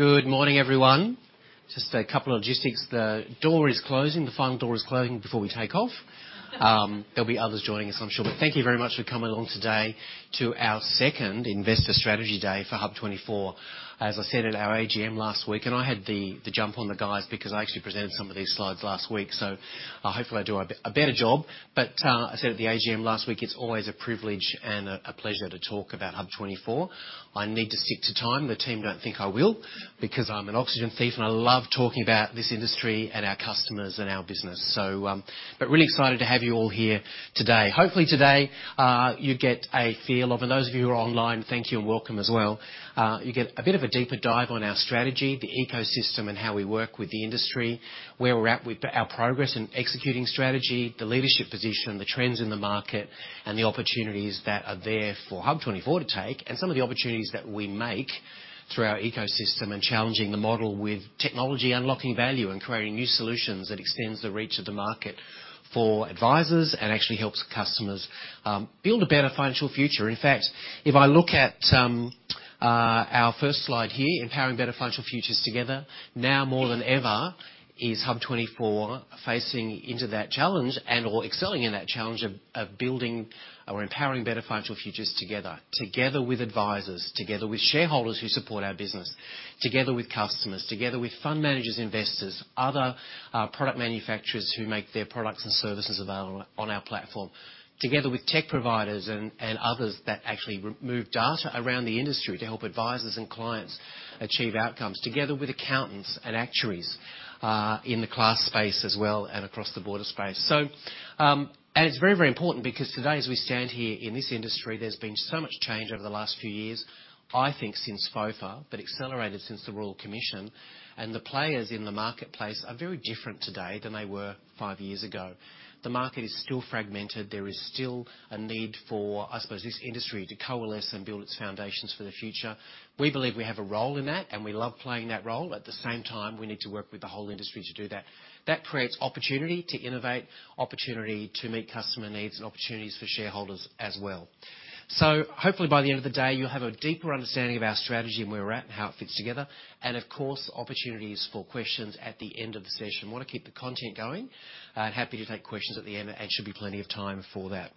Good morning, everyone. Just a couple of logistics. The door is closing, the final door is closing before we take off. There'll be others joining us, I'm sure. But thank you very much for coming along today to our second Investor Strategy Day for HUB24. As I said at our AGM last week, and I had the, the jump on the guys because I actually presented some of these slides last week, so, hopefully I do a better job. But, I said at the AGM last week, it's always a privilege and a, a pleasure to talk about HUB24. I need to stick to time. The team don't think I will, because I'm an oxygen thief, and I love talking about this industry and our customers and our business. So, but really excited to have you all here today. Hopefully today you get a feel of... And those of you who are online, thank you and welcome as well. You get a bit of a deeper dive on our strategy, the ecosystem, and how we work with the industry, where we're at with our progress in executing strategy, the leadership position, the trends in the market, and the opportunities that are there for HUB24 to take, and some of the opportunities that we make through our ecosystem, and challenging the model with technology, unlocking value, and creating new solutions that extends the reach of the market for advisors and actually helps customers build a better financial future. In fact, if I look at our first slide here, Empowering better financial futures together, now more than ever is HUB24 facing into that challenge and/or excelling in that challenge of, of building or empowering better financial futures together. Together with advisors, together with shareholders who support our business, together with customers, together with fund managers, investors, other product manufacturers who make their products and services available on our platform, together with tech providers and others that actually remove data around the industry to help advisors and clients achieve outcomes, together with accountants and actuaries in the Class space as well and across the broader space. It's very, very important because today, as we stand here in this industry, there's been so much change over the last few years, I think since FOFA, but accelerated since the Royal Commission, and the players in the marketplace are very different today than they were five years ago. The market is still fragmented. There is still a need for, I suppose, this industry to coalesce and build its foundations for the future. We believe we have a role in that, and we love playing that role. At the same time, we need to work with the whole industry to do that. That creates opportunity to innovate, opportunity to meet customer needs, and opportunities for shareholders as well. So hopefully, by the end of the day, you'll have a deeper understanding of our strategy and where we're at and how it fits together, and of course, opportunities for questions at the end of the session. I want to keep the content going, and happy to take questions at the end, and should be plenty of time for that.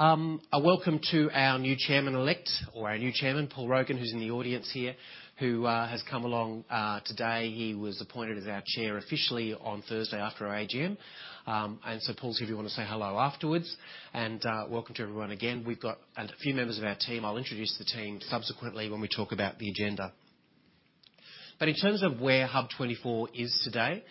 A welcome to our new Chairman-elect, or our new Chairman, Paul Rogan, who's in the audience here, who has come along today. He was appointed as our Chair officially on Thursday after our AGM. And so Paul, if you want to say hello afterwards, and welcome to everyone again. We've got a few members of our team. I'll introduce the team subsequently when we talk about the agenda. But in terms of where HUB24 is today,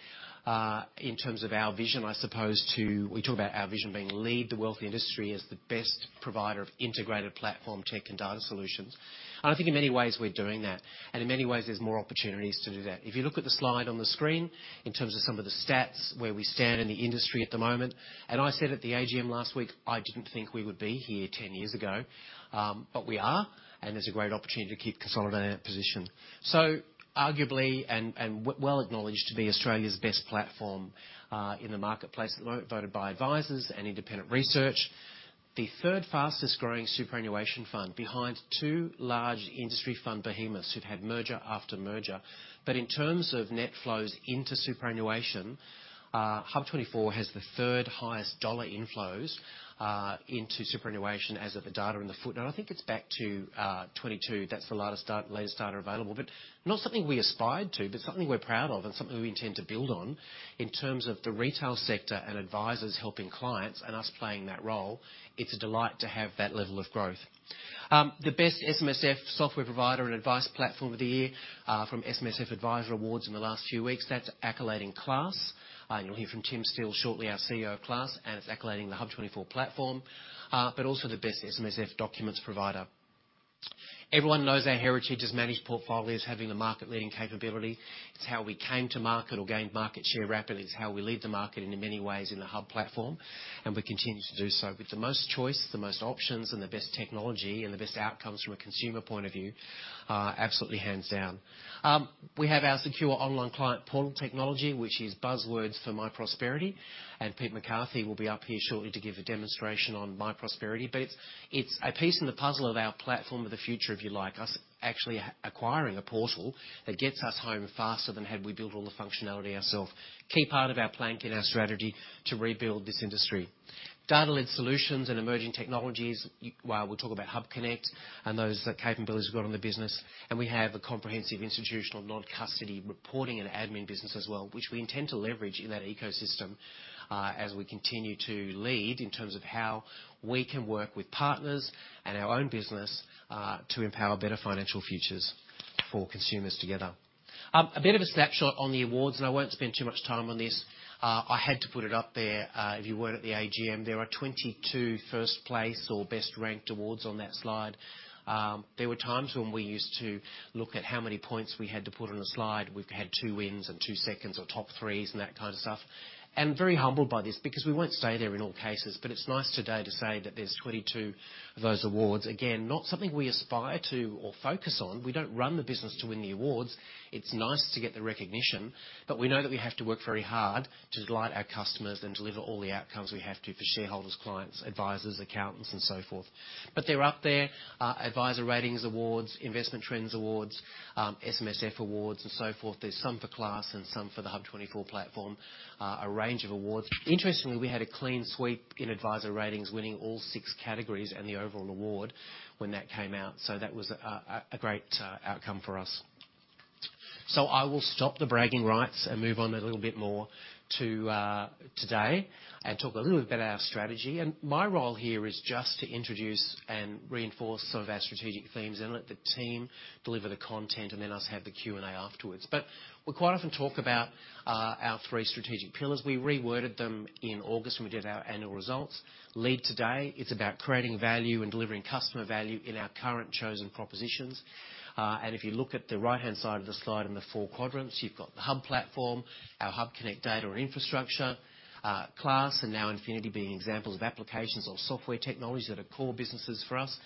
in terms of our vision, I suppose, to... We talk about our vision being lead the wealth industry as the best provider of integrated platform tech and data solutions. And I think in many ways, we're doing that, and in many ways, there's more opportunities to do that. If you look at the slide on the screen, in terms of some of the stats, where we stand in the industry at the moment, and I said at the AGM last week, I didn't think we would be here 10 years ago, but we are, and there's a great opportunity to keep consolidating our position. So arguably, well acknowledged to be Australia's best platform, in the marketplace, voted by advisors and independent research. The third fastest growing superannuation fund behind two large industry fund behemoths who've had merger after merger. But in terms of net flows into superannuation, HUB24 has the third highest dollar inflows into superannuation as of the data in the footnote. I think it's back to 2022. That's the latest data available, but not something we aspired to, but something we're proud of and something we intend to build on. In terms of the retail sector and advisors helping clients and us playing that role, it's a delight to have that level of growth. The best SMSF software provider and advice platform of the year from SMSF Adviser Awards in the last few weeks. That's accolading Class, and you'll hear from Tim Steele shortly, our CEO of Class, and it's accolading the HUB24 platform, but also the best SMSF documents provider. Everyone knows our heritage as managed portfolios, having the market-leading capability. It's how we came to market or gained market share rapidly. It's how we lead the market and in many ways, in the HUB platform, and we continue to do so. With the most choice, the most options, and the best technology, and the best outcomes from a consumer point of view, absolutely, hands down. We have our secure online client portal technology, which is buzzwords for myProsperity, and Pete McCarthy will be up here shortly to give a demonstration on myProsperity. But it's, it's a piece in the puzzle of our platform of the future, if you like, us actually acquiring a portal that gets us home faster than had we built all the functionality ourselves. Key part of our plan in our strategy to rebuild this industry. Data-led solutions and emerging technologies, well, we'll talk about HUBconnect and those capabilities we've got on the business, and we have a comprehensive institutional non-custody reporting and admin business as well, which we intend to leverage in that ecosystem, as we continue to lead in terms of how we can work with partners and our own business, to empower better financial futures for consumers together. A bit of a snapshot on the awards, and I won't spend too much time on this. I had to put it up there. If you weren't at the AGM, there are 22 first place or best-ranked awards on that slide. There were times when we used to look at how many points we had to put on a slide. We've had 2 wins and 2 seconds or top threes and that kind of stuff, and very humbled by this because we won't stay there in all cases, but it's nice today to say that there's 22 of those awards. Again, not something we aspire to or focus on. We don't run the business to win the awards. It's nice to get the recognition, but we know that we have to work very hard to delight our customers and deliver all the outcomes we have to for shareholders, clients, advisors, accountants, and so forth. They're up there, Adviser Ratings Awards, Investment Trends Awards, SMSF awards, and so forth. There's some for Class and some for the HUB24 platform, a range of awards. Interestingly, we had a clean sweep in Adviser Ratings, winning all six categories and the overall award when that came out, so that was a great outcome for us. So I will stop the bragging rights and move on a little bit more to today, and talk a little bit about our strategy. My role here is just to introduce and reinforce some of our strategic themes and let the team deliver the content, and then us have the Q&A afterwards. But we quite often talk about our three strategic pillars. We reworded them in August when we did our annual results. Lead today, it's about creating value and delivering customer value in our current chosen propositions. And if you look at the right-hand side of the slide in the four quadrants, you've got the HUB platform, our HUBconnect data and infrastructure, Class, and NowInfinity being examples of applications of software technologies that are core businesses for us,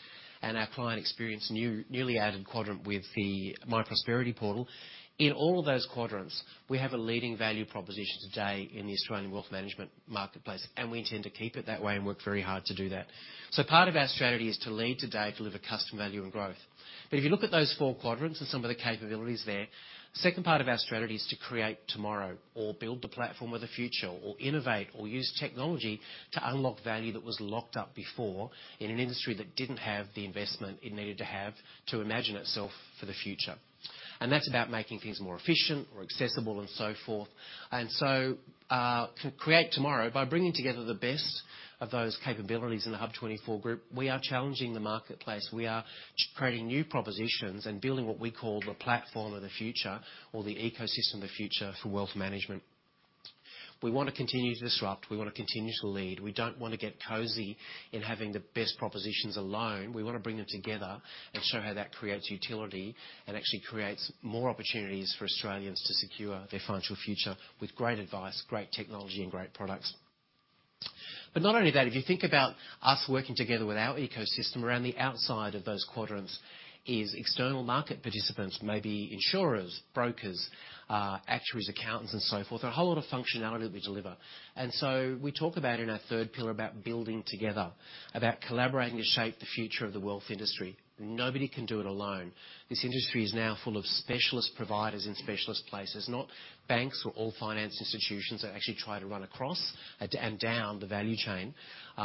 and our client experience newly added quadrant with the myprosperity portal. In all of those quadrants, we have a leading value proposition today in the Australian wealth management marketplace, and we intend to keep it that way and work very hard to do that. So part of our strategy is to lead today, deliver customer value, and growth. But if you look at those four quadrants and some of the capabilities there, the second part of our strategy is to create tomorrow, or build the platform of the future, or innovate, or use technology to unlock value that was locked up before in an industry that didn't have the investment it needed to have to imagine itself for the future. And that's about making things more efficient or accessible and so forth. And so, to create tomorrow, by bringing together the best of those capabilities in the HUB24 group, we are challenging the marketplace. We are creating new propositions and building what we call the platform of the future or the ecosystem of the future for wealth management. We want to continue to disrupt. We want to continue to lead. We don't want to get cozy in having the best propositions alone. We want to bring them together and show how that creates utility and actually creates more opportunities for Australians to secure their financial future with great advice, great technology, and great products. But not only that, if you think about us working together with our ecosystem, around the outside of those quadrants is external market participants, maybe insurers, brokers, actuaries, accountants, and so forth, a whole lot of functionality that we deliver. And so we talk about in our third pillar, about building together, about collaborating to shape the future of the wealth industry. Nobody can do it alone. This industry is now full of specialist providers in specialist places, not banks or all finance institutions that actually try to run across and down the value chain,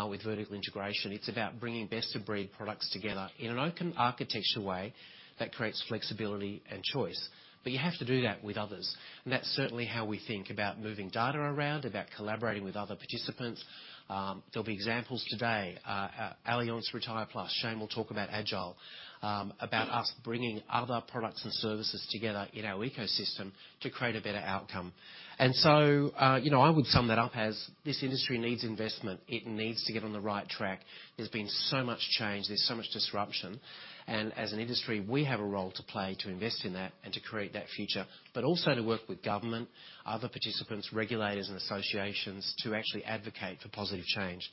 with vertical integration. It's about bringing best-of-breed products together in an open architecture way that creates flexibility and choice. You have to do that with others, and that's certainly how we think about moving data around, about collaborating with other participants. There'll be examples today, at Allianz Retire+; Chesne will talk about AGILE, about us bringing other products and services together in our ecosystem to create a better outcome. I would sum that up as this industry needs investment. It needs to get on the right track. There's been so much change, there's so much disruption, and as an industry, we have a role to play, to invest in that and to create that future, but also to work with government, other participants, regulators, and associations to actually advocate for positive change.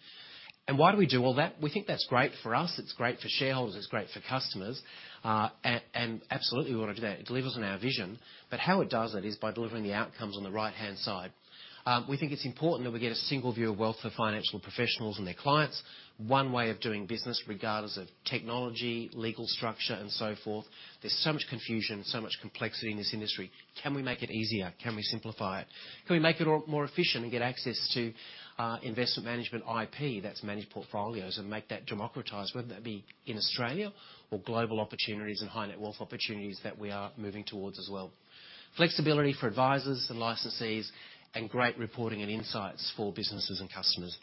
And why do we do all that? We think that's great for us, it's great for shareholders, it's great for customers, and absolutely, we want to do that. It delivers on our vision, but how it does it is by delivering the outcomes on the right-hand side. We think it's important that we get a single view of wealth for financial professionals and their clients. One way of doing business, regardless of technology, legal structure, and so forth. There's so much confusion, so much complexity in this industry. Can we make it easier? Can we simplify it? Can we make it more efficient and get access to investment management IP that's managed portfolios and make that democratized, whether that be in Australia or global opportunities and high net worth opportunities that we are moving towards as well. Flexibility for advisors and licensees and great reporting and insights for businesses and customers.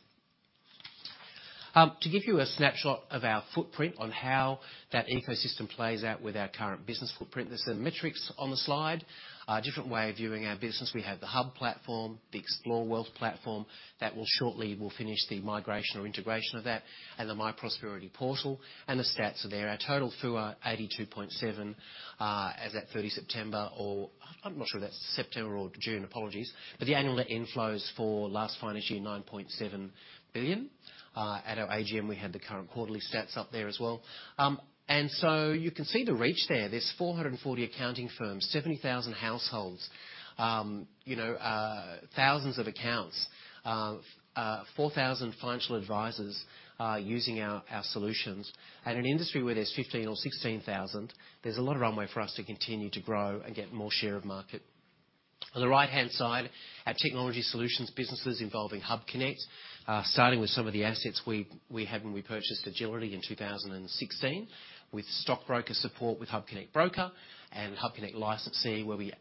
To give you a snapshot of our footprint on how that ecosystem plays out with our current business footprint, there's some metrics on the slide. Different way of viewing our business. We have the HUB platform, the Xplore Wealth platform that we'll shortly finish the migration or integration of that, and the myprosperity portal, and the stats are there. Our total FUA, 82.7 billion, as at 30 September, or I'm not sure if that's September or June, apologies. But the annual net inflows for last financial year, 9.7 billion. At our AGM, we had the current quarterly stats up there as well. And so you can see the reach there. There's 440 accounting firms, 70,000 households, you know, thousands of accounts, 4,000 financial advisors using our solutions. And an industry where there's 15,000 or 16,000, there's a lot of runway for us to continue to grow and get more share of market. On the right-hand side, our technology solutions businesses involving HUBconnect, starting with some of the assets we had when we purchased Agility in 2016, with stockbroker support, with HUBconnect Broker and HUBconnect Licensee, where we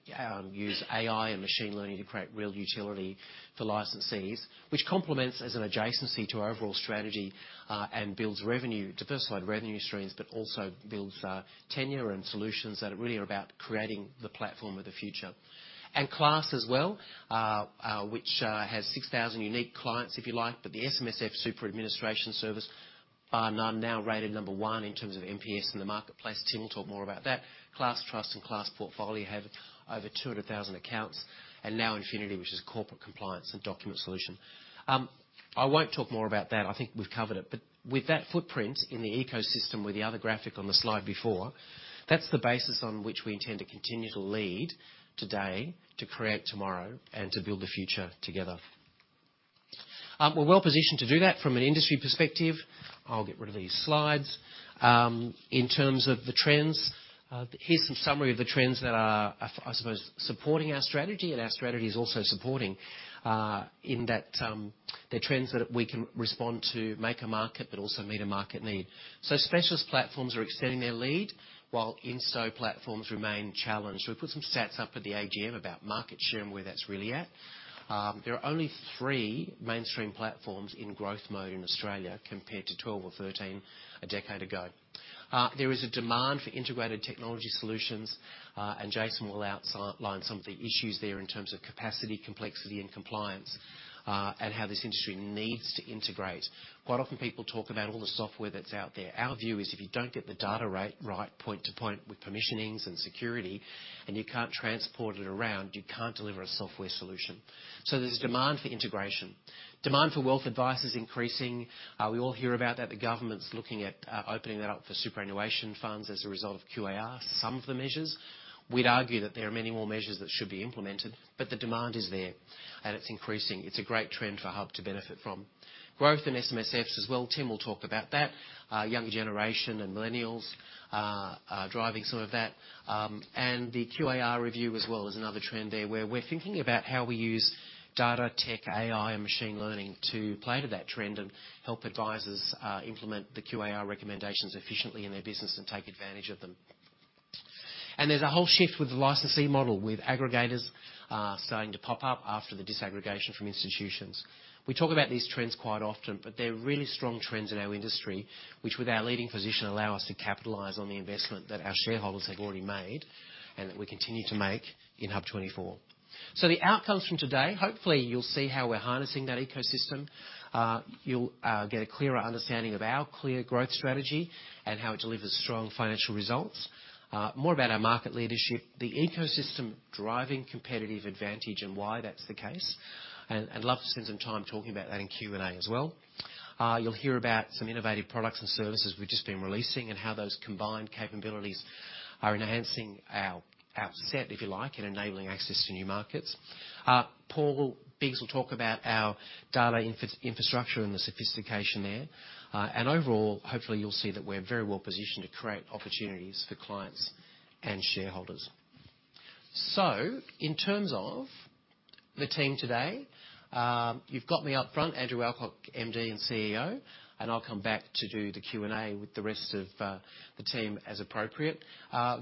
use AI and machine learning to create real utility for licensees, which complements as an adjacency to our overall strategy, and builds revenue, diversified revenue streams, but also builds tenure and solutions that really are about creating the platform of the future. And Class as well, which has 6,000 unique clients, if you like, but the SMSF Super Administration service bar none, now rated number one in terms of NPS in the marketplace. Tim will talk more about that. Class Trust and Class Portfolio have over 200,000 accounts, and NowInfinity, which is corporate compliance and document solution. I won't talk more about that. I think we've covered it. But with that footprint in the ecosystem, with the other graphic on the slide before, that's the basis on which we intend to continue to lead today, to create tomorrow, and to build a future together.... We're well positioned to do that from an industry perspective. I'll get rid of these slides. In terms of the trends, here's some summary of the trends that are, I suppose, supporting our strategy, and our strategy is also supporting, in that, they're trends that we can respond to, make a market, but also meet a market need. So specialist platforms are extending their lead, while institutional platforms remain challenged. We put some stats up at the AGM about market share and where that's really at. There are only three mainstream platforms in growth mode in Australia, compared to 12 or 13 a decade ago. There is a demand for integrated technology solutions, and Jason will outline some of the issues there in terms of capacity, complexity, and compliance, and how this industry needs to integrate. Quite often people talk about all the software that's out there. Our view is, if you don't get the data right, right, point to point with permissions and security, and you can't transport it around, you can't deliver a software solution. So there's a demand for integration. Demand for wealth advice is increasing. We all hear about that. The government's looking at opening that up for superannuation funds as a result of QAR, some of the measures. We'd argue that there are many more measures that should be implemented, but the demand is there, and it's increasing. It's a great trend for Hub to benefit from. Growth in SMSFs as well, Tim will talk about that. Younger generation and millennials are driving some of that. And the QAR review as well is another trend there, where we're thinking about how we use data, tech, AI, and machine learning to play to that trend and help advisors implement the QAR recommendations efficiently in their business and take advantage of them. And there's a whole shift with the licensee model, with aggregators starting to pop up after the disaggregation from institutions. We talk about these trends quite often, but they're really strong trends in our industry, which, with our leading position, allow us to capitalize on the investment that our shareholders have already made, and that we continue to make in HUB24. So the outcomes from today, hopefully, you'll see how we're harnessing that ecosystem. You'll get a clearer understanding of our clear growth strategy and how it delivers strong financial results. More about our market leadership, the ecosystem driving competitive advantage, and why that's the case. I'd love to spend some time talking about that in Q&A as well. You'll hear about some innovative products and services we've just been releasing and how those combined capabilities are enhancing our set, if you like, and enabling access to new markets. Paul Biggs will talk about our data infrastructure and the sophistication there. Overall, hopefully, you'll see that we're very well positioned to create opportunities for clients and shareholders. In terms of the team today, you've got me up front, Andrew Alcock, MD and CEO, and I'll come back to do the Q&A with the rest of the team as appropriate.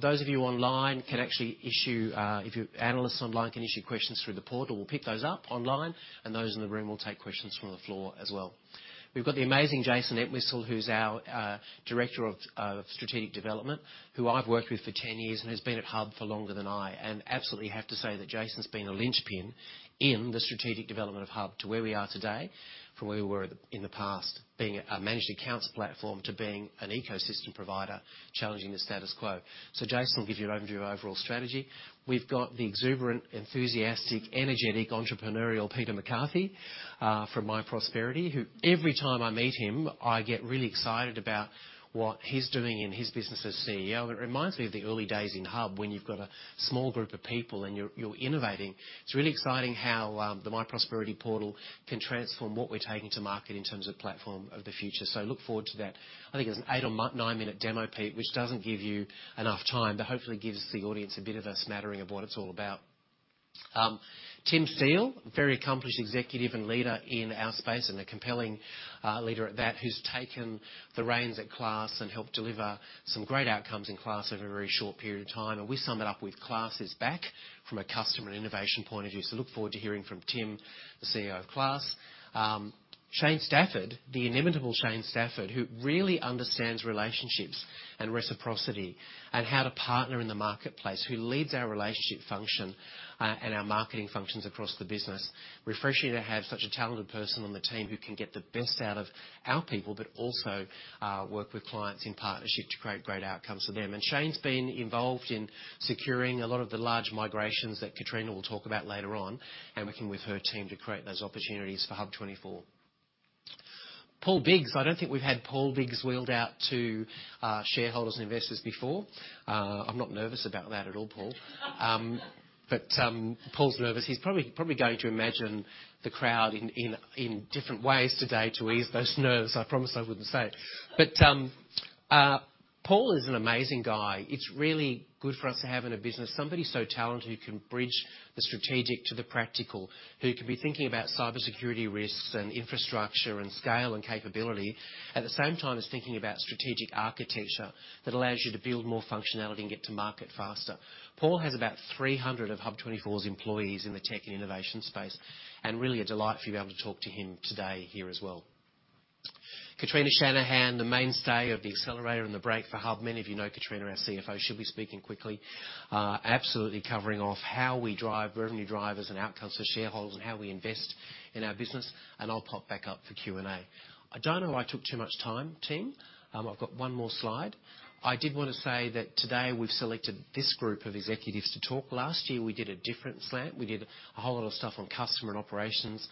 Those of you online can actually issue if you're analysts online can issue questions through the portal. We'll pick those up online, and those in the room will take questions from the floor as well. We've got the amazing Jason Entwistle, who's our director of strategic development, who I've worked with for 10 years and has been at Hub for longer than I. Absolutely have to say that Jason's been a linchpin in the strategic development of HUB24 to where we are today, from where we were in the past, being a managed accounts platform to being an ecosystem provider, challenging the status quo. So Jason will give you an overview of overall strategy. We've got the exuberant, enthusiastic, energetic, entrepreneurial Peter McCarthy from myProsperity, who every time I meet him, I get really excited about what he's doing in his business as CEO. It reminds me of the early days in HUB24, when you've got a small group of people and you're innovating. It's really exciting how the myProsperity portal can transform what we're taking to market in terms of platform of the future. So look forward to that. I think it's an eight or nine-minute demo, Pete, which doesn't give you enough time, but hopefully gives the audience a bit of a smattering of what it's all about. Tim Steele, a very accomplished executive and leader in our space, and a compelling leader at that, who's taken the reins at Class and helped deliver some great outcomes in Class over a very short period of time. We sum it up with, "Class is back," from a customer and innovation point of view. Look forward to hearing from Tim, the CEO of Class. Chesne Stafford, the inimitable Chesne Stafford, who really understands relationships and reciprocity and how to partner in the marketplace, who leads our relationship function and our marketing functions across the business. Refreshing to have such a talented person on the team who can get the best out of our people, but also work with clients in partnership to create great outcomes for them. And Chesne's been involved in securing a lot of the large migrations that Kitrina will talk about later on, and working with her team to create those opportunities for HUB24. Paul Biggs. I don't think we've had Paul Biggs wheeled out to shareholders and investors before. I'm not nervous about that at all, Paul. But Paul's nervous. He's probably going to imagine the crowd in different ways today to ease those nerves. I promised I wouldn't say it. But Paul is an amazing guy. It's really good for us to have in a business somebody so talented who can bridge the strategic to the practical. Who can be thinking about cybersecurity risks and infrastructure and scale and capability. At the same time, is thinking about strategic architecture that allows you to build more functionality and get to market faster. Paul has about 300 of HUB24's employees in the tech and innovation space, and really a delight for you to be able to talk to him today here as well. Kitrina Shanahan, the mainstay of the accelerator and the brake for HUB. Many of you know Kitrina, our CFO. She'll be speaking quickly, absolutely covering off how we drive revenue drivers and outcomes for shareholders, and how we invest in our business, and I'll pop back up for Q&A. I don't know I took too much time, Tim. I've got one more slide. I did want to say that today we've selected this group of executives to talk. Last year, we did a different slant. We did a whole lot of stuff on customer and operations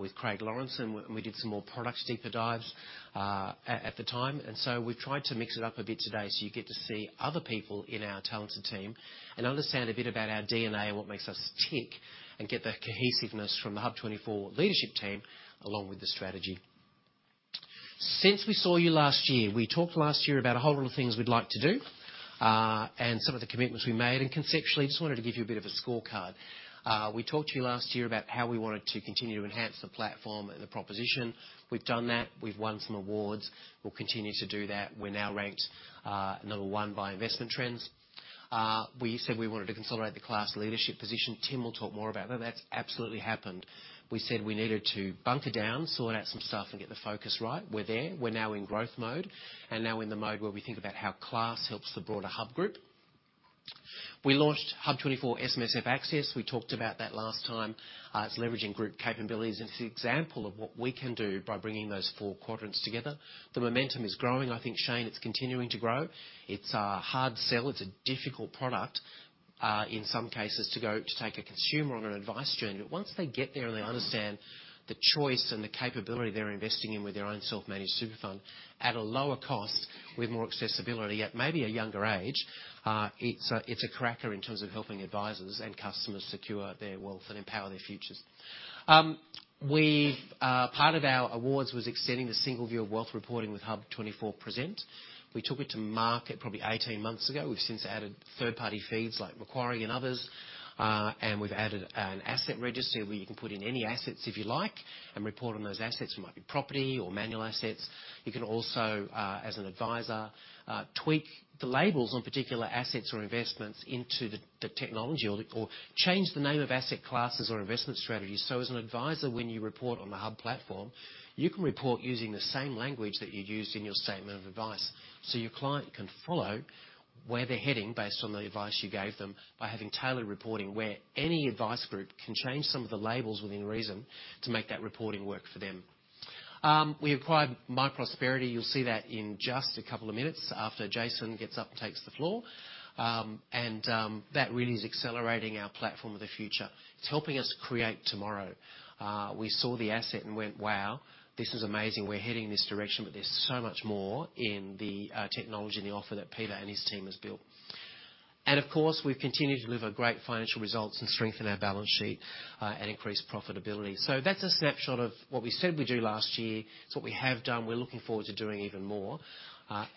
with Craig Lawrence, and we did some more product deeper dives at the time. So we've tried to mix it up a bit today, so you get to see other people in our talented team and understand a bit about our DNA and what makes us tick, and get the cohesiveness from the HUB24 leadership team, along with the strategy... Since we saw you last year, we talked last year about a whole lot of things we'd like to do, and some of the commitments we made. Conceptually, just wanted to give you a bit of a scorecard. We talked to you last year about how we wanted to continue to enhance the platform and the proposition. We've done that. We've won some awards. We'll continue to do that. We're now ranked number one by Investment Trends. We said we wanted to consolidate the Class leadership position. Tim will talk more about that. That's absolutely happened. We said we needed to bunker down, sort out some stuff, and get the focus right. We're there. We're now in growth mode, and now in the mode where we think about how Class helps the broader HUB24 group. We launched HUB24 SMSF Access. We talked about that last time. It's leveraging group capabilities, and it's an example of what we can do by bringing those four quadrants together. The momentum is growing. I think, Chesne, it's continuing to grow. It's a hard sell. It's a difficult product, in some cases, to go to take a consumer on an advice journey. But once they get there, and they understand the choice and the capability they're investing in with their own self-managed super fund at a lower cost, with more accessibility, at maybe a younger age, it's a, it's a cracker in terms of helping advisors and customers secure their wealth and empower their futures. We've part of our awards was extending the single view of wealth reporting with HUB24 Present. We took it to market probably 18 months ago. We've since added third-party feeds like Macquarie and others, and we've added an asset register where you can put in any assets if you like, and report on those assets. It might be property or manual assets. You can also, as an advisor, tweak the labels on particular assets or investments into the technology or change the name of asset classes or investment strategies. So as an advisor, when you report on the HUB platform, you can report using the same language that you used in your statement of advice. So your client can follow where they're heading based on the advice you gave them by having tailored reporting, where any advice group can change some of the labels within reason to make that reporting work for them. We acquired myprosperity. You'll see that in just a couple of minutes after Jason gets up and takes the floor. And that really is accelerating our platform of the future. It's helping us create tomorrow. We saw the asset and went, "Wow! This is amazing. We're heading in this direction, but there's so much more in the, technology and the offer that Peter and his team has built." And of course, we've continued to deliver great financial results and strengthen our balance sheet, and increase profitability. So that's a snapshot of what we said we'd do last year. It's what we have done. We're looking forward to doing even more.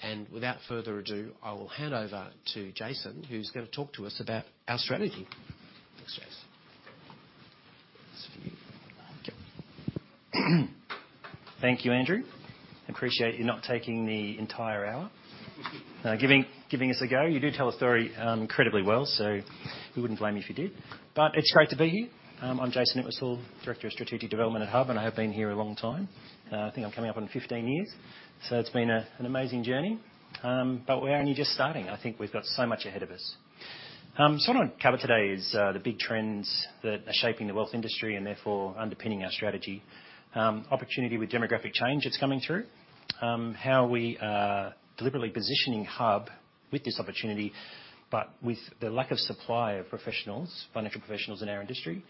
And without further ado, I will hand over to Jason, who's going to talk to us about our strategy. Thanks, Jason. This is for you. Thank you. Thank you, Andrew. Appreciate you not taking the entire hour, giving us a go. You do tell a story, you know, incredibly well, so we wouldn't blame you if you did. It's great to be here. I'm Jason Entwistle, Director of Strategic Development at HUB24, and I have been here a long time. I think I'm coming up on 15 years, so it's been an amazing journey. We're only just starting. I think we've got so much ahead of us. What I'll cover today is the big trends that are shaping the wealth industry and therefore underpinning our strategy. Opportunity with demographic change that's coming through, how we are deliberately positioning HUB24 with this opportunity, but with the lack of supply of professionals, financial professionals in our industry,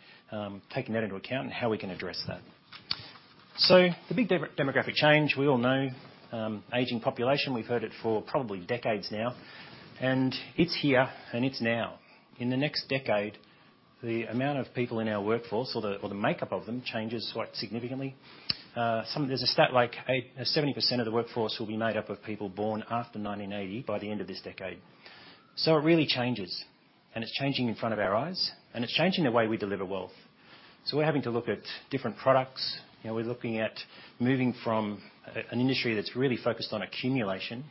taking that into account and how we can address that. The big demographic change, we all know, aging population. We've heard it for probably decades now, and it's here, and it's now. In the next decade, the amount of people in our workforce or the, or the makeup of them, changes quite significantly. There's a stat like 70% of the workforce will be made up of people born after 1980 by the end of this decade. It really changes, and it's changing in front of our eyes, and it's changing the way we deliver wealth. We're having to look at different products. You know, we're looking at moving from an industry that's really focused on accumulation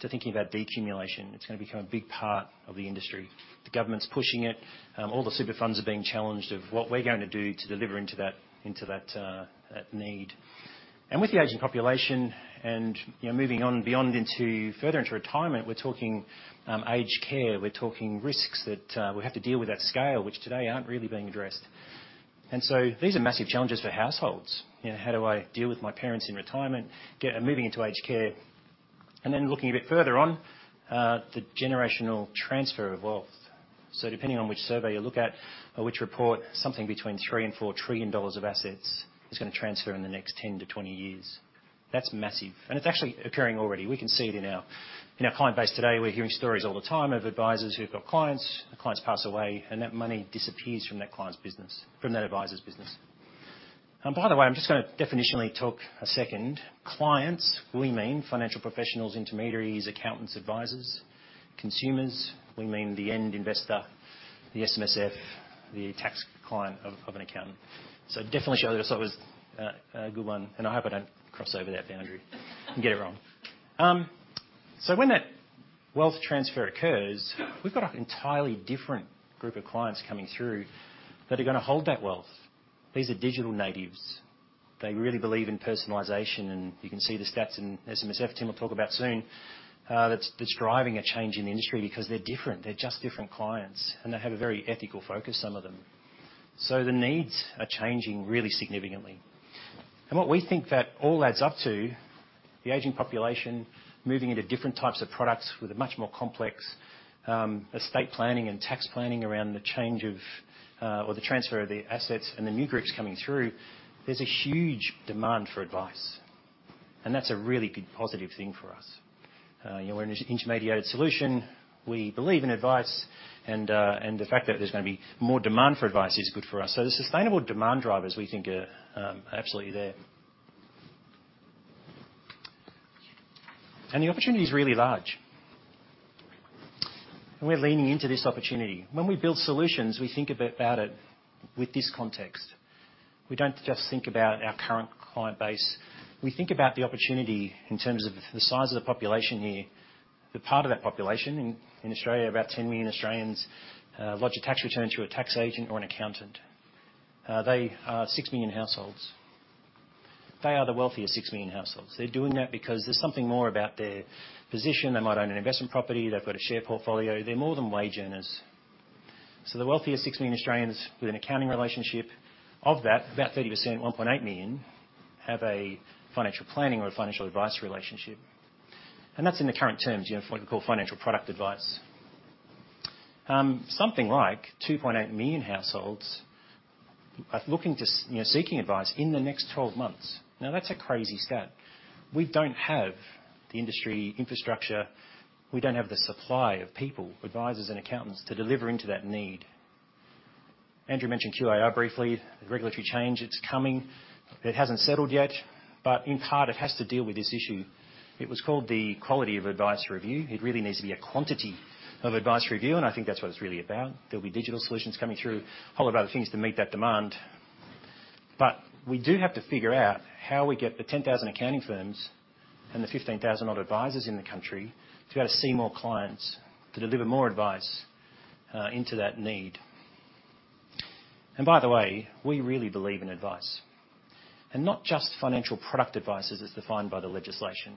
to thinking about decumulation. It's going to become a big part of the industry. The government's pushing it. All the super funds are being challenged of what we're going to do to deliver into that need. And with the aging population and, you know, moving on beyond into further into retirement, we're talking aged care. We're talking risks that we have to deal with at scale, which today aren't really being addressed. And so these are massive challenges for households. You know, how do I deal with my parents in retirement, get moving into aged care? And then looking a bit further on, the generational transfer of wealth. So depending on which survey you look at or which report, something between 3 trillion and 4 trillion dollars of assets is gonna transfer in the next 10-20 years. That's massive, and it's actually occurring already. We can see it in our, in our client base today. We're hearing stories all the time of advisors who've got clients, the clients pass away, and that money disappears from that client's business, from that advisor's business. And by the way, I'm just gonna definitionally take a second. Clients, we mean financial professionals, intermediaries, accountants, advisors. Consumers, we mean the end investor, the SMSF, the tax client of, of an accountant. So definitionally, that was a good one, and I hope I don't cross over that boundary and get it wrong. So when that wealth transfer occurs, we've got an entirely different group of clients coming through that are gonna hold that wealth. These are digital natives. They really believe in personalization, and you can see the stats in SMSF. Tim will talk about soon, that's driving a change in the industry because they're different. They're just different clients, and they have a very ethical focus, some of them. So the needs are changing really significantly. And what we think that all adds up to, the aging population, moving into different types of products with a much more complex, estate planning and tax planning around the change of, or the transfer of the assets and the new groups coming through. There's a huge demand for advice, and that's a really good, positive thing for us. You know, we're an intermediated solution. We believe in advice, and, and the fact that there's gonna be more demand for advice is good for us. So the sustainable demand drivers, we think, are, absolutely there. And the opportunity is really large, and we're leaning into this opportunity. When we build solutions, we think a bit about it with this context. We don't just think about our current client base. We think about the opportunity in terms of the size of the population here. The part of that population in, in Australia, about 10 million Australians, lodge a tax return through a tax agent or an accountant. They are 6 million households. They are the wealthiest 6 million households. They're doing that because there's something more about their position. They might own an investment property. They've got a share portfolio. They're more than wage earners. So the wealthiest 6 million Australians with an accounting relationship, of that, about 30%, 1.8 million, have a financial planning or a financial advice relationship. That's in the current terms, you know, what we call financial product advice. Something like 2.8 million households are looking to you know, seeking advice in the next 12 months. Now, that's a crazy stat. We don't have the industry infrastructure. We don't have the supply of people, advisors and accountants, to deliver into that need. Andrew mentioned QAR briefly, the regulatory change. It's coming. It hasn't settled yet, but in part, it has to deal with this issue. It was called the Quality of Advice Review. It really needs to be a Quantity of Advice Review, and I think that's what it's really about. There'll be digital solutions coming through, a whole lot of other things to meet that demand. But we do have to figure out how we get the 10,000 accounting firms and the 15,000-odd advisors in the country to be able to see more clients, to deliver more advice, into that need. And by the way, we really believe in advice, and not just financial product advice, as is defined by the legislation.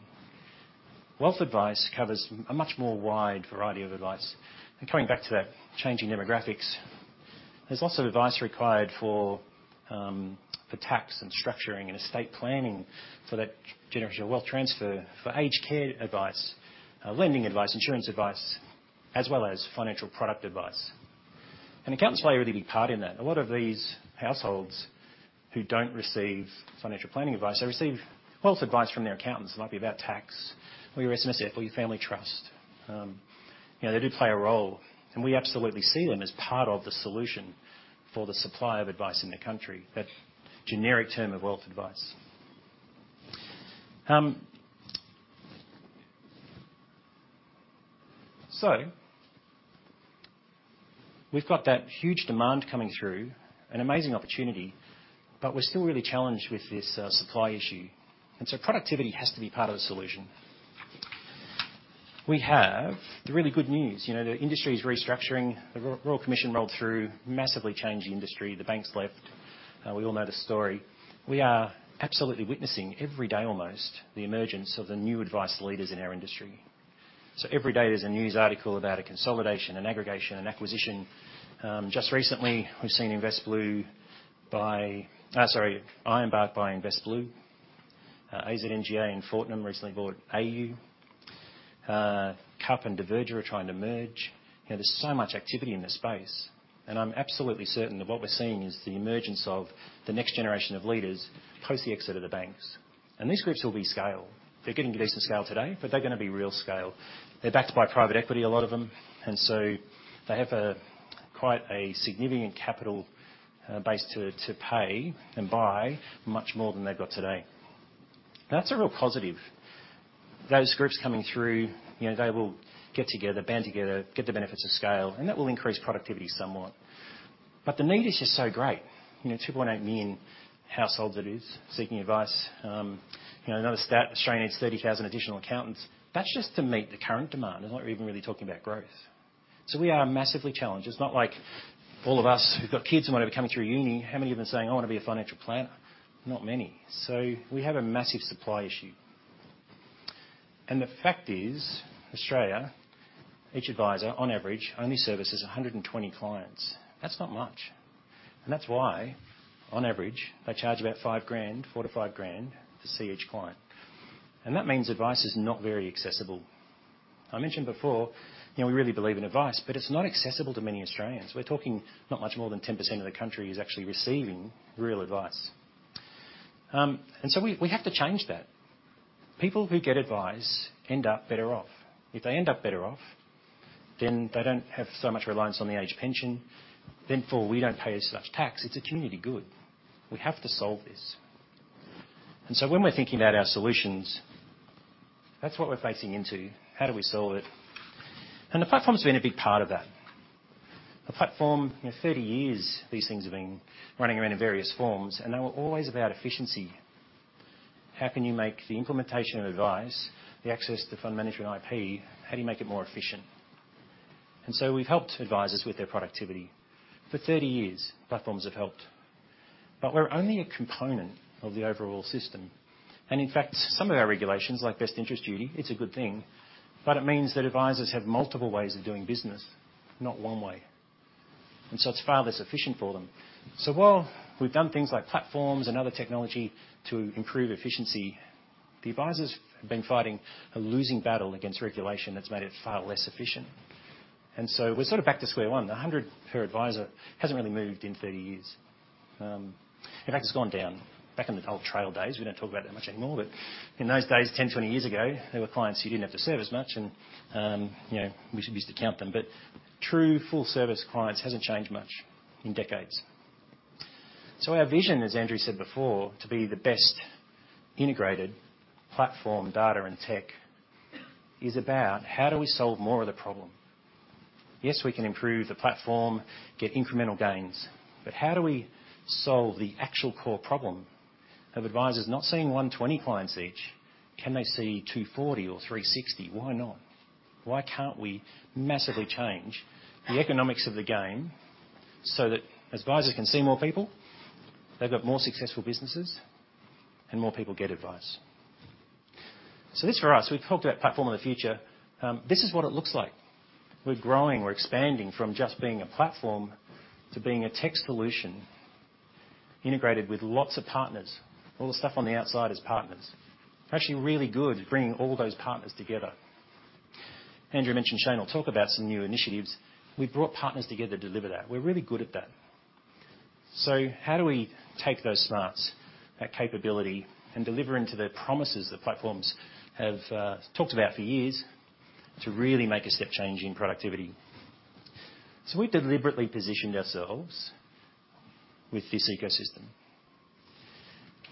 Wealth advice covers a much more wide variety of advice. And coming back to that changing demographics, there's lots of advice required for, for tax and structuring and estate planning, so that generational wealth transfer, for aged care advice, lending advice, insurance advice, as well as financial product advice. And accountants play a really big part in that. A lot of these households who don't receive financial planning advice, they receive wealth advice from their accountants. It might be about tax or your SMSF or your family trust. You know, they do play a role, and we absolutely see them as part of the solution for the supply of advice in the country, that generic term of wealth advice. So we've got that huge demand coming through, an amazing opportunity, but we're still really challenged with this supply issue, and so productivity has to be part of the solution. We have the really good news. You know, the industry is restructuring. The Royal Commission rolled through, massively changed the industry. The banks left. We all know the story. We are absolutely witnessing, every day almost, the emergence of the new advice leaders in our industry. Every day, there's a news article about a consolidation, an aggregation, an acquisition. Just recently, we've seen Ironbark buying Invest Blue. AZ NGA and Fortnum recently bought AU. Count and Diverger are trying to merge. You know, there's so much activity in this space, and I'm absolutely certain that what we're seeing is the emergence of the next generation of leaders post the exit of the banks. And these groups will be scale. They're getting decent scale today, but they're gonna be real scale. They're backed by private equity, a lot of them, and so they have a quite significant capital base to pay and buy much more than they've got today. That's a real positive. Those groups coming through, you know, they will get together, band together, get the benefits of scale, and that will increase productivity somewhat. But the need is just so great. You know, 2.8 million households it is, seeking advice. You know, another stat, Australia needs 30,000 additional accountants. That's just to meet the current demand. They're not even really talking about growth. So we are massively challenged. It's not like all of us who've got kids and whatever coming through uni, how many of them are saying, "I wanna be a financial planner?" Not many. So we have a massive supply issue. And the fact is, Australia, each advisor, on average, only services 120 clients. That's not much. And that's why, on average, they charge about 5,000, 4,000-5,000 to see each client. And that means advice is not very accessible. I mentioned before, you know, we really believe in advice, but it's not accessible to many Australians. We're talking not much more than 10% of the country is actually receiving real advice. And so we have to change that. People who get advice end up better off. If they end up better off, then they don't have so much reliance on the age pension, therefore, we don't pay as much tax. It's a community good. We have to solve this. And so when we're thinking about our solutions, that's what we're facing into: How do we solve it? And the platform's been a big part of that. The platform, you know, 30 years, these things have been running around in various forms, and they were always about efficiency. How can you make the implementation of advice, the access to the fund management IP, how do you make it more efficient? And so we've helped advisors with their productivity. For 30 years, platforms have helped, but we're only a component of the overall system. And in fact, some of our regulations, like Best Interests Duty, it's a good thing, but it means that advisors have multiple ways of doing business, not one way. And so it's far less efficient for them. So while we've done things like platforms and other technology to improve efficiency, the advisors have been fighting a losing battle against regulation that's made it far less efficient.... And so we're sort of back to square one. The 100 per advisor hasn't really moved in 30 years. In fact, it's gone down. Back in the old trail days, we don't talk about that much anymore, but in those days, 10, 20 years ago, there were clients you didn't have to service much, and, you know, we used to count them. But true full-service clients hasn't changed much in decades. So our vision, as Andrew said before, to be the best integrated platform, data, and tech, is about how do we solve more of the problem? Yes, we can improve the platform, get incremental gains, but how do we solve the actual core problem of advisors not seeing 120 clients each? Can they see 240 or 360? Why not? Why can't we massively change the economics of the game so that as advisors can see more people, they've got more successful businesses, and more people get advice. So this, for us, we've talked about platform of the future. This is what it looks like. We're growing, we're expanding from just being a platform to being a tech solution, integrated with lots of partners. All the stuff on the outside is partners. We're actually really good at bringing all those partners together. Andrew mentioned Chesne will talk about some new initiatives. We've brought partners together to deliver that. We're really good at that. So how do we take those starts, that capability, and deliver into the promises that platforms have talked about for years to really make a step change in productivity? So we deliberately positioned ourselves with this ecosystem.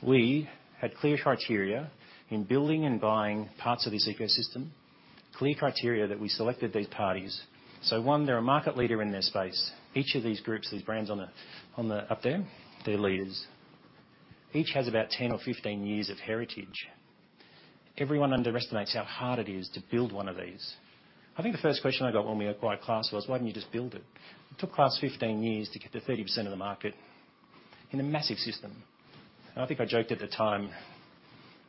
We had clear criteria in building and buying parts of this ecosystem, clear criteria that we selected these parties. So one, they're a market leader in their space. Each of these groups, these brands on the up there, they're leaders. Each has about 10 or 15 years of heritage. Everyone underestimates how hard it is to build one of these. I think the first question I got when we acquired Class was: Why didn't you just build it? It took Class 15 years to get to 30% of the market in a massive system. I think I joked at the time,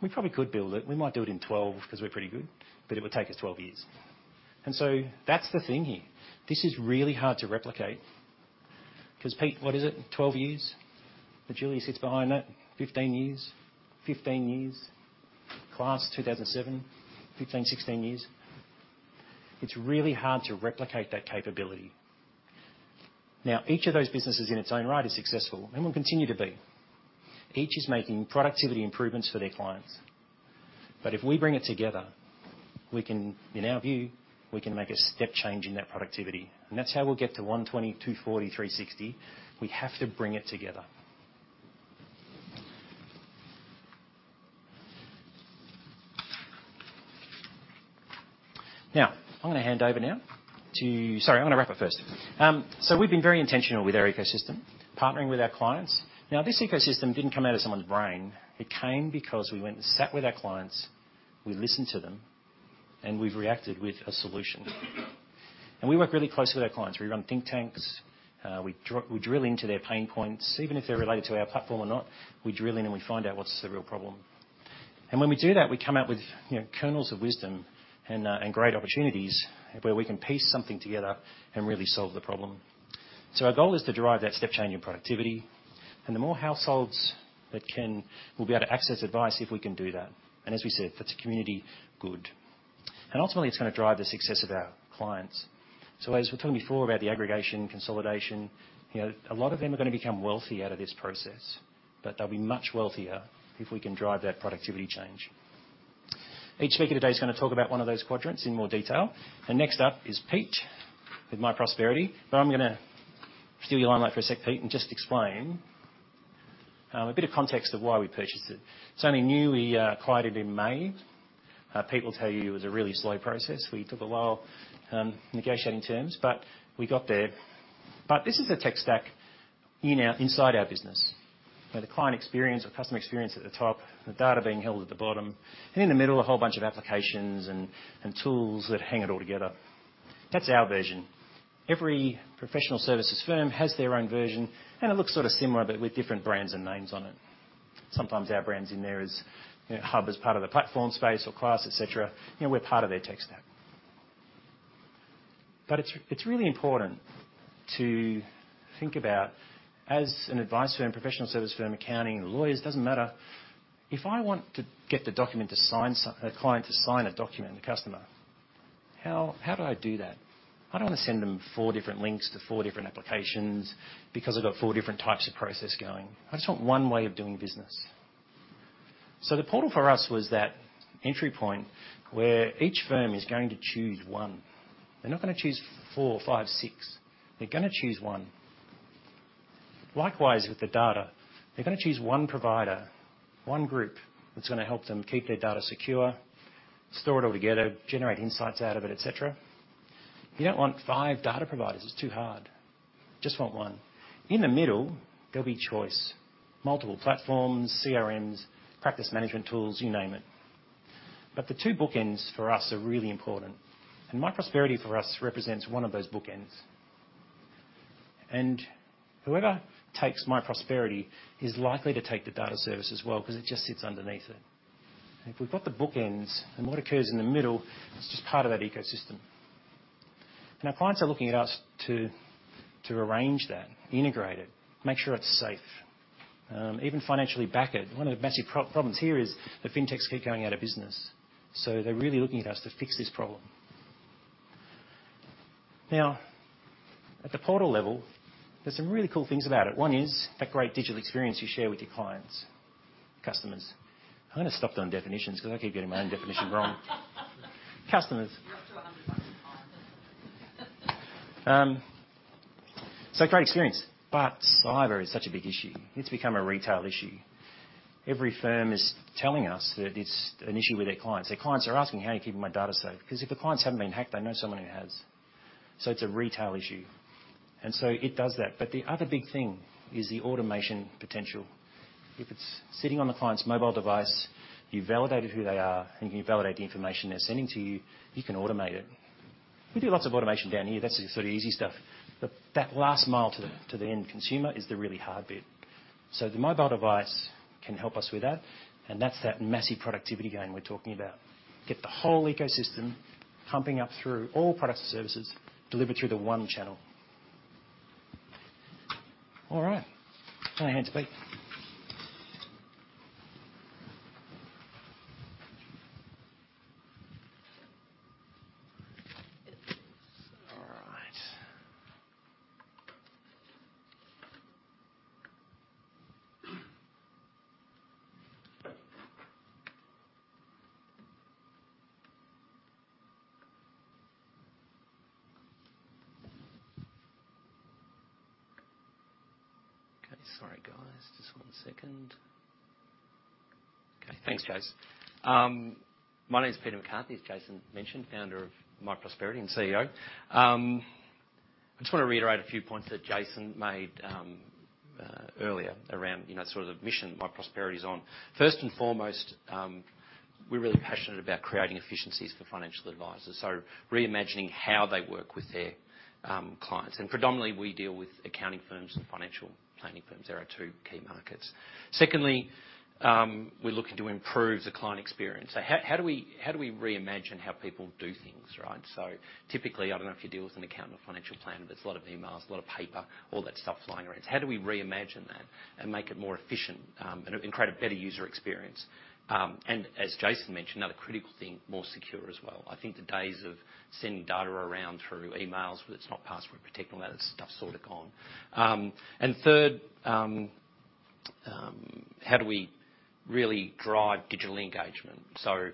"We probably could build it. We might do it in 12 because we're pretty good, but it would take us 12 years." And so that's the thing here. This is really hard to replicate. 'Cause Pete, what is it? 12 years that Yodlee sits behind that. 15 years. 15 years. Class, 2007, 15, 16 years. It's really hard to replicate that capability. Now, each of those businesses, in its own right, is successful and will continue to be. Each is making productivity improvements for their clients. But if we bring it together, we can, in our view, we can make a step change in that productivity. And that's how we'll get to 120, 240, 360. We have to bring it together. Now, I'm gonna hand over now to... Sorry, I'm gonna wrap up first. So we've been very intentional with our ecosystem, partnering with our clients. Now, this ecosystem didn't come out of someone's brain. It came because we went and sat with our clients, we listened to them, and we've reacted with a solution. And we work really closely with our clients. We run think tanks, we drill into their pain points, even if they're related to our platform or not. We drill in and we find out what's the real problem. And when we do that, we come out with, you know, kernels of wisdom and great opportunities where we can piece something together and really solve the problem. So our goal is to derive that step change in productivity, and the more households that will be able to access advice if we can do that. And as we said, that's community good. And ultimately, it's gonna drive the success of our clients. So as we were talking before about the aggregation, consolidation, you know, a lot of them are gonna become wealthy out of this process, but they'll be much wealthier if we can drive that productivity change. Each speaker today is gonna talk about one of those quadrants in more detail. And next up is Pete with myprosperity. But I'm gonna steal your limelight for a sec, Pete, and just explain a bit of context of why we purchased it. It's only new. We acquired it in May. Pete will tell you it was a really slow process. We took a while negotiating terms, but we got there. But this is the tech stack in our inside our business, where the client experience or customer experience at the top, the data being held at the bottom, and in the middle, a whole bunch of applications and, and tools that hang it all together. That's our version. Every professional services firm has their own version, and it looks sort of similar, but with different brands and names on it. Sometimes our brand's in there as, you know, Hub as part of the platform space or Class, et cetera. You know, we're part of their tech stack. But it's really important to think about, as an advice firm, professional service firm, accounting, lawyers, doesn't matter, if I want to get the document to a client to sign a document, a customer, how do I do that? I don't want to send them four different links to four different applications because I've got four different types of process going. I just want one way of doing business. So the portal for us was that entry point where each firm is going to choose one. They're not gonna choose four, five, six. They're gonna choose one. Likewise, with the data, they're gonna choose one provider, one group, that's gonna help them keep their data secure, store it all together, generate insights out of it, et cetera. You don't want five data providers. It's too hard. Just want one. In the middle, there'll be choice, multiple platforms, CRMs, practice management tools, you name it. But the two bookends for us are really important, and myprosperity, for us, represents one of those bookends. And whoever takes myprosperity is likely to take the data service as well, 'cause it just sits underneath it. If we've got the bookends, and what occurs in the middle, it's just part of that ecosystem. And our clients are looking at us to arrange that, integrate it, make sure it's safe, even financially back it. One of the massive problems here is the fintechs keep going out of business, so they're really looking at us to fix this problem. Now, at the portal level, there's some really cool things about it. One is that great digital experience you share with your clients, customers. I'm gonna stop doing definitions because I keep getting my own definition wrong. Customers. So great experience, but cyber is such a big issue. It's become a retail issue. Every firm is telling us that it's an issue with their clients. Their clients are asking: "How are you keeping my data safe?" Because if the clients haven't been hacked, they know someone who has. So it's a retail issue, and so it does that. But the other big thing is the automation potential. If it's sitting on the client's mobile device, you validated who they are, and you validate the information they're sending to you, you can automate it. We do lots of automation down here. That's the sort of easy stuff, but that last mile to the end consumer is the really hard bit. So the mobile device can help us with that, and that's that massive productivity gain we're talking about. Get the whole ecosystem pumping up through all products and services delivered through the one channel. All right, go ahead, Pete. All right. Okay, sorry, guys, just one second. Okay, thanks, Jason. My name is Peter McCarthy, as Jason mentioned, founder of myprosperity and CEO. I just want to reiterate a few points that Jason made earlier around, you know, sort of the mission myprosperity is on. First and foremost, we're really passionate about creating efficiencies for financial advisors, so reimagining how they work with their clients. And predominantly, we deal with accounting firms and financial planning firms. They are our two key markets. Secondly, we're looking to improve the client experience. So how do we reimagine how people do things, right? So typically, I don't know if you deal with an accountant or financial planner, but it's a lot of emails, a lot of paper, all that stuff flying around. So how do we reimagine that and make it more efficient, and create a better user experience? And as Jason mentioned, another critical thing, more secure as well. I think the days of sending data around through emails, where it's not password-protected, and all that stuff's sort of gone. And third, how do we really drive digital engagement? So,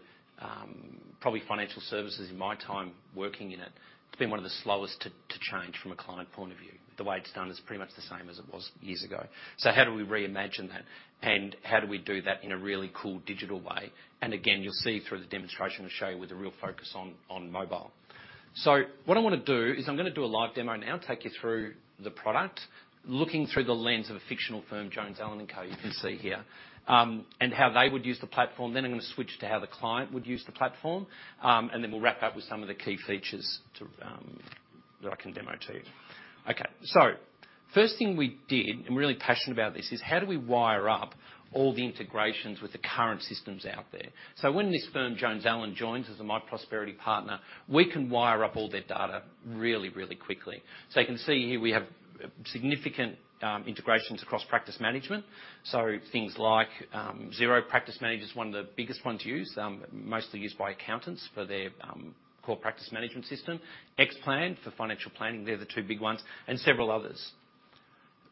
probably financial services in my time working in it, it's been one of the slowest to change from a client point of view. The way it's done is pretty much the same as it was years ago. So how do we reimagine that, and how do we do that in a really cool digital way? And again, you'll see through the demonstration we'll show you with a real focus on mobile. So what I want to do is I'm going to do a live demo now and take you through the product, looking through the lens of a fictional firm, Jones, Allen & Co, you can see here, and how they would use the platform. Then I'm going to switch to how the client would use the platform. And then we'll wrap up with some of the key features to that I can demo to you. Okay, so first thing we did, I'm really passionate about this, is how do we wire up all the integrations with the current systems out there? So when this firm, Jones Allen, joins as a myprosperity partner, we can wire up all their data really, really quickly. So you can see here we have significant integrations across practice management. So things like, Xero Practice Manager is one of the biggest ones used, mostly used by accountants for their core practice management system. Xplan for financial planning. They're the two big ones and several others.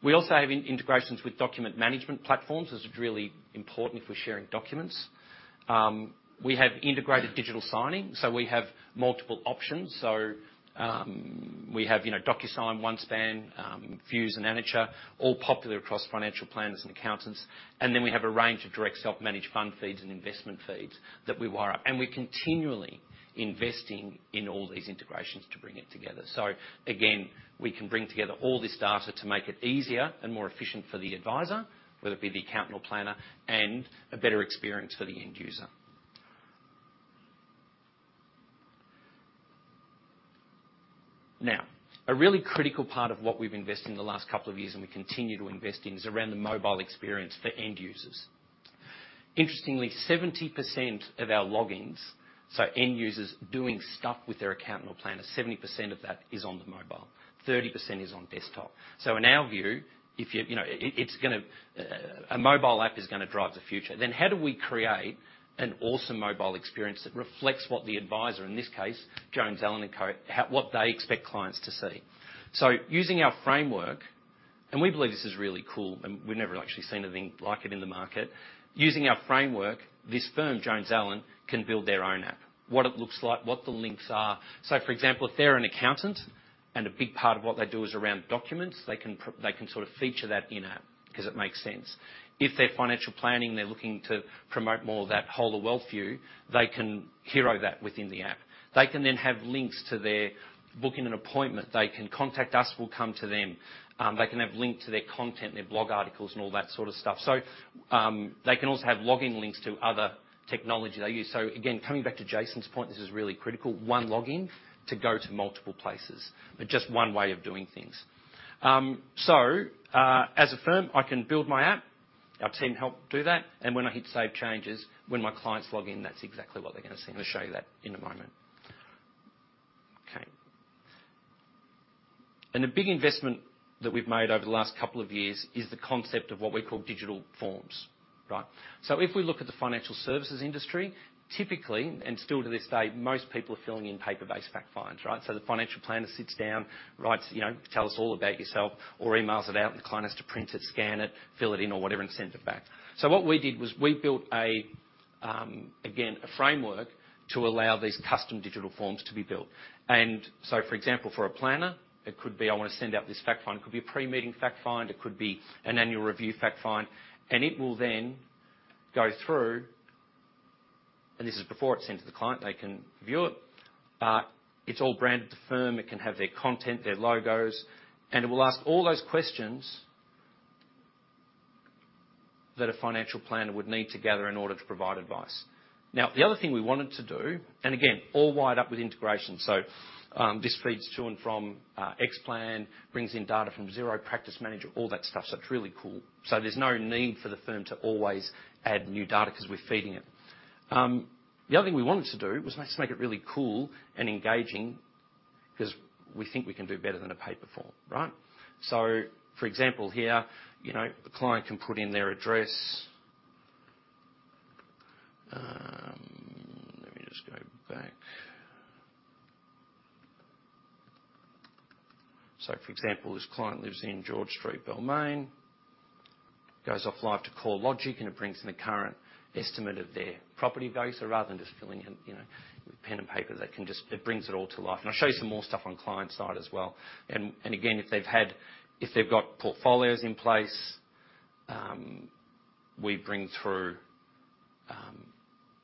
We also have integrations with document management platforms. This is really important if we're sharing documents. We have integrated digital signing, so we have multiple options. So, we have, you know, DocuSign, OneSpan, Fuse, and Annature, all popular across financial planners and accountants. And then we have a range of direct self-managed fund feeds and investment feeds that we wire up, and we're continually investing in all these integrations to bring it together. So again, we can bring together all this data to make it easier and more efficient for the advisor, whether it be the accountant or planner, and a better experience for the end user. Now, a really critical part of what we've invested in the last couple of years, and we continue to invest in, is around the mobile experience for end users. Interestingly, 70% of our logins, so end users doing stuff with their accountant or planner, 70% of that is on the mobile. 30% is on desktop. So in our view, if you... You know, it, it's gonna, a mobile app is gonna drive the future. Then how do we create an awesome mobile experience that reflects what the advisor, in this case, Jones Allen and Co, how, what they expect clients to see? So using our framework, and we believe this is really cool, and we've never actually seen anything like it in the market. Using our framework, this firm, Jones Allen, can build their own app. What it looks like, what the links are. So for example, if they're an accountant, and a big part of what they do is around documents, they can sort of feature that in-app because it makes sense. If they're financial planning, they're looking to promote more of that whole of wealth view, they can hero that within the app. They can then have links to their booking an appointment. They can contact us. We'll come to them. They can have link to their content, their blog articles, and all that sort of stuff. So, they can also have login links to other technology they use. So again, coming back to Jason's point, this is really critical. One login to go to multiple places, but just one way of doing things. So, as a firm, I can build my app. Our team helped do that, and when I hit Save Changes, when my clients log in, that's exactly what they're gonna see. I'm going to show you that in a moment... And a big investment that we've made over the last couple of years is the concept of what we call digital forms, right? So if we look at the financial services industry, typically, and still to this day, most people are filling in paper-based fact finds, right? So the financial planner sits down, writes, you know, "Tell us all about yourself," or emails it out, and the client has to print it, scan it, fill it in, or whatever, and send it back. So what we did was we built a, again, a framework to allow these custom digital forms to be built. And so, for example, for a planner, it could be, "I want to send out this fact find." It could be a pre-meeting fact find, it could be an annual review fact find, and it will then go through, and this is before it's sent to the client, they can view it. It's all branded to firm. It can have their content, their logos, and it will ask all those questions that a financial planner would need to gather in order to provide advice. Now, the other thing we wanted to do, and again, all wired up with integration, so, this feeds to and from, Xplan, brings in data from Xero Practice Manager, all that stuff, so it's really cool. So there's no need for the firm to always add new data because we're feeding it. The other thing we wanted to do was let's make it really cool and engaging 'cause we think we can do better than a paper form, right? So for example, here, you know, the client can put in their address. Let me just go back. So for example, this client lives in George Street, Balmain. Goes off live to CoreLogic, and it brings in the current estimate of their property value. So rather than just filling in, you know, pen and paper, they can just... It brings it all to life. And I'll show you some more stuff on client side as well. And again, if they've got portfolios in place, we bring through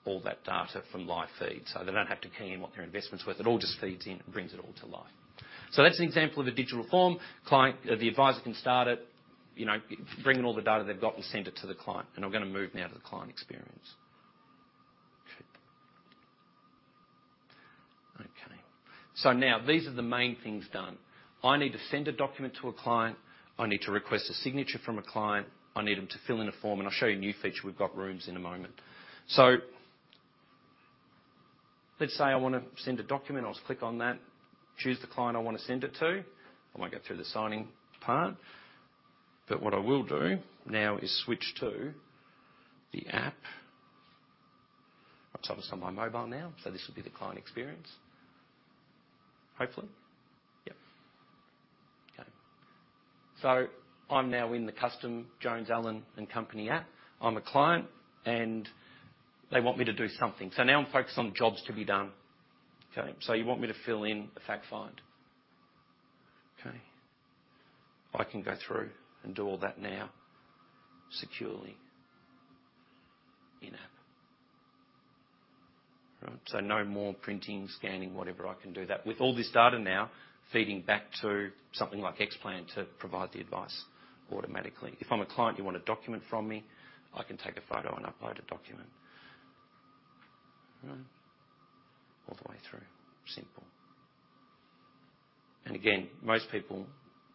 all that data from live feed, so they don't have to key in what their investment's worth. It all just feeds in and brings it all to life. So that's an example of a digital form. Client, the advisor can start it, you know, bring in all the data they've got and send it to the client, and I'm gonna move now to the client experience. Okay. So now these are the main things done. I need to send a document to a client. I need to request a signature from a client. I need them to fill in a form, and I'll show you a new feature we've got, Rooms, in a moment. So let's say I want to send a document. I'll just click on that, choose the client I want to send it to. I won't go through the signing part, but what I will do now is switch to the app. I'm sort of on my mobile now, so this will be the client experience. Hopefully. Yep. Okay. So I'm now in the custom Jones Allen & Company app. I'm a client, and they want me to do something, so now I'm focused on jobs to be done. Okay, so you want me to fill in a fact find. Okay. I can go through and do all that now, securely in-app. Right. So no more printing, scanning, whatever. I can do that. With all this data now feeding back to something like Xplan to provide the advice automatically. If I'm a client, you want a document from me, I can take a photo and upload a document. All the way through. Simple. And again, most people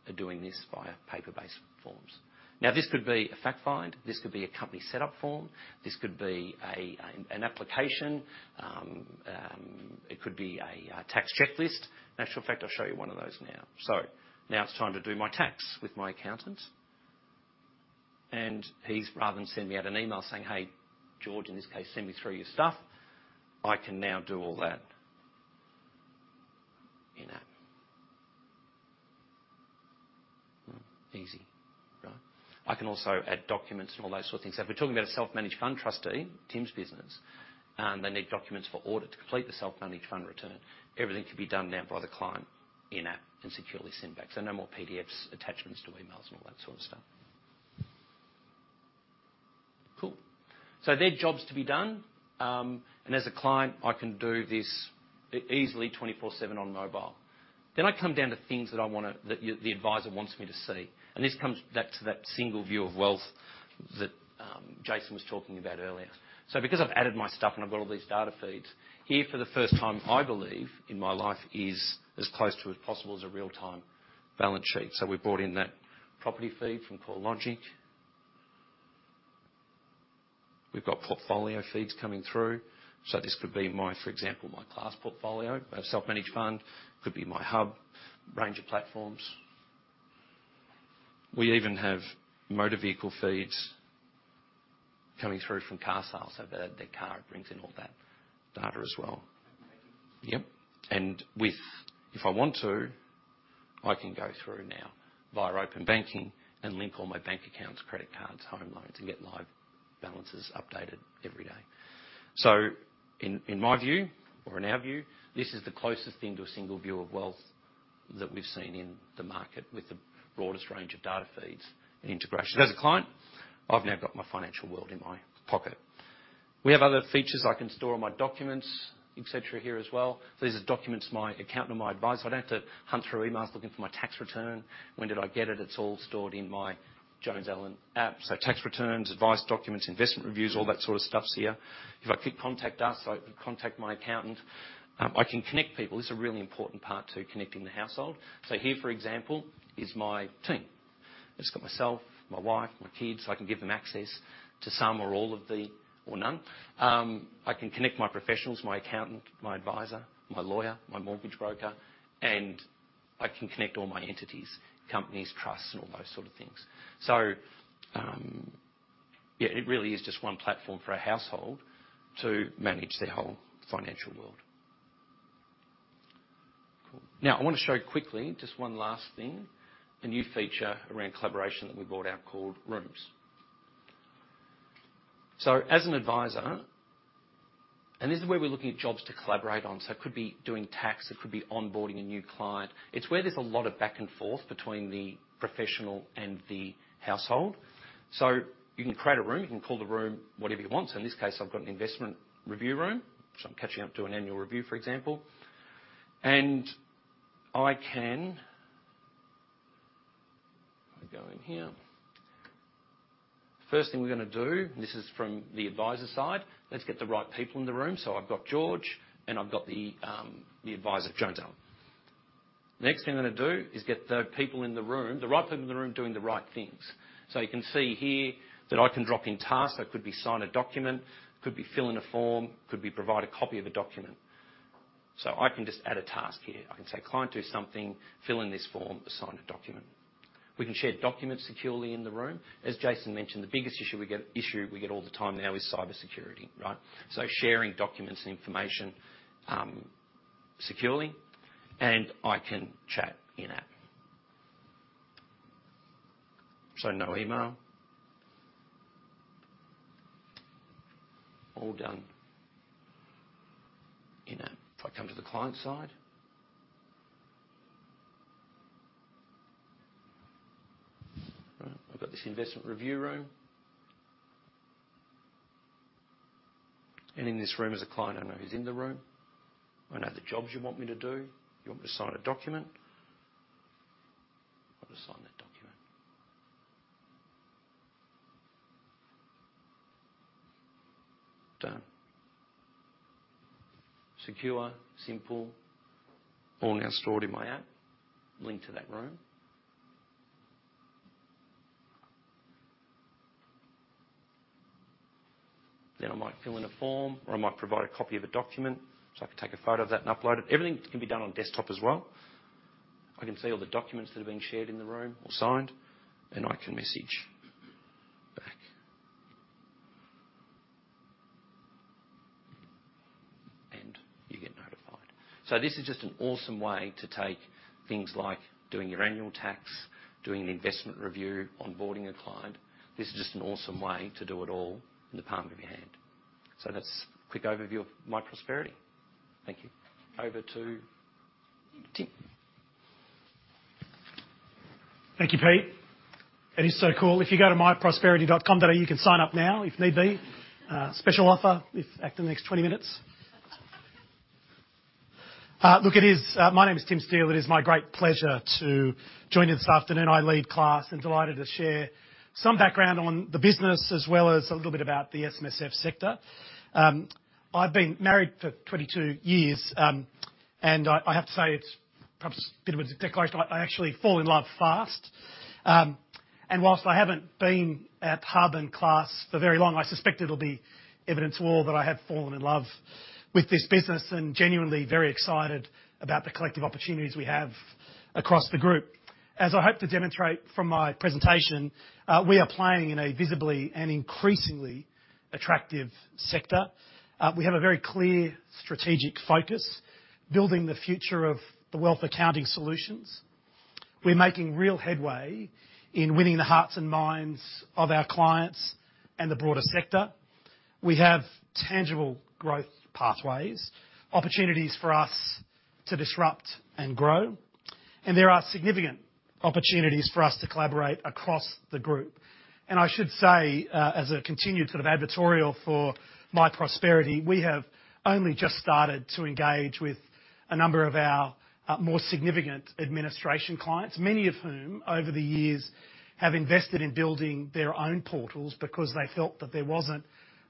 are doing this via paper-based forms. Now, this could be a fact find. This could be a company setup form. This could be an application. It could be a tax checklist. Matter of fact, I'll show you one of those now. So now it's time to do my tax with my accountant, and he's rather than send me out an email saying, "Hey, George," in this case, "Send me through your stuff," I can now do all that in-app. Easy, right? I can also add documents and all those sort of things. If we're talking about a self-managed fund trustee, Tim's business, and they need documents for audit to complete the self-managed fund return, everything can be done now by the client in-app and securely sent back. So no more PDFs, attachments to emails, and all that sort of stuff. Cool. So they're jobs to be done. And as a client, I can do this easily 24/7 on mobile. Then I come down to things that I wanna... That the advisor wants me to see, and this comes back to that single view of wealth that Jason was talking about earlier. So because I've added my stuff and I've got all these data feeds, here, for the first time, I believe, in my life, is as close to as possible as a real-time balance sheet. So we brought in that property feed from CoreLogic. We've got portfolio feeds coming through, so this could be my, for example, my Class portfolio, a self-managed fund. Could be my HUB range of platforms. We even have motor vehicle feeds coming through from Cars ales, so the car brings in all that data as well. Yep, and with... If I want to, I can go through now via Open Banking and link all my bank accounts, credit cards, home loans, and get live balances updated every day. So in my view, or in our view, this is the closest thing to a single view of wealth that we've seen in the market, with the broadest range of data feeds and integrations. As a client, I've now got my financial world in my pocket. We have other features. I can store all my documents, et cetera, here as well. These are documents, my accountant or my advisor. I don't have to hunt through emails looking for my tax return. When did I get it? It's all stored in my Jones Allen app. So tax returns, advice, documents, investment reviews, all that sort of stuff's here. If I click Contact Us, I can contact my accountant. I can connect people. This is a really important part to connecting the household. So here, for example, is my team.... I've just got myself, my wife, my kids. I can give them access to some or all of the, or none. I can connect my professionals, my accountant, my advisor, my lawyer, my mortgage broker, and I can connect all my entities, companies, trusts, and all those sort of things. So, yeah, it really is just one platform for a household to manage their whole financial world. Cool. Now, I wanna show quickly just one last thing, a new feature around collaboration that we brought out called Rooms. So as an advisor, and this is where we're looking at jobs to collaborate on, so it could be doing tax, it could be onboarding a new client. It's where there's a lot of back and forth between the professional and the household. So you can create a room. You can call the room whatever you want. So in this case, I've got an investment review room. I'm catching up to an annual review, for example. I can... Let me go in here. First thing we're gonna do, this is from the advisor side. Let's get the right people in the room. I've got George, and I've got the advisor, Joan Down. Next thing I'm gonna do is get the people in the room, the right people in the room doing the right things. You can see here that I can drop in tasks. That could be sign a document, could be fill in a form, could be provide a copy of a document. I can just add a task here. I can say, "Client, do something, fill in this form, or sign a document." We can share documents securely in the room. As Jason mentioned, the biggest issue we get all the time now is cybersecurity, right? So sharing documents and information securely, and I can chat in-app. So no email. All done in-app. If I come to the client side, right, I've got this investment review room. And in this room, as a client, I know who's in the room. I know the jobs you want me to do. You want me to sign a document? I'll just sign that document. Done. Secure, simple, all now stored in my app, linked to that room. Then I might fill in a form, or I might provide a copy of a document, so I can take a photo of that and upload it. Everything can be done on desktop as well. I can see all the documents that have been shared in the room or signed, and I can message back. You get notified. This is just an awesome way to take things like doing your annual tax, doing an investment review, onboarding a client. This is just an awesome way to do it all in the palm of your hand. That's a quick overview of myprosperity. Thank you. Over to Tim. Thank you, Pete. It is so cool. If you go to myprosperity.com.au, you can sign up now, if need be. Special offer if act in the next 20 minutes. Look, my name is Tim Steele. It is my great pleasure to join you this afternoon. I lead Class and delighted to share some background on the business, as well as a little bit about the SMSF sector. I've been married for 22 years, and I have to say it's perhaps a bit of a declaration. I actually fall in love fast. And whilst I haven't been at Hub and Class for very long, I suspect it'll be evidence to all that I have fallen in love with this business and genuinely very excited about the collective opportunities we have across the group. As I hope to demonstrate from my presentation, we are playing in a visibly and increasingly attractive sector. We have a very clear strategic focus, building the future of the wealth accounting solutions. We're making real headway in winning the hearts and minds of our clients and the broader sector. We have tangible growth pathways, opportunities for us to disrupt and grow, and there are significant opportunities for us to collaborate across the group. And I should say, as a continued sort of advertorial for myprosperity, we have only just started to engage with a number of our, more significant administration clients. Many of whom, over the years, have invested in building their own portals because they felt that there wasn't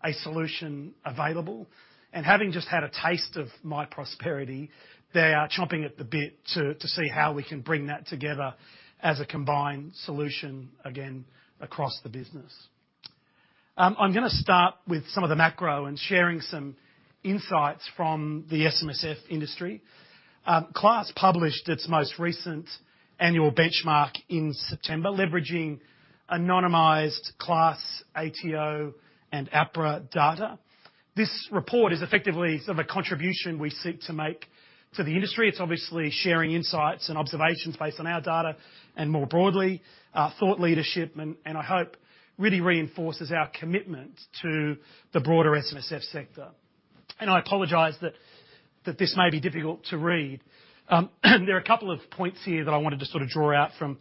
a solution available. Having just had a taste of myprosperity, they are chomping at the bit to see how we can bring that together as a combined solution again across the business. I'm gonna start with some of the macro and sharing some insights from the SMSF industry. Class published its most recent annual benchmark in September, leveraging anonymized Class, ATO, and APRA data. This report is effectively sort of a contribution we seek to make to the industry. It's obviously sharing insights and observations based on our data and, more broadly, thought leadership and I hope really reinforces our commitment to the broader SMSF sector. I apologize that this may be difficult to read. There are a couple of points here that I wanted to sort of draw out from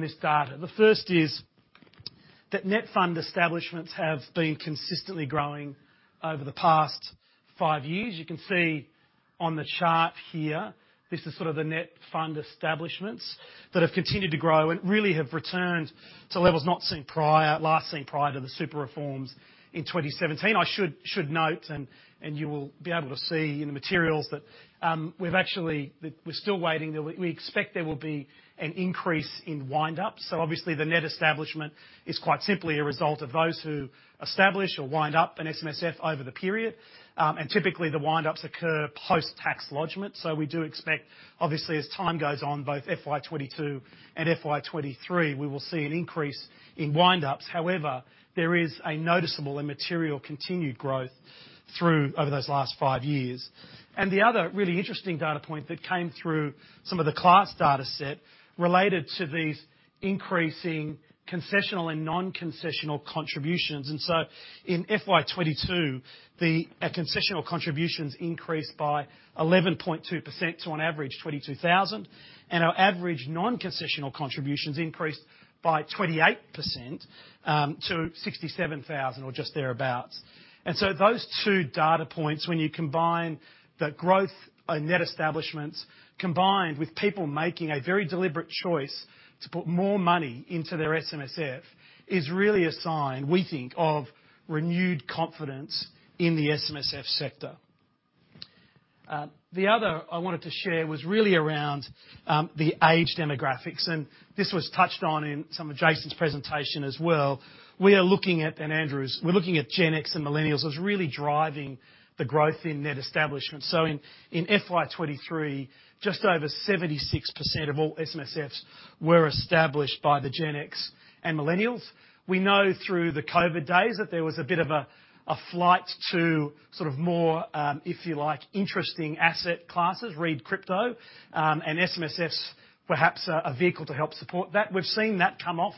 this data. The first is that net fund establishments have been consistently growing over the past five years. You can see on the chart here, this is sort of the net fund establishments that have continued to grow and really have returned to levels not seen prior, last seen prior to the super reforms in 2017. I should note, and you will be able to see in the materials, that we've actually that we're still waiting. We expect there will be an increase in wind-ups. So obviously, the net establishment is quite simply a result of those who establish or wind up an SMSF over the period. And typically, the wind-ups occur post-tax lodgment. So we do expect, obviously, as time goes on, both FY 2022 and FY 2023, we will see an increase in wind-ups. However, there is a noticeable and material continued growth through over those last five years. The other really interesting data point that came through some of the Class data set related to these increasing concessional and non-concessional contributions. So in FY 2022, the concessional contributions increased by 11.2%, to on average, 22,000, and our average non-concessional contributions increased by 28%, to 67,000 or just thereabout. So those two data points, when you combine the growth of net establishments, combined with people making a very deliberate choice to put more money into their SMSF, is really a sign, we think, of renewed confidence in the SMSF sector. The other I wanted to share was really around the age demographics, and this was touched on in some of Jason's presentation as well. We're looking at Gen X and Millennials as really driving the growth in net establishments. So in FY 2023, just over 76% of all SMSFs were established by the Gen X and Millennials. We know through the COVID days that there was a bit of a flight to sort of more, if you like, interesting asset classes, read crypto, and SMSFs, perhaps, a vehicle to help support that. We've seen that come off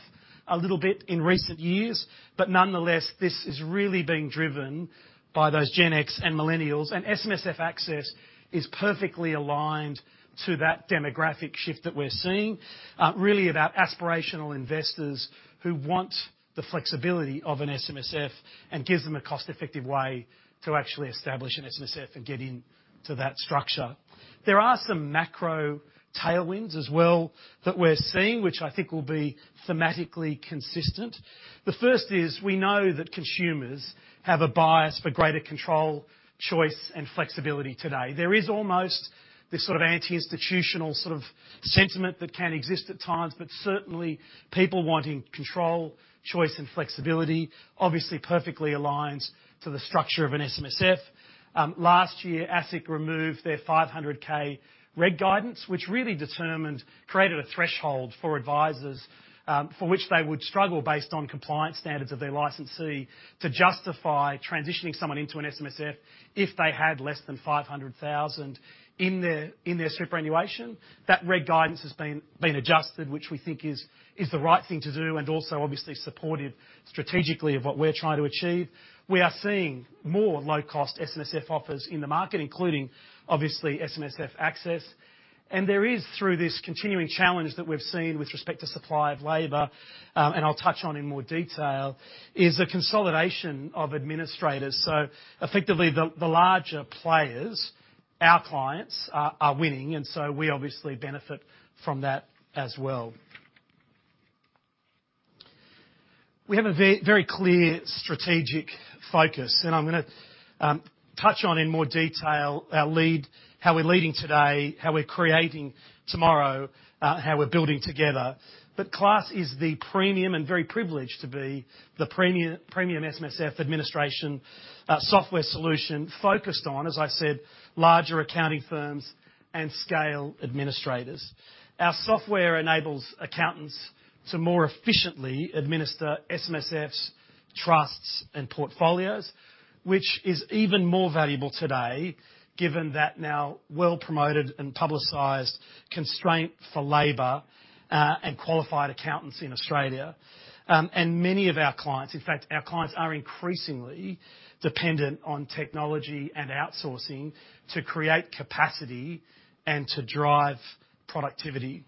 a little bit in recent years. But nonetheless, this is really being driven by those Gen X and Millennials, and SMSF access is perfectly aligned to that demographic shift that we're seeing. Really about aspirational investors who want the flexibility of an SMSF and gives them a cost-effective way to actually establish an SMSF and get into that structure. There are some macro tailwinds as well that we're seeing, which I think will be thematically consistent. The first is, we know that consumers have a bias for greater control, choice, and flexibility today. There is almost this sort of anti-institutional sort of sentiment that can exist at times, but certainly, people wanting control, choice, and flexibility obviously perfectly aligns to the structure of an SMSF. Last year, ASIC removed their 500,000 reg guidance, which really determined, created a threshold for advisors, for which they would struggle based on compliance standards of their licensee, to justify transitioning someone into an SMSF if they had less than 500,000 in their superannuation. That reg guidance has been adjusted, which we think is the right thing to do, and also obviously supportive strategically of what we're trying to achieve. We are seeing more low-cost SMSF offers in the market, including, obviously, SMSF access. There is, through this continuing challenge that we've seen with respect to supply of labor, and I'll touch on in more detail, a consolidation of administrators. Effectively, the larger players, our clients, are winning, and so we obviously benefit from that as well. We have a very clear strategic focus, and I'm gonna touch on in more detail, our lead, how we're leading today, how we're creating tomorrow, how we're building together. But Class is the premium and very privileged to be the premium, premium SMSF administration software solution focused on, as I said, larger accounting firms and scale administrators. Our software enables accountants to more efficiently administer SMSFs, trusts, and portfolios, which is even more valuable today, given that now well-promoted and publicized constraint for labor, and qualified accountants in Australia. And many of our clients, in fact, our clients are increasingly dependent on technology and outsourcing to create capacity and to drive productivity.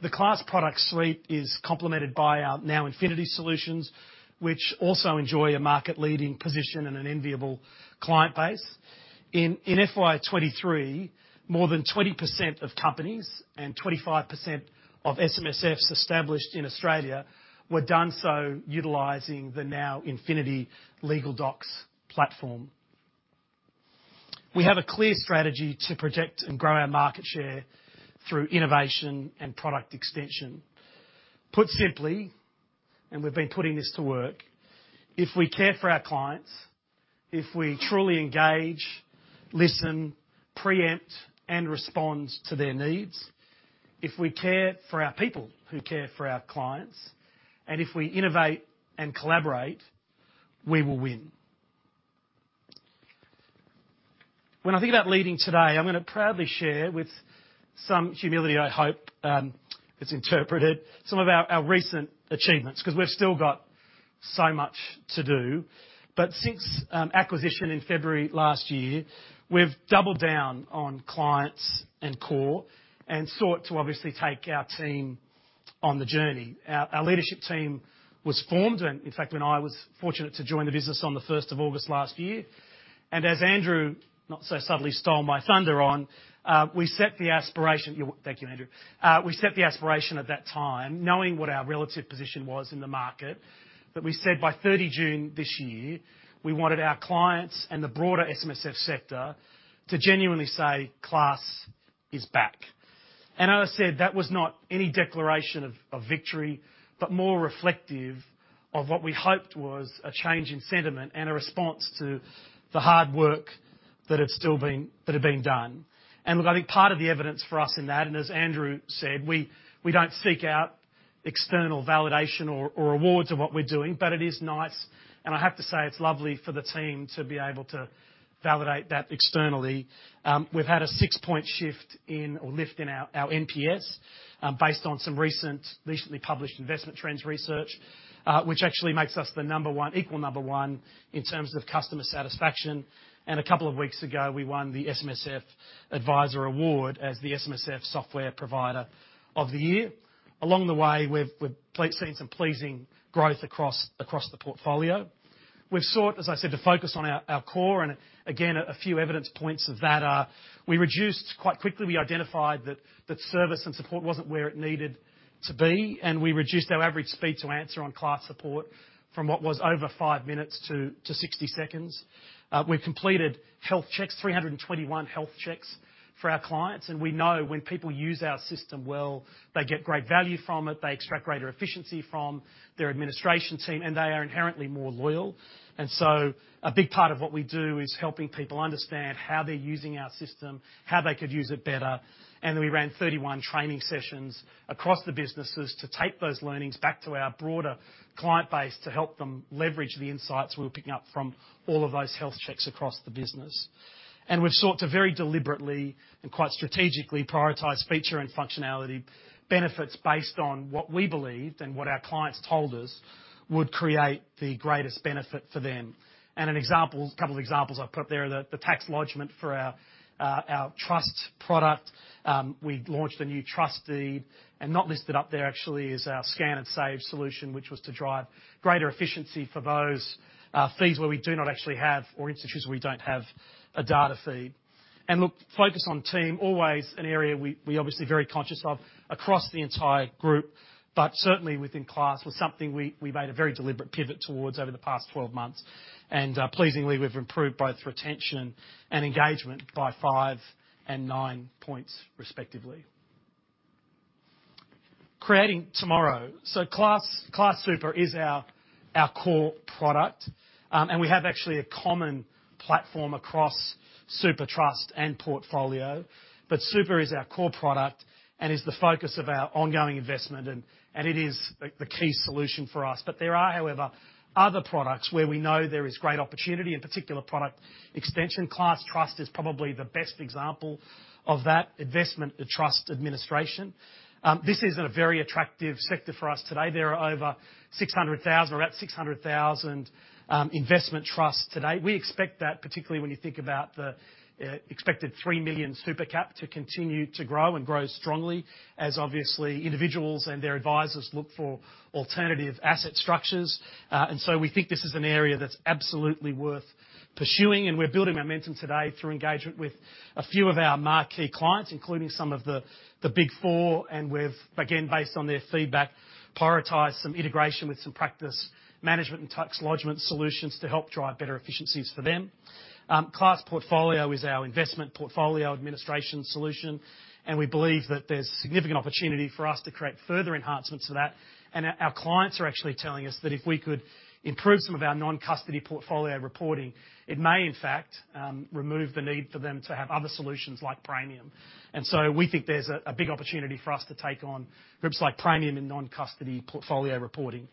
The Class product suite is complemented by our NowInfinity solutions, which also enjoy a market-leading position and an enviable client base. In FY 2023, more than 20% of companies and 25% of SMSFs established in Australia were done so utilizing the NowInfinity legal docs platform. We have a clear strategy to protect and grow our market share through innovation and product extension. Put simply, and we've been putting this to work, if we care for our clients, if we truly engage, listen, preempt, and respond to their needs, if we care for our people who care for our clients, and if we innovate and collaborate, we will win. When I think about leading today, I'm gonna proudly share, with some humility, I hope it's interpreted, some of our recent achievements, 'cause we've still got so much to do. But since acquisition in February last year, we've doubled down on clients and core, and sought to obviously take our team on the journey. Our leadership team was formed, and in fact, when I was fortunate to join the business on the first of August last year, and as Andrew not so subtly stole my thunder on, we set the aspiration. Thank you, Andrew. We set the aspiration at that time, knowing what our relative position was in the market, that we said by 30 June this year, we wanted our clients and the broader SMSF sector to genuinely say, "Class is back." And as I said, that was not any declaration of, of victory, but more reflective of what we hoped was a change in sentiment and a response to the hard work that had still been, that had been done. And look, I think part of the evidence for us in that, and as Andrew said, we, we don't seek out external validation or, or awards of what we're doing, but it is nice, and I have to say, it's lovely for the team to be able to validate that externally. We've had a 6-point shift in or lift in our NPS, based on some recently published Investment Trends research, which actually makes us the number one, equal number one in terms of customer satisfaction. A couple of weeks ago, we won the SMSF Advisor Award as the SMSF software provider of the year. Along the way, we've seen some pleasing growth across the portfolio. We've sought, as I said, to focus on our core, and again, a few evidence points of that are we reduced quite quickly, we identified that service and support wasn't where it needed to be, and we reduced our average speed to answer on Class support from what was over 5 minutes to 60 seconds. We've completed health checks, 321 health checks for our clients, and we know when people use our system well, they get great value from it, they extract greater efficiency from their administration team, and they are inherently more loyal. And so a big part of what we do is helping people understand how they're using our system, how they could use it better. And then, we ran 31 training sessions across the businesses to take those learnings back to our broader client base to help them leverage the insights we were picking up from all of those health checks across the business. And we've sought to very deliberately and quite strategically prioritize feature and functionality benefits based on what we believed and what our clients told us would create the greatest benefit for them. An example, a couple of examples I've put there, the tax lodgment for our trust product. We launched a new trustee, and not listed up there, actually, is our Scan and Save solution, which was to drive greater efficiency for those fees where we do not actually have, or institutions where we don't have a data feed. Look, focus on team, always an area we obviously very conscious of across the entire group, but certainly within Class, was something we made a very deliberate pivot towards over the past 12 months. Pleasingly, we've improved both retention and engagement by 5 and 9 points, respectively. Creating tomorrow. So Class, Class Super is our core product, and we have actually a common platform across Super, Trust, and Portfolio. But Super is our core product and is the focus of our ongoing investment, and, and it is the, the key solution for us. But there are, however, other products where we know there is great opportunity, in particular, product extension. Class Trust is probably the best example of that, investment and trust administration. This is a very attractive sector for us today. There are over 600,000, or about 600,000, investment trusts today. We expect that, particularly when you think about the, expected 3 million super cap to continue to grow and grow strongly, as obviously, individuals and their advisors look for alternative asset structures. And so we think this is an area that's absolutely worth pursuing, and we're building momentum today through engagement with a few of our marquee clients, including some of the, the Big Four. We've, again, based on their feedback, prioritized some integration with some practice management and tax lodgement solutions to help drive better efficiencies for them. Class Portfolio is our investment portfolio administration solution, and we believe that there's significant opportunity for us to create further enhancements to that. Our clients are actually telling us that if we could improve some of our non-custody portfolio reporting, it may in fact remove the need for them to have other solutions like Praemium. So we think there's a big opportunity for us to take on groups like Praemium in non-custody portfolio reporting.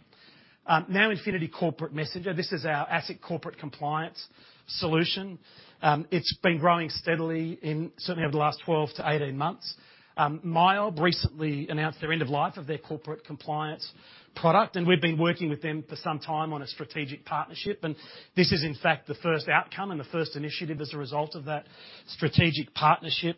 NowInfinity Corporate Messenger, this is our asset corporate compliance solution. It's been growing steadily, certainly over the last 12-18 months. MYOB recently announced their end of life of their corporate compliance product, and we've been working with them for some time on a strategic partnership, and this is in fact the first outcome and the first initiative as a result of that strategic partnership.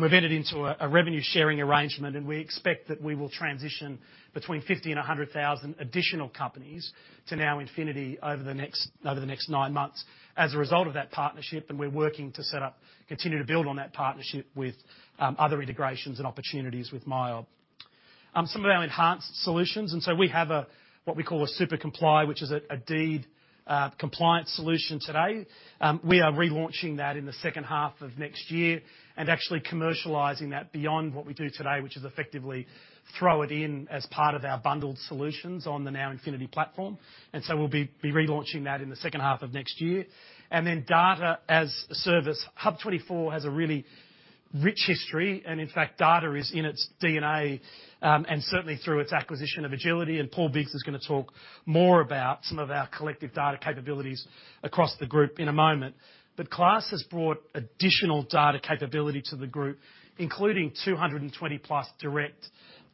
We've entered into a revenue-sharing arrangement, and we expect that we will transition between 50 and 100 thousand additional companies to NowInfinity over the next nine months as a result of that partnership. We're working to set up, continue to build on that partnership with other integrations and opportunities with MYOB. Some of our enhanced solutions, and so we have what we call a SuperComply, which is a deed compliance solution today. We are relaunching that in the second half of next year and actually commercializing that beyond what we do today, which is effectively throw it in as part of our bundled solutions on the NowInfinity platform. And so we'll be relaunching that in the second half of next year. And then Data-as-a-Service, HUB24 has a really rich history, and in fact, data is in its DNA, and certainly through its acquisition of Agility, and Paul Biggs is going to talk more about some of our collective data capabilities across the group in a moment. But Class has brought additional data capability to the group, including 220+ direct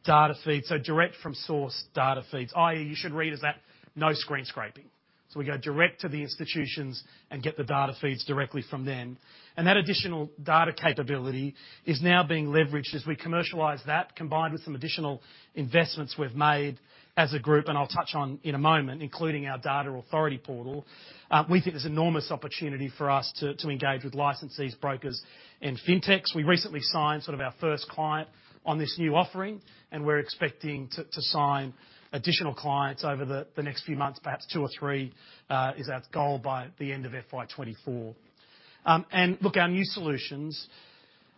data feeds, so direct from source data feeds. I.e., you should read as that, no screen scraping. So we go direct to the institutions and get the data feeds directly from them, and that additional data capability is now being leveraged as we commercialize that, combined with some additional investments we've made as a group, and I'll touch on in a moment, including our Data Authority Portal. We think there's enormous opportunity for us to engage with licensees, brokers, and fintechs. We recently signed sort of our first client on this new offering, and we're expecting to sign additional clients over the next few months. Perhaps two or three is our goal by the end of FY 2024. And look, our new solutions,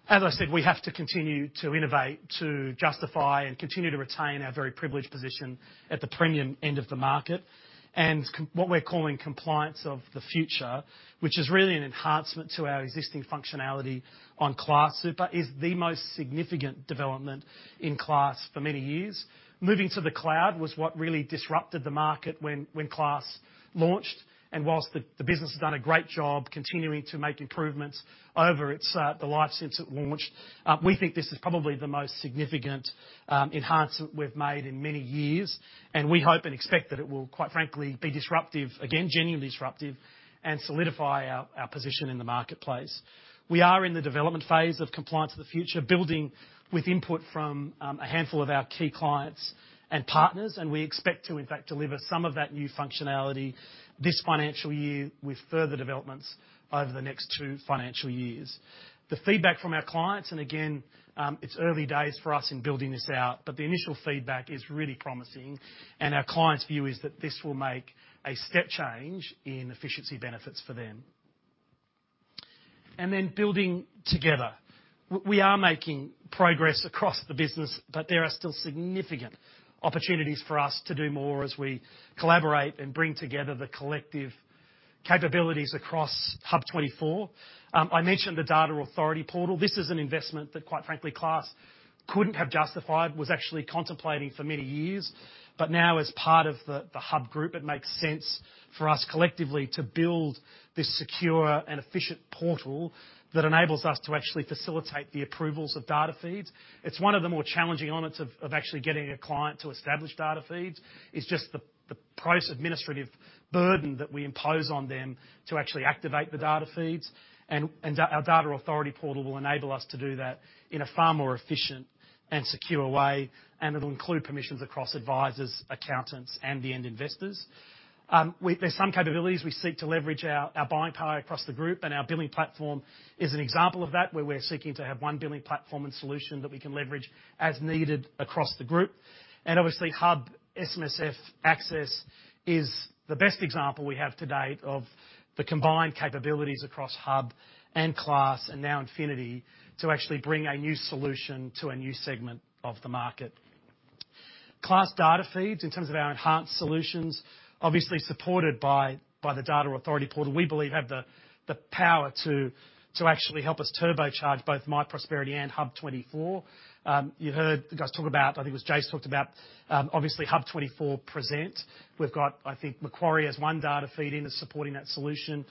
as I said, we have to continue to innovate, to justify and continue to retain our very privileged position at the premium end of the market. What we're calling Compliance of the Future, which is really an enhancement to our existing functionality on Class Super, is the most significant development in Class for many years. Moving to the cloud was what really disrupted the market when Class launched, and while the business has done a great job continuing to make improvements over its life since it launched, we think this is probably the most significant enhancement we've made in many years, and we hope and expect that it will, quite frankly, be disruptive again, genuinely disruptive, and solidify our position in the marketplace. We are in the development phase of Compliance of the Future, building with input from a handful of our key clients and partners, and we expect to, in fact, deliver some of that new functionality this financial year, with further developments over the next two financial years. The feedback from our clients, and again, it's early days for us in building this out, but the initial feedback is really promising, and our clients' view is that this will make a step change in efficiency benefits for them. And then building together. We are making progress across the business, but there are still significant opportunities for us to do more as we collaborate and bring together the collective capabilities across HUB24. I mentioned the Data Authority Portal. This is an investment that, quite frankly, Class couldn't have justified, was actually contemplating for many years, but now as part of the HUB24 group, it makes sense for us collectively to build this secure and efficient portal that enables us to actually facilitate the approvals of data feeds. It's one of the more challenging elements of actually getting a client to establish data feeds, is just the high administrative burden that we impose on them to actually activate the data feeds. Our Data Authority Portal will enable us to do that in a far more efficient and secure way, and it'll include permissions across advisors, accountants, and the end investors. There's some capabilities we seek to leverage our buying power across the Group, and our billing platform is an example of that, where we're seeking to have one billing platform and solution that we can leverage as needed across the Group. And obviously, HUB24 SMSF Access is the best example we have to date of the combined capabilities across HUB24 and Class, and NowInfinity, to actually bring a new solution to a new segment of the market. Class data feeds, in terms of our enhanced solutions, obviously supported by the Data Authority Portal, we believe have the power to actually help us turbocharge both MyProsperity and HUB24. You heard the guys talk about, I think it was Jase, talked about, obviously, HUB24 Present. We've got, I think Macquarie has one data feed in, is supporting that solution.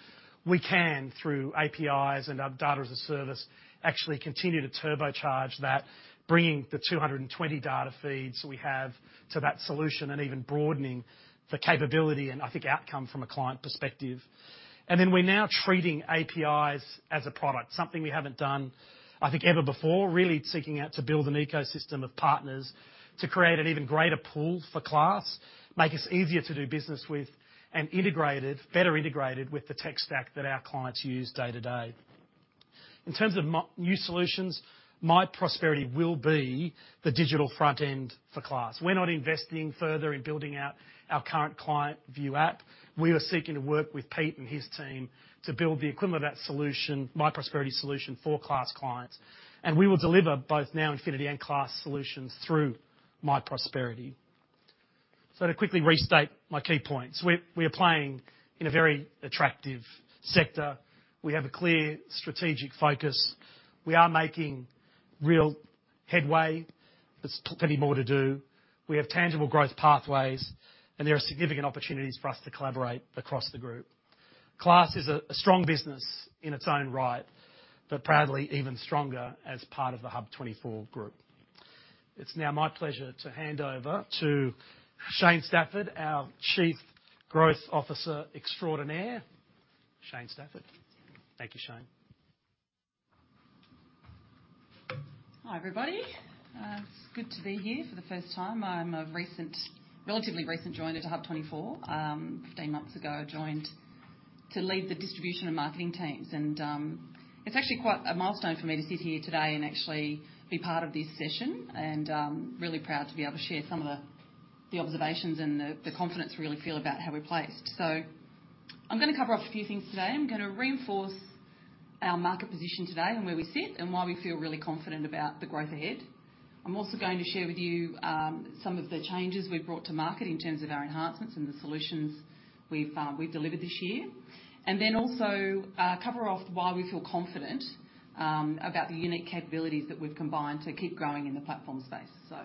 We can, through APIs and our data as a service, actually continue to turbocharge that, bringing the 200 data feeds we have to that solution, and even broadening the capability and, I think, outcome from a client perspective. And then we're now treating APIs as a product, something we haven't done, I think, ever before. Really seeking out to build an ecosystem of partners to create an even greater pool for Class, make us easier to do business with, and integrate it, better integrated with the tech stack that our clients use day to day. In terms of new solutions, myprosperity will be the digital front end for Class. We're not investing further in building out our current client view app. We are seeking to work with Pete and his team to build the equivalent of that solution, myprosperity solution, for Class clients, and we will deliver both NowInfinity and Class solutions through myprosperity. So to quickly restate my key points, we're, we are playing in a very attractive sector. We have a clear strategic focus. We are making real headway. There's plenty more to do. We have tangible growth pathways, and there are significant opportunities for us to collaborate across the Group. Class is a, a strong business in its own right, but proudly, even stronger as part of the HUB24 group. It's now my pleasure to hand over to Chesne Stafford, our Chief Growth Officer extraordinaire. Chesne Stafford. Thank you, Chesne. Hi, everybody. It's good to be here for the first time. I'm a recent, relatively recent joinee to HUB24. 15 months ago, I joined to lead the distribution and marketing teams, and it's actually quite a milestone for me to sit here today and actually be part of this session. I'm really proud to be able to share some of the observations and the confidence we really feel about how we're placed. I'm going to cover off a few things today. I'm going to reinforce our market position today and where we sit, and why we feel really confident about the growth ahead... I'm also going to share with you some of the changes we've brought to market in terms of our enhancements and the solutions we've delivered this year. And then also, cover off why we feel confident about the unique capabilities that we've combined to keep growing in the platform space. So,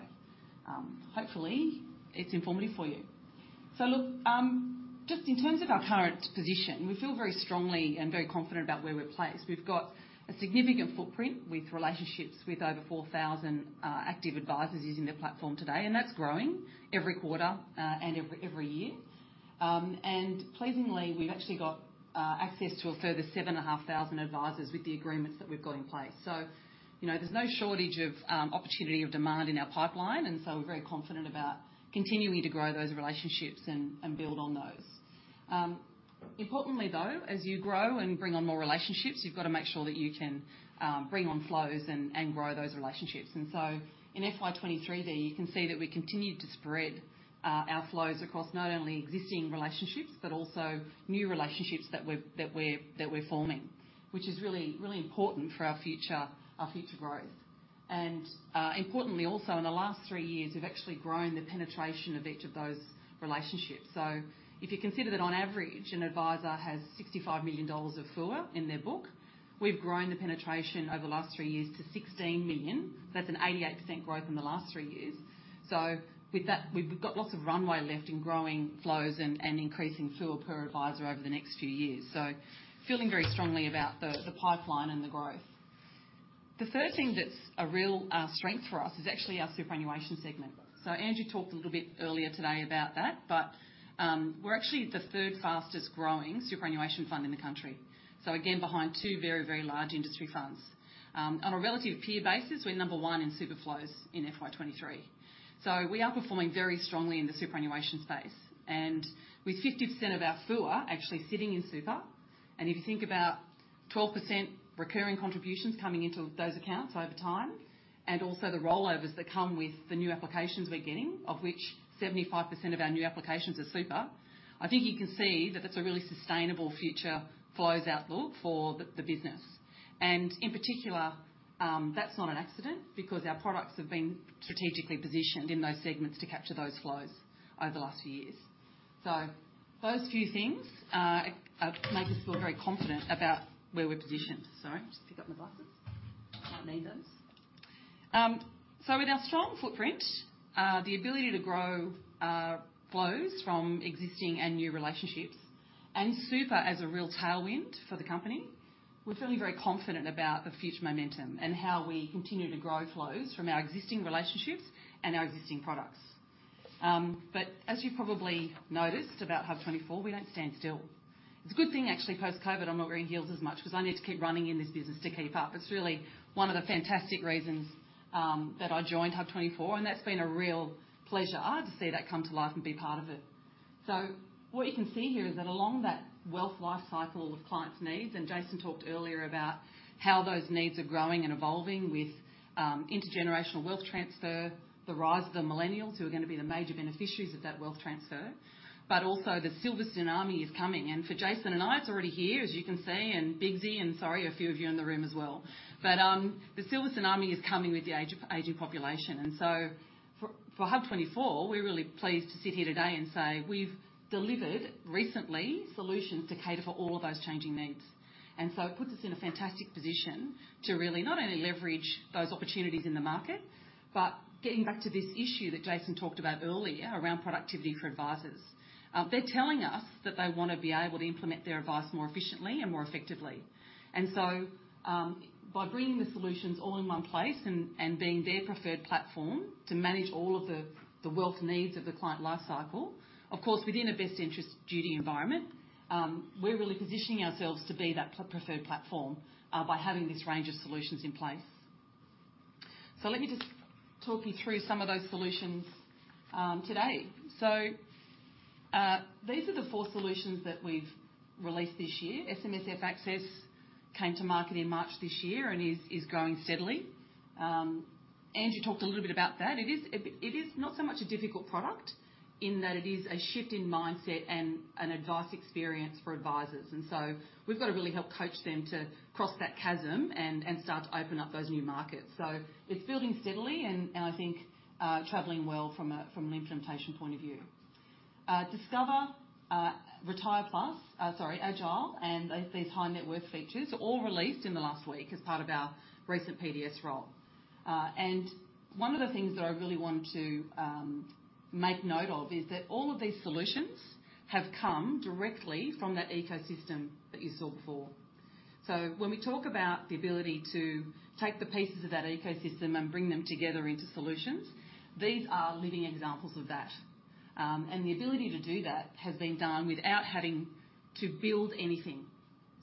hopefully, it's informative for you. So look, just in terms of our current position, we feel very strongly and very confident about where we're placed. We've got a significant footprint with relationships with over 4,000 active advisors using the platform today, and that's growing every quarter and every year. And pleasingly, we've actually got access to a further 7,500 advisors with the agreements that we've got in place. So, you know, there's no shortage of opportunity or demand in our pipeline, and so we're very confident about continuing to grow those relationships and build on those. Importantly, though, as you grow and bring on more relationships, you've got to make sure that you can bring on flows and grow those relationships. So in FY 2023 there, you can see that we continued to spread our flows across not only existing relationships but also new relationships that we're forming, which is really, really important for our future, our future growth. Importantly, also, in the last 3 years, we've actually grown the penetration of each of those relationships. So if you consider that on average, an advisor has 65 million dollars of FUA in their book, we've grown the penetration over the last three years to 16 million. So that's an 88% growth in the last three years. So with that, we've got lots of runway left in growing flows and, and increasing FUA per advisor over the next few years. So feeling very strongly about the, the pipeline and the growth. The third thing that's a real strength for us is actually our superannuation segment. So Andrew talked a little bit earlier today about that, but we're actually the third fastest growing superannuation fund in the country. So again, behind two very, very large industry funds. On a relative peer basis, we're number one in super flows in FY 2023. So we are performing very strongly in the superannuation space, and with 50% of our FUA actually sitting in super, and if you think about 12% recurring contributions coming into those accounts over time, and also the rollovers that come with the new applications we're getting, of which 75% of our new applications are super, I think you can see that that's a really sustainable future flows outlook for the business. And in particular, that's not an accident, because our products have been strategically positioned in those segments to capture those flows over the last few years. So those few things make us feel very confident about where we're positioned. Sorry, just pick up my glasses. I might need those. So with our strong footprint, the ability to grow, flows from existing and new relationships and super as a real tailwind for the company, we're feeling very confident about the future momentum and how we continue to grow flows from our existing relationships and our existing products. But as you probably noticed about HUB24, we don't stand still. It's a good thing, actually, post-COVID, I'm not wearing heels as much because I need to keep running in this business to keep up. It's really one of the fantastic reasons, that I joined HUB24, and that's been a real pleasure, to see that come to life and be part of it. So what you can see here is that along that wealth life cycle of clients' needs, and Jason talked earlier about how those needs are growing and evolving with intergenerational wealth transfer, the rise of the millennials, who are going to be the major beneficiaries of that wealth transfer, but also the silver tsunami is coming. And for Jason and I, it's already here, as you can see, and Biggie and sorry, a few of you in the room as well. But the silver tsunami is coming with the age of aging population. And so for HUB24, we're really pleased to sit here today and say we've delivered recently solutions to cater for all of those changing needs. It puts us in a fantastic position to really not only leverage those opportunities in the market, but getting back to this issue that Jason talked about earlier around productivity for advisors. They're telling us that they want to be able to implement their advice more efficiently and more effectively. So, by bringing the solutions all in one place and being their preferred platform to manage all of the wealth needs of the client life cycle, of course, within a Best Interests Duty environment, we're really positioning ourselves to be that preferred platform by having this range of solutions in place. So let me just talk you through some of those solutions today. So, these are the four solutions that we've released this year. SMSF Access came to market in March this year and is growing steadily. Andrew talked a little bit about that. It is not so much a difficult product in that it is a shift in mindset and an advice experience for advisors. And so we've got to really help coach them to cross that chasm and start to open up those new markets. So it's building steadily and I think traveling well from an implementation point of view. Discover, Retire Plus, sorry, AGILE, and these high-net-worth features are all released in the last week as part of our recent PDS roll. And one of the things that I really want to make note of is that all of these solutions have come directly from that ecosystem that you saw before. So when we talk about the ability to take the pieces of that ecosystem and bring them together into solutions, these are living examples of that. And the ability to do that has been done without having to build anything.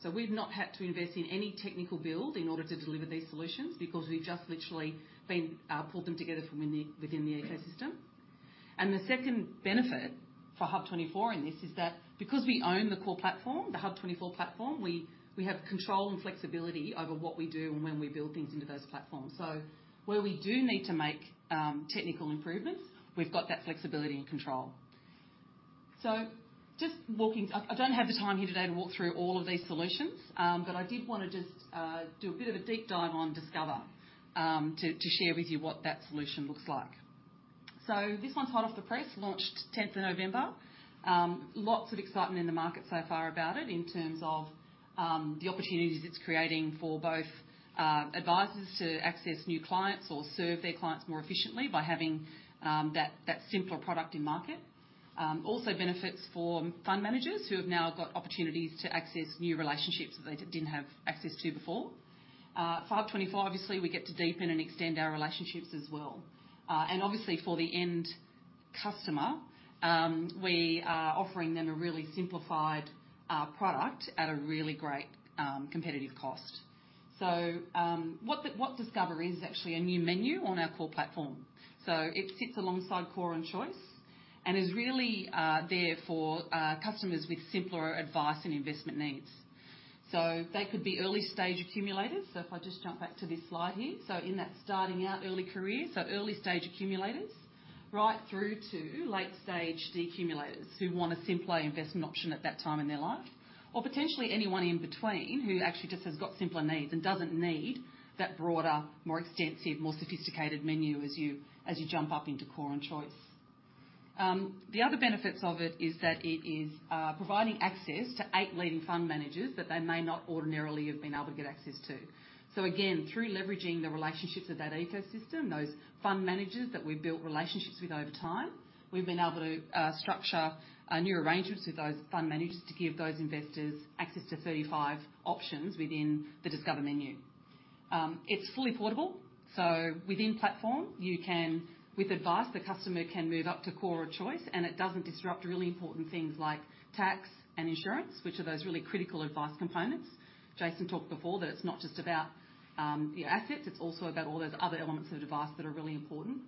So we've not had to invest in any technical build in order to deliver these solutions because we've just literally been pulled them together from within the ecosystem. And the second benefit for HUB24 in this is that because we own the core platform, the HUB24 platform, we have control and flexibility over what we do and when we build things into those platforms. So where we do need to make technical improvements, we've got that flexibility and control. So just walking, I don't have the time here today to walk through all of these solutions, but I did want to just do a bit of a deep dive on Discover, to share with you what that solution looks like. So this one's hot off the press, launched tenth of November. Lots of excitement in the market so far about it, in terms of the opportunities it's creating for both advisors to access new clients or serve their clients more efficiently by having that simpler product in market. Also benefits for fund managers who have now got opportunities to access new relationships that they didn't have access to before. HUB24, obviously, we get to deepen and extend our relationships as well. And obviously, for the end customer, we are offering them a really simplified product at a really great competitive cost. So, what the... What Discover is, is actually a new menu on our core platform. So it sits alongside Core and Choice, and is really there for customers with simpler advice and investment needs. So they could be early-stage accumulators. So if I just jump back to this slide here. So in that starting out early career, so early-stage accumulators, right through to late-stage deaccumulators who want a simpler investment option at that time in their life, or potentially anyone in between who actually just has got simpler needs and doesn't need that broader, more extensive, more sophisticated menu as you, as you jump up into Core and Choice. The other benefits of it is that it is providing access to 8 leading fund managers that they may not ordinarily have been able to get access to. So again, through leveraging the relationships of that ecosystem, those fund managers that we've built relationships with over time, we've been able to structure new arrangements with those fund managers to give those investors access to 35 options within the Discover menu. It's fully portable, so within platform, you can... With advice, the customer can move up to Core or Choice, and it doesn't disrupt really important things like tax and insurance, which are those really critical advice components. Jason talked before that it's not just about the assets, it's also about all those other elements of advice that are really important.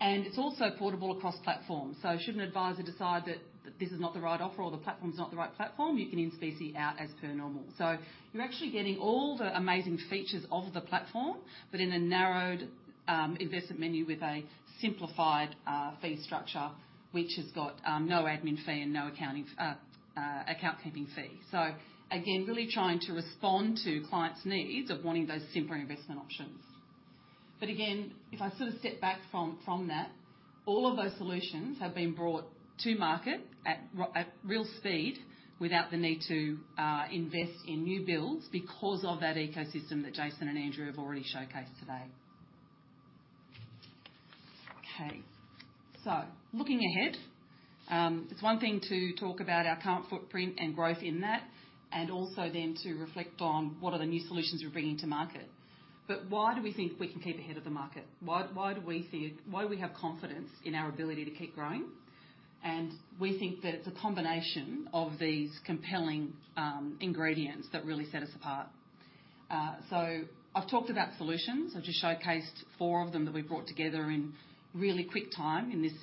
And it's also portable across platforms. So should an advisor decide that this is not the right offer or the platform is not the right platform, you can in specie out as per normal. So you're actually getting all the amazing features of the platform, but in a narrowed investment menu with a simplified fee structure, which has got no admin fee and no accounting account keeping fee. So again, really trying to respond to clients' needs of wanting those simpler investment options. But again, if I sort of step back from that, all of those solutions have been brought to market at real speed without the need to invest in new builds because of that ecosystem that Jason and Andrew have already showcased today. Okay, so looking ahead, it's one thing to talk about our current footprint and growth in that, and also then to reflect on what are the new solutions we're bringing to market. But why do we think we can keep ahead of the market? Why do we think we have confidence in our ability to keep growing? And we think that it's a combination of these compelling ingredients that really set us apart. So I've talked about solutions. I've just showcased four of them that we've brought together in really quick time in this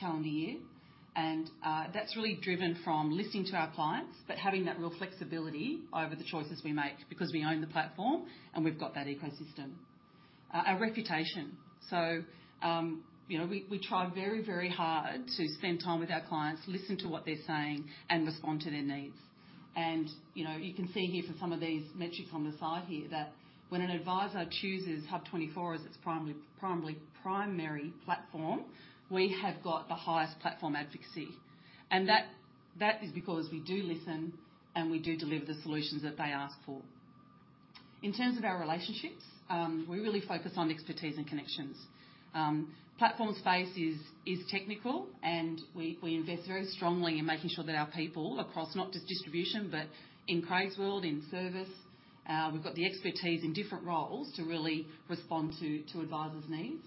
calendar year. And that's really driven from listening to our clients, but having that real flexibility over the choices we make, because we own the platform, and we've got that ecosystem. Our reputation. So, you know, we try very, very hard to spend time with our clients, listen to what they're saying, and respond to their needs. You know, you can see here for some of these metrics on the side here, that when an advisor chooses HUB24 as its primary platform, we have got the highest platform advocacy. And that is because we do listen, and we do deliver the solutions that they ask for. In terms of our relationships, we really focus on expertise and connections. Platform space is technical, and we invest very strongly in making sure that our people across not just distribution, but in Craig's world, in service, we've got the expertise in different roles to really respond to advisors' needs.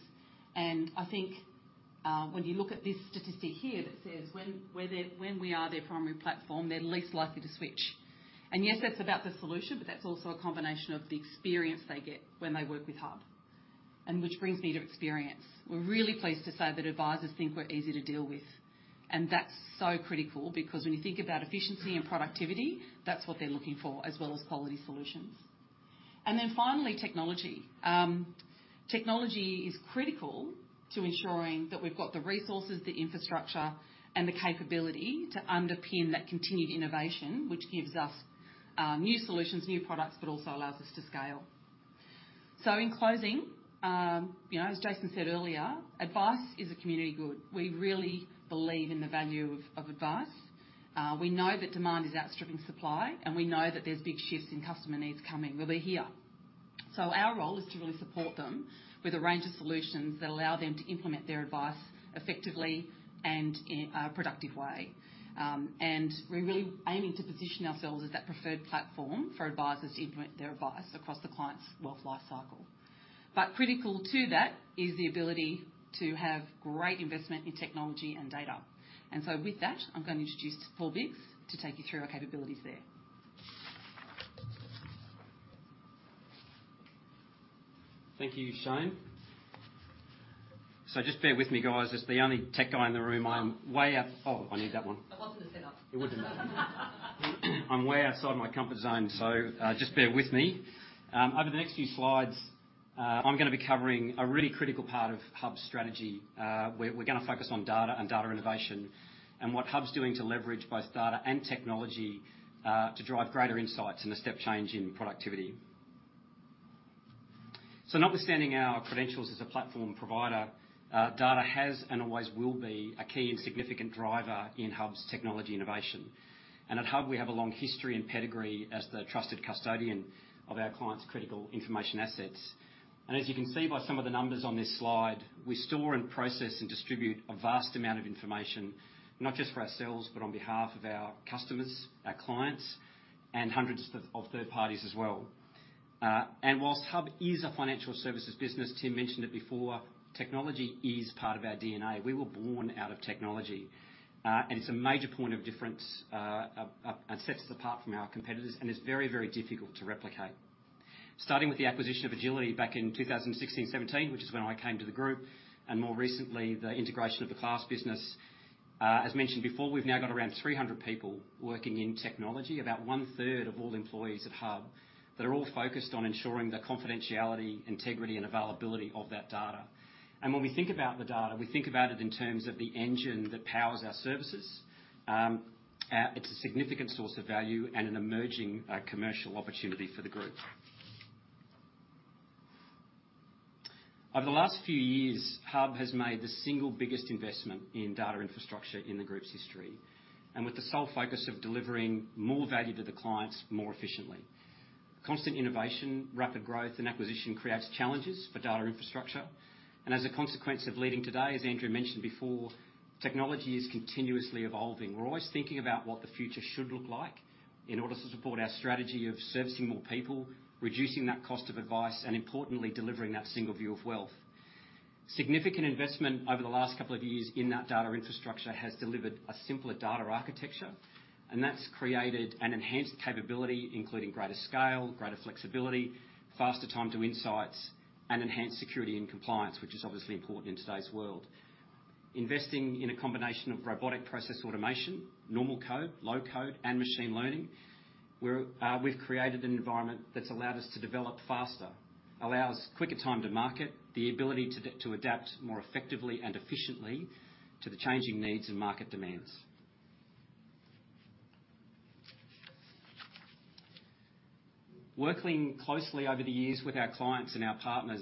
I think, when you look at this statistic here that says, when we are their primary platform, they're less likely to switch. And yes, that's about the solution, but that's also a combination of the experience they get when they work with Hub. And which brings me to experience. We're really pleased to say that advisors think we're easy to deal with, and that's so critical, because when you think about efficiency and productivity, that's what they're looking for, as well as quality solutions. And then finally, technology. Technology is critical to ensuring that we've got the resources, the infrastructure, and the capability to underpin that continued innovation, which gives us, new solutions, new products, but also allows us to scale. So in closing, you know, as Jason said earlier, advice is a community good. We really believe in the value of advice. We know that demand is outstripping supply, and we know that there's big shifts in customer needs coming. Well, they're here. So our role is to really support them with a range of solutions that allow them to implement their advice effectively and in a productive way. And we're really aiming to position ourselves as that preferred platform for advisors to implement their advice across the client's wealth lifecycle. But critical to that is the ability to have great investment in technology and data. And so with that, I'm going to introduce Paul Biggs to take you through our capabilities there. Thank you, Chesne. So just bear with me, guys. As the only tech guy in the room, I'm way out... Oh, I need that one. It wasn't. I'm way outside my comfort zone, so just bear with me. Over the next few slides, I'm gonna be covering a really critical part of Hub's strategy. We're gonna focus on data and data innovation, and what Hub's doing to leverage both data and technology to drive greater insights and a step change in productivity. So notwithstanding our credentials as a platform provider, data has and always will be a key and significant driver in Hub's technology innovation. And at Hub, we have a long history and pedigree as the trusted custodian of our clients' critical information assets. As you can see by some of the numbers on this slide, we store and process and distribute a vast amount of information, not just for ourselves, but on behalf of our customers, our clients, and hundreds of third parties as well. And while Hub is a financial services business, Tim mentioned it before, technology is part of our DNA. We were born out of technology, and it's a major point of difference, and sets us apart from our competitors, and it's very, very difficult to replicate. Starting with the acquisition of Agility back in 2016-17, which is when I came to the group, and more recently, the integration of the Class business. As mentioned before, we've now got around 300 people working in technology, about one-third of all employees at Hub. They're all focused on ensuring the confidentiality, integrity, and availability of that data. And when we think about the data, we think about it in terms of the engine that powers our services. It's a significant source of value and an emerging commercial opportunity for the group. Over the last few years, HUB24 has made the single biggest investment in data infrastructure in the group's history, and with the sole focus of delivering more value to the clients more efficiently. Constant innovation, rapid growth, and acquisition creates challenges for data infrastructure, and as a consequence of leading today, as Andrew mentioned before, technology is continuously evolving. We're always thinking about what the future should look like in order to support our strategy of servicing more people, reducing that cost of advice, and importantly, delivering that single view of wealth. Significant investment over the last couple of years in that data infrastructure has delivered a simpler data architecture, and that's created an enhanced capability, including greater scale, greater flexibility, faster time to insights, and enhanced security and compliance, which is obviously important in today's world. Investing in a combination of robotic process automation, normal code, low code, and machine learning, we're, we've created an environment that's allowed us to develop faster, allows quicker time to market, the ability to adapt more effectively and efficiently to the changing needs and market demands. Working closely over the years with our clients and our partners,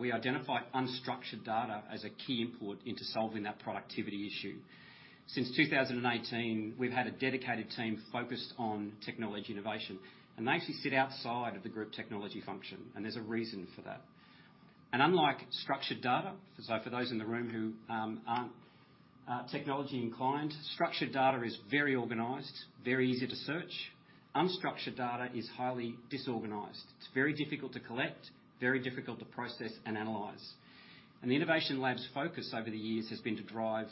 we identified unstructured data as a key input into solving that productivity issue. Since 2018, we've had a dedicated team focused on technology innovation, and they actually sit outside of the group technology function, and there's a reason for that. And unlike structured data, so for those in the room who aren't technology inclined, structured data is very organized, very easy to search. Unstructured data is highly disorganized. It's very difficult to collect, very difficult to process and analyze. And the Innovation Lab's focus over the years has been to drive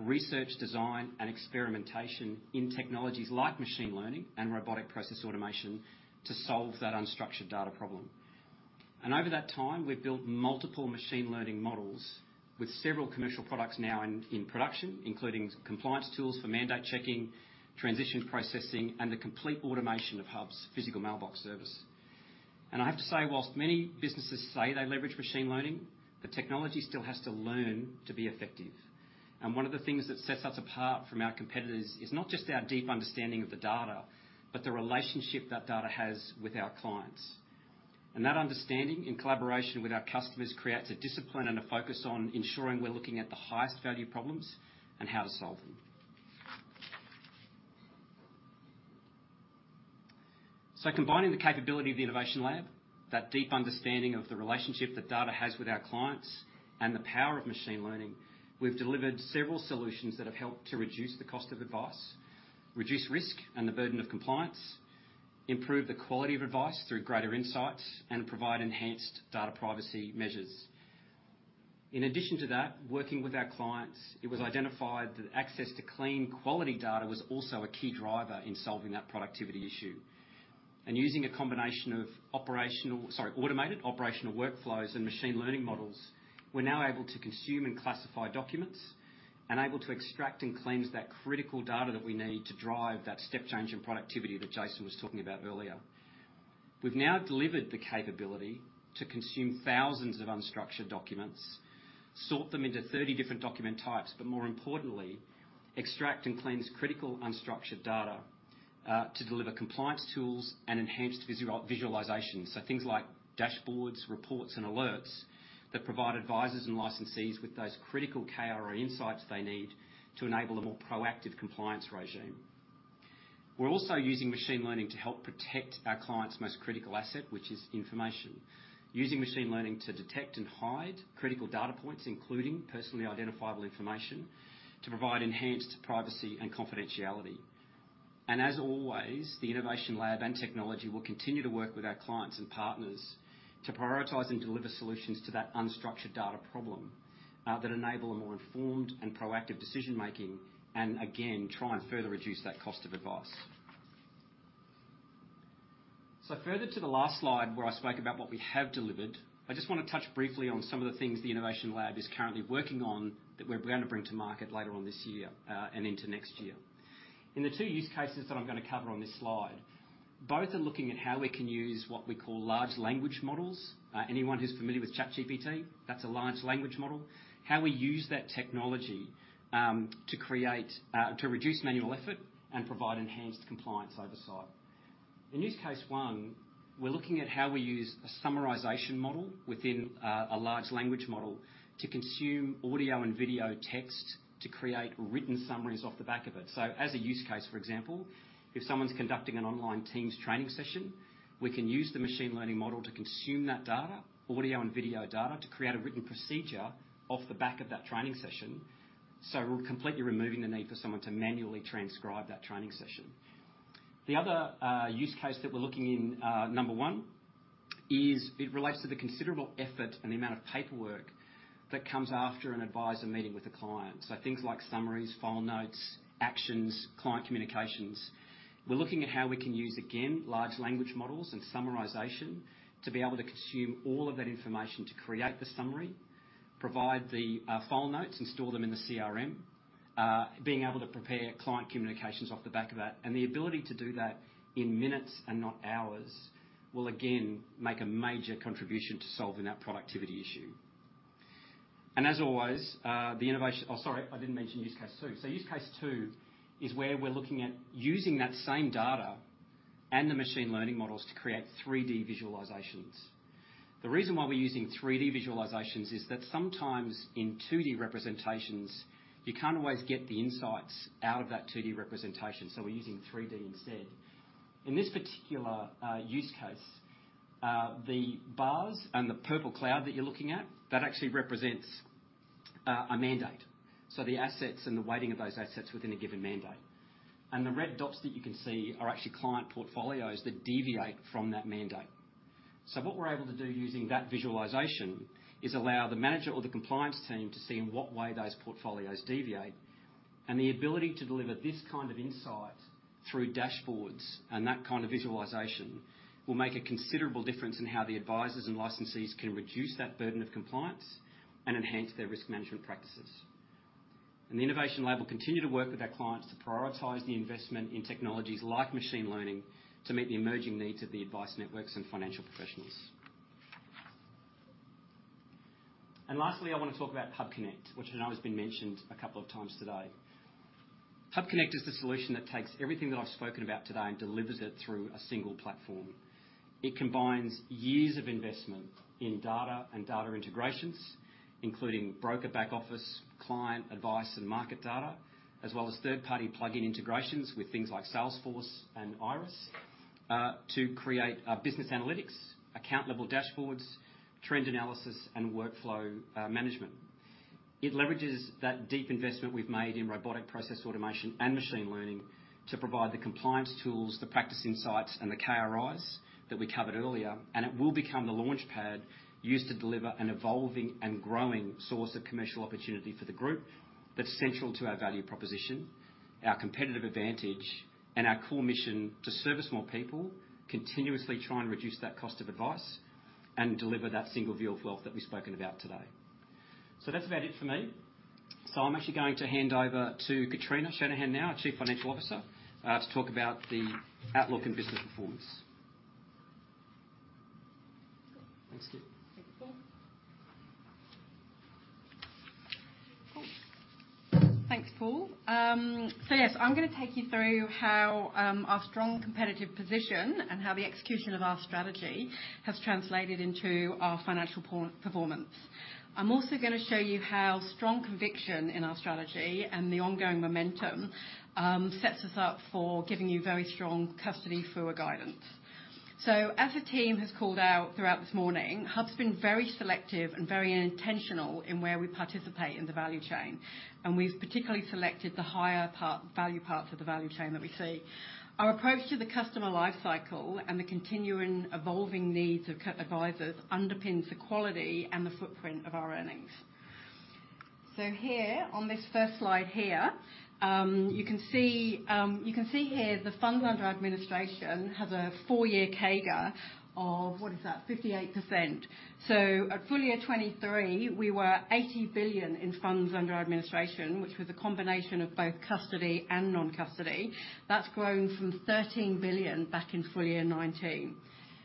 research, design, and experimentation in technologies like machine learning and robotic process automation to solve that unstructured data problem. And over that time, we've built multiple machine learning models with several commercial products now in production, including compliance tools for mandate checking, transition processing, and the complete automation of Hub's physical mailbox service. And I have to say, whilst many businesses say they leverage machine learning, the technology still has to learn to be effective. One of the things that sets us apart from our competitors is not just our deep understanding of the data, but the relationship that data has with our clients. That understanding and collaboration with our customers creates a discipline and a focus on ensuring we're looking at the highest value problems and how to solve them. Combining the capability of the Innovation Lab, that deep understanding of the relationship that data has with our clients, and the power of machine learning, we've delivered several solutions that have helped to reduce the cost of advice, reduce risk and the burden of compliance, improve the quality of advice through greater insights, and provide enhanced data privacy measures. In addition to that, working with our clients, it was identified that access to clean, quality data was also a key driver in solving that productivity issue. Using a combination of automated operational workflows and machine learning models, we're now able to consume and classify documents and able to extract and cleanse that critical data that we need to drive that step change in productivity that Jason was talking about earlier. We've now delivered the capability to consume thousands of unstructured documents, sort them into 30 different document types, but more importantly, extract and cleanse critical unstructured data to deliver compliance tools and enhanced visualizations. So things like dashboards, reports, and alerts that provide advisors and licensees with those critical KRI insights they need to enable a more proactive compliance regime. We're also using machine learning to help protect our clients' most critical asset, which is information. Using machine learning to detect and hide critical data points, including personally identifiable information, to provide enhanced privacy and confidentiality. As always, the Innovatio Lab and Technology will continue to work with our clients and partners to prioritize and deliver solutions to that unstructured data problem that enable a more informed and proactive decision making, and again, try and further reduce that cost of advice. Further to the last slide, where I spoke about what we have delivered, I just want to touch briefly on some of the things the Innovation Lab is currently working on that we're going to bring to market later on this year and into next year. In the two use cases that I'm gonna cover on this slide, both are looking at how we can use what we call large language models. Anyone who's familiar with ChatGPT, that's a large language model. How we use that technology to create to reduce manual effort and provide enhanced compliance oversight. In use case one, we're looking at how we use a summarization model within a large language model to consume audio and video text, to create written summaries off the back of it. So as a use case, for example, if someone's conducting an online Teams training session, we can use the Machine Learning model to consume that data, audio and video data, to create a written procedure off the back of that training session, so completely removing the need for someone to manually transcribe that training session. The other use case that we're looking into is how it relates to the considerable effort and the amount of paperwork that comes after an advisor meeting with a client. So things like summaries, file notes, actions, client communications. We're looking at how we can use, again, large language models and summarization to be able to consume all of that information, to create the summary, provide the file notes, and store them in the CRM. Being able to prepare client communications off the back of that, and the ability to do that in minutes and not hours, will again make a major contribution to solving that productivity issue. And as always, the innovation... Oh, sorry, I didn't mention use case two. So use case two is where we're looking at using that same data and the machine learning models to create 3D visualizations. The reason why we're using 3D visualizations is that sometimes in 2D representations, you can't always get the insights out of that 2D representation, so we're using 3D instead. In this particular use case, the bars and the purple cloud that you're looking at, that actually represents a mandate. So the assets and the weighting of those assets within a given mandate. And the red dots that you can see are actually client portfolios that deviate from that mandate. So what we're able to do using that visualization is allow the manager or the compliance team to see in what way those portfolios deviate. And the ability to deliver this kind of insight through dashboards and that kind of visualization will make a considerable difference in how the advisors and licensees can reduce that burden of compliance and enhance their risk management practices. And the Innovation Lab will continue to work with our clients to prioritize the investment in technologies like machine learning, to meet the emerging needs of the advice networks and financial professionals. Lastly, I want to talk about HUBconnect, which I know has been mentioned a couple of times today. HUBconnect is the solution that takes everything that I've spoken about today and delivers it through a single platform. It combines years of investment in data and data integrations, including broker back office, client advice, and market data, as well as third-party plugin integrations with things like Salesforce and Iress, to create business analytics, account level dashboards, trend analysis, and workflow management. It leverages that deep investment we've made in robotic process automation and machine learning to provide the compliance tools, the practice insights, and the KRIs that we covered earlier. It will become the launchpad used to deliver an evolving and growing source of commercial opportunity for the group, that's central to our value proposition, our competitive advantage, and our core mission to service more people, continuously try and reduce that cost of advice, and deliver that single view of wealth that we've spoken about today. That's about it for me. I'm actually going to hand over to Kitrina Shanahan now, our Chief Financial Officer, to talk about the outlook and business performance. Thanks, Kate. Thank you, Paul. Cool. Thanks, Paul. So yes, I'm gonna take you through how our strong competitive position and how the execution of our strategy has translated into our financial performance. I'm also gonna show you how strong conviction in our strategy and the ongoing momentum sets us up for giving you very strong custody forward guidance. So as the team has called out throughout this morning, HUB24's been very selective and very intentional in where we participate in the value chain, and we've particularly selected the higher value parts of the value chain that we see. Our approach to the customer life cycle and the continuing evolving needs of advisors underpins the quality and the footprint of our earnings. So here, on this first slide here, you can see, you can see here the funds under administration have a four-year CAGR of... What is that? 58%. So at full year 2023, we were 80 billion in funds under administration, which was a combination of both custody and non-custody. That's grown from 13 billion back in full year 2019.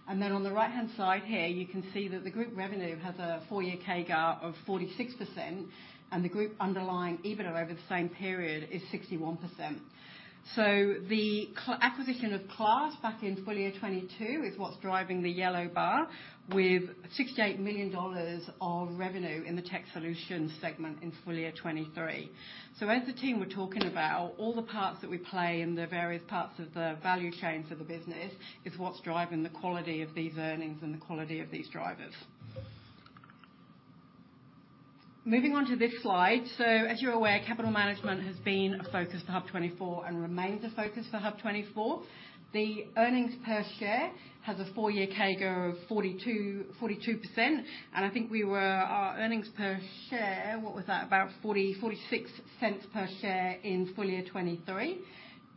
And then on the right-hand side here, you can see that the group revenue has a four-year CAGR of 46%, and the group underlying EBITDA over the same period is 61%. So the acquisition of Class back in full year 2022 is what's driving the yellow bar, with 68 million dollars of revenue in the tech solutions segment in full year 2023. So as the team were talking about, all the parts that we play in the various parts of the value chains of the business, is what's driving the quality of these earnings and the quality of these drivers. Moving on to this slide. So as you're aware, capital management has been a focus for HUB24 and remains a focus for HUB24. The earnings per share has a four-year CAGR of 42, 42%, and I think we were, earnings per share, what was that? About 0.46 per share in full year 2023.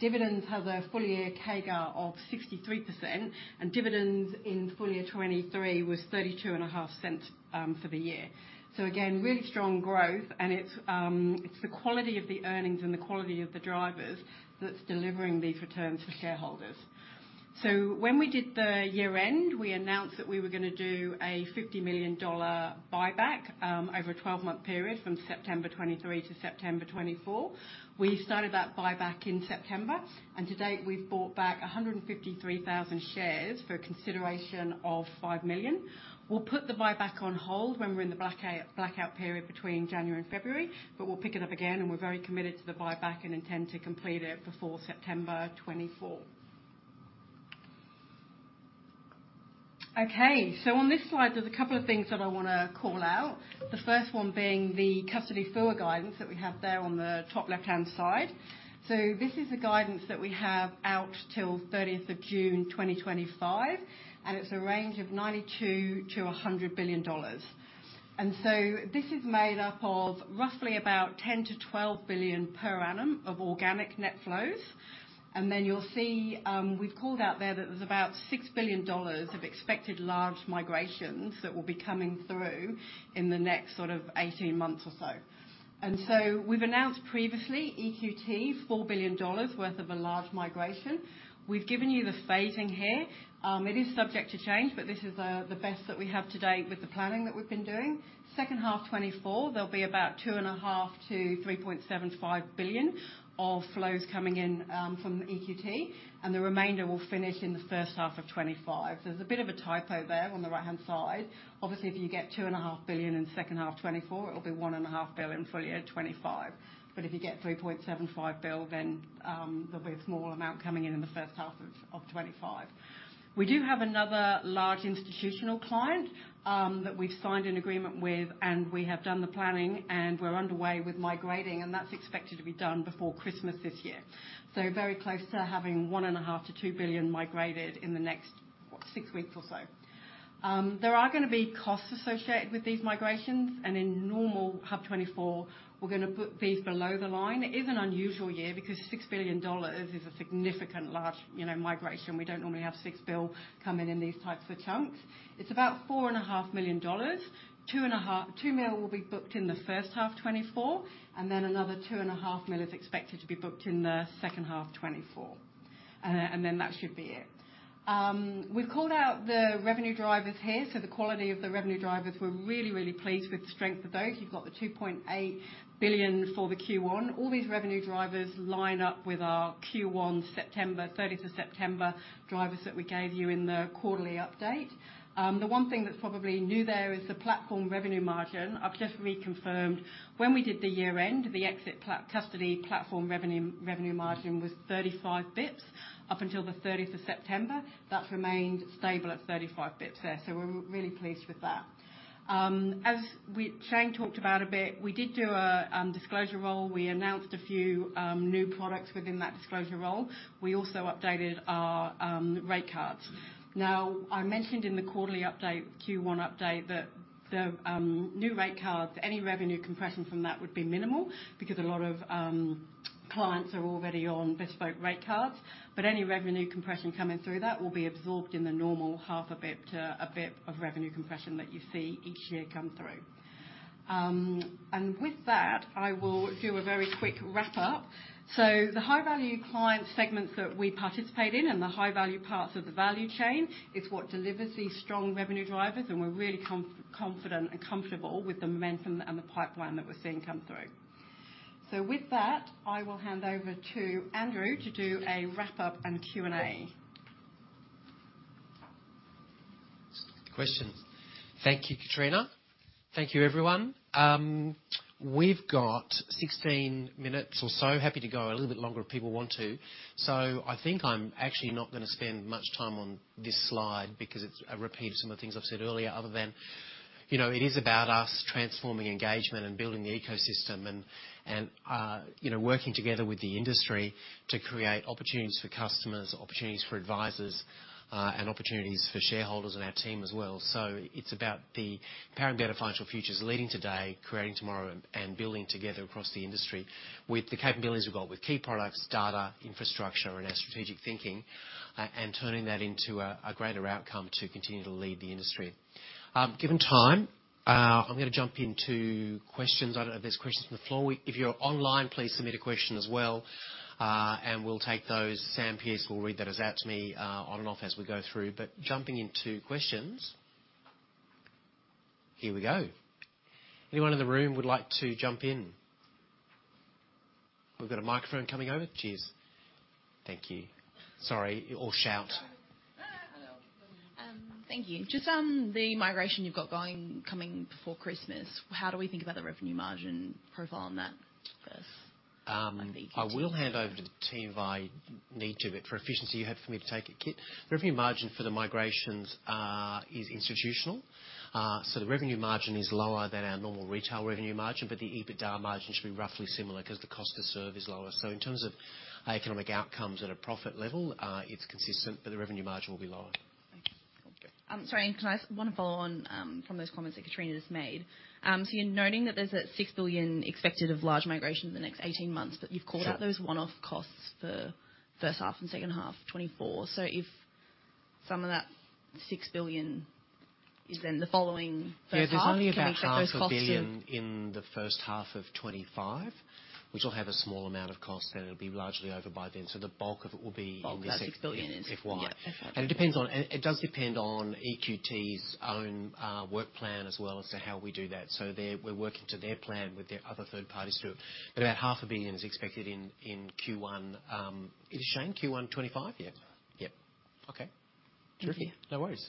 Dividends have a full year CAGR of 63%, and dividends in full year 2023 was 0.325, for the year. So again, really strong growth, and it's the quality of the earnings and the quality of the drivers that's delivering these returns for shareholders.... So when we did the year-end, we announced that we were gonna do an 50 million dollar buyback over a 12-month period from September 2023 to September 2024. We started that buyback in September, and to date, we've bought back 153,000 shares for a consideration of 5 million. We'll put the buyback on hold when we're in the blackout period between January and February, but we'll pick it up again, and we're very committed to the buyback and intend to complete it before September 2024. Okay, so on this slide, there's a couple of things that I wanna call out. The first one being the custody flow guidance that we have there on the top left-hand side. So this is the guidance that we have out till 30th of June 2025, and it's a range of 92 billion-100 billion dollars. And so this is made up of roughly about 10 billion-12 billion per annum of organic net flows. And then you'll see, we've called out there that there's about 6 billion dollars of expected large migrations that will be coming through in the next sort of 18 months or so. And so we've announced previously, EQT, 4 billion dollars worth of a large migration. We've given you the phasing here. It is subject to change, but this is the best that we have to date with the planning that we've been doing. Second half 2024, there'll be about 2.5-3.75 billion of flows coming in from EQT, and the remainder will finish in the first half of 2025. There's a bit of a typo there on the right-hand side. Obviously, if you get 2.5 billion in second half 2024, it'll be 1.5 billion in full year 2025. But if you get 3.75 billion, then there'll be a small amount coming in in the first half of 2025. We do have another large institutional client that we've signed an agreement with, and we have done the planning, and we're underway with migrating, and that's expected to be done before Christmas this year. So very close to having 1.5 billion-2 billion migrated in the next, what, six weeks or so. There are gonna be costs associated with these migrations, and in normal half 2024, we're gonna put these below the line. It is an unusual year because 6 billion dollars is a significant large, you know, migration. We don't normally have 6 billion coming in these types of chunks. It's about 4.5 million dollars. 2.5 million will be booked in the first half 2024, and then another 2.5 million is expected to be booked in the second half 2024. And then that should be it. We've called out the revenue drivers here, so the quality of the revenue drivers, we're really, really pleased with the strength of those. You've got the 2.8 billion for the Q1. All these revenue drivers line up with our Q1, September, thirtieth of September, drivers that we gave you in the quarterly update. The one thing that's probably new there is the platform revenue margin. I've just reconfirmed. When we did the year end, the exit platform custody platform revenue revenue margin was 35 basis points. Up until the thirtieth of September, that's remained stable at 35 bps there, so we're really pleased with that. As Chesne talked about a bit, we did do a disclosure role. We announced a few new products within that disclosure role. We also updated our rate cards. Now, I mentioned in the quarterly update, Q1 update, that the new rate cards, any revenue compression from that would be minimal because a lot of clients are already on bespoke rate cards, but any revenue compression coming through that will be absorbed in the normal half a bp to a bp of revenue compression that you see each year come through. And with that, I will do a very quick wrap-up. So the high-value client segments that we participate in and the high-value parts of the value chain is what delivers these strong revenue drivers, and we're really confident and comfortable with the momentum and the pipeline that we're seeing come through. So with that, I will hand over to Andrew to do a wrap-up and Q&A. Questions. Thank you, Kitrina. Thank you, everyone. We've got 16 minutes or so. Happy to go a little bit longer if people want to. So I think I'm actually not gonna spend much time on this slide because it's a repeat of some of the things I've said earlier, other than, you know, it is about us transforming engagement and building the ecosystem and, you know, working together with the industry to create opportunities for customers, opportunities for advisors, and opportunities for shareholders and our team as well. So it's about the Powering Better Financial Futures, leading today, creating tomorrow, and building together across the industry with the capabilities we've got with key products, data, infrastructure, and our strategic thinking, and turning that into a greater outcome to continue to lead the industry. Given time, I'm gonna jump into questions. I don't know if there's questions from the floor. If you're online, please submit a question as well, and we'll take those. Sam Pierce will read that out to me on and off as we go through. But jumping into questions... Here we go. Anyone in the room would like to jump in? We've got a microphone coming over. Cheers. Thank you. Sorry, or shout. Hello. Thank you. Just on the migration you've got going, coming before Christmas, how do we think about the revenue margin profile on that first, on the EQT? I will hand over to the team if I need to, but for efficiency, you're happy for me to take it, Kit? The revenue margin for the migrations is institutional. So the revenue margin is lower than our normal retail revenue margin, but the EBITDA margin should be roughly similar 'cause the cost to serve is lower. So in terms of economic outcomes at a profit level, it's consistent, but the revenue margin will be lower. Thank you. Okay. Sorry, can I—I wanna follow on from those comments that Kitrina just made. So you're noting that there's 6 billion expected of large migration in the next 18 months, but you've called- Sure. -out those one-off costs for first half and second half 2024. So if some of that 6 billion-... is then the following first half? Yeah, there's only about 500 million in the first half of 2025, which will have a small amount of costs, and it'll be largely over by then. So the bulk of it will be in- Bulk of that AUD 6 billion is- -FY. Yeah, that's right. It depends on, it does depend on EQT's own work plan as well as to how we do that. So they're, we're working to their plan with their other third parties, too. But about 500 million is expected in Q1 2025, is it Chesne? Yep. Yep. Okay. Terrific. No worries.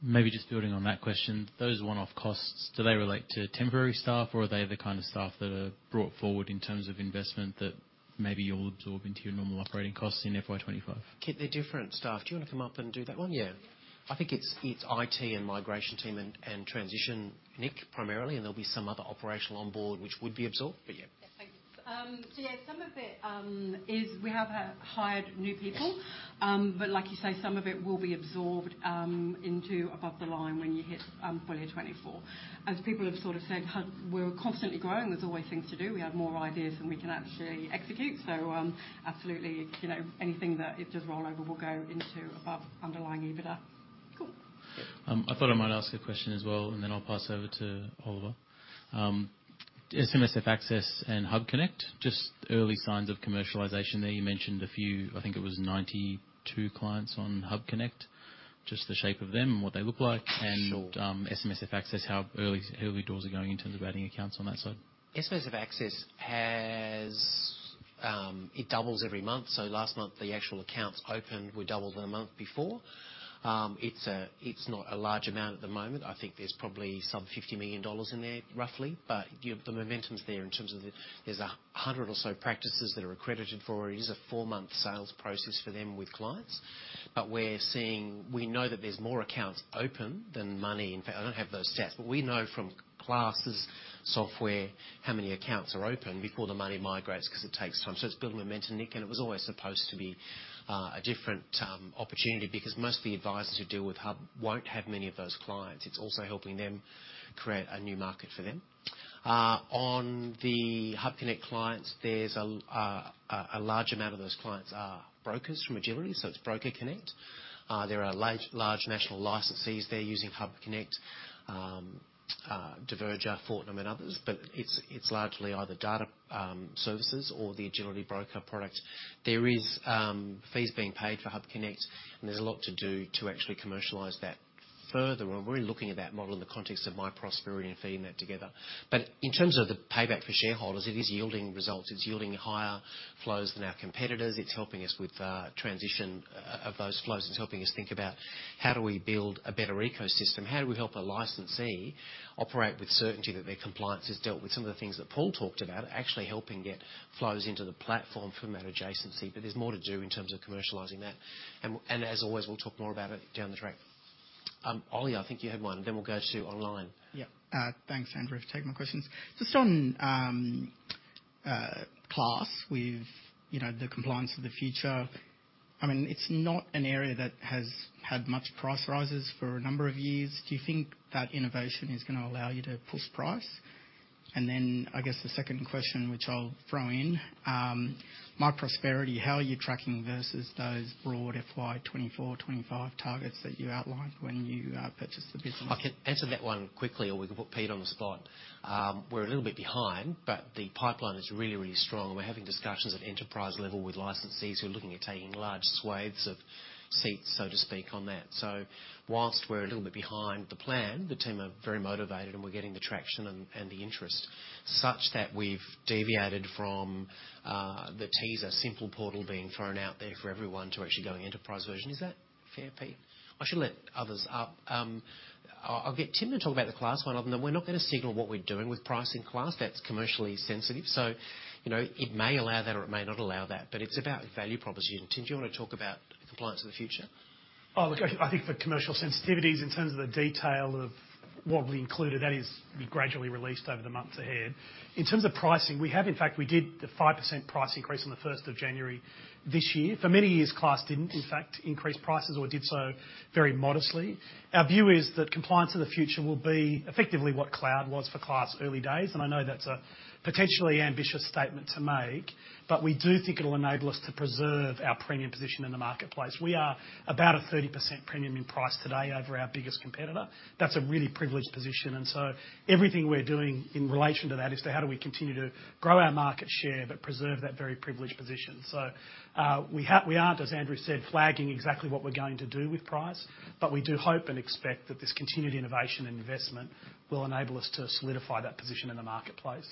Maybe just building on that question, those one-off costs, do they relate to temporary staff, or are they the kind of staff that are brought forward in terms of investment that maybe you'll absorb into your normal operating costs in FY 2025? Kit, they're different staff. Do you want to come up and do that one? Yeah. I think it's IT and migration team and transition, Nick, primarily, and there'll be some other operational onboard, which would be absorbed, but yeah. Yeah, thanks. So yeah, some of it is we have hired new people. But like you say, some of it will be absorbed into above the line when you hit full year 2024. As people have sort of said, huh, we're constantly growing. There's always things to do. We have more ideas than we can actually execute. So absolutely, you know, anything that it does roll over will go into above underlying EBITDA. Cool. I thought I might ask a question as well, and then I'll pass over to Oliver. SMSF Access and HUBconnect, just early signs of commercialization there. You mentioned a few, I think it was 92 clients on HUBconnect, just the shape of them and what they look like. Sure. SMSF Access, how early doors are going in terms of adding accounts on that side? SMSF Access has... It doubles every month, so last month, the actual accounts opened were doubled than the month before. It's not a large amount at the moment. I think there's probably some 50 million dollars in there, roughly, but the momentum's there in terms of the... There's 100 or so practices that are accredited for it. It is a four-month sales process for them with clients. But we're seeing-- we know that there's more accounts open than money. In fact, I don't have those stats, but we know from Class's software how many accounts are open before the money migrates, because it takes time. So it's building momentum, Nick, and it was always supposed to be a different opportunity because most of the advisors who deal with Hub won't have many of those clients. It's also helping them create a new market for them. On the HUBconnect clients, there's a large amount of those clients are brokers from Agility, so it's Broker Connect. There are large, large national licensees there using HUBconnect, Diverger, Fortnum, and others, but it's, it's largely either data services or the Agility broker product. There is fees being paid for HUBconnect, and there's a lot to do to actually commercialize that further. And we're looking at that model in the context of myprosperity and feeding that together. But in terms of the payback for shareholders, it is yielding results. It's yielding higher flows than our competitors. It's helping us with transition of those flows. It's helping us think about: How do we build a better ecosystem? How do we help a licensee operate with certainty that their compliance is dealt with? Some of the things that Paul talked about, actually helping get flows into the platform from that adjacency. But there's more to do in terms of commercializing that. And, as always, we'll talk more about it down the track. Ollie, I think you had one, and then we'll go to online. Yep. Thanks, Andrew, for taking my questions. Just on, Class with, you know, the Compliance of the Future, I mean, it's not an area that has had much price rises for a number of years. Do you think that innovation is going to allow you to push price? And then, I guess the second question, which I'll throw in, myprosperity, how are you tracking versus those broad FY 2024, 2025 targets that you outlined when you purchased the business? I can answer that one quickly, or we can put Pete on the spot. We're a little bit behind, but the pipeline is really, really strong, and we're having discussions at enterprise level with licensees who are looking at taking large swathes of seats, so to speak, on that. So whilst we're a little bit behind the plan, the team are very motivated, and we're getting the traction and, and the interest, such that we've deviated from, the teaser simple portal being thrown out there for everyone to actually going enterprise version. Is that fair, Pete? I should let others up. I'll get Tim to talk about the Class one of them. We're not going to signal what we're doing with pricing Class. That's commercially sensitive, so, you know, it may allow that or it may not allow that, but it's about value proposition. Tim, do you want to talk about Compliance of the Future? Oh, look, I, I think for commercial sensitivities, in terms of the detail of what we included, that is be gradually released over the months ahead. In terms of pricing, we have in fact, we did the 5% price increase on the first of January this year. For many years, Class didn't, in fact, increase prices or did so very modestly. Our view is that Compliance of the Future will be effectively what cloud was for Class early days, and I know that's a potentially ambitious statement to make, but we do think it'll enable us to preserve our premium position in the marketplace. We are about a 30% premium in price today over our biggest competitor. That's a really privileged position, and so everything we're doing in relation to that is to how do we continue to grow our market share but preserve that very privileged position. So, we aren't, as Andrew said, flagging exactly what we're going to do with price, but we do hope and expect that this continued innovation and investment will enable us to solidify that position in the marketplace,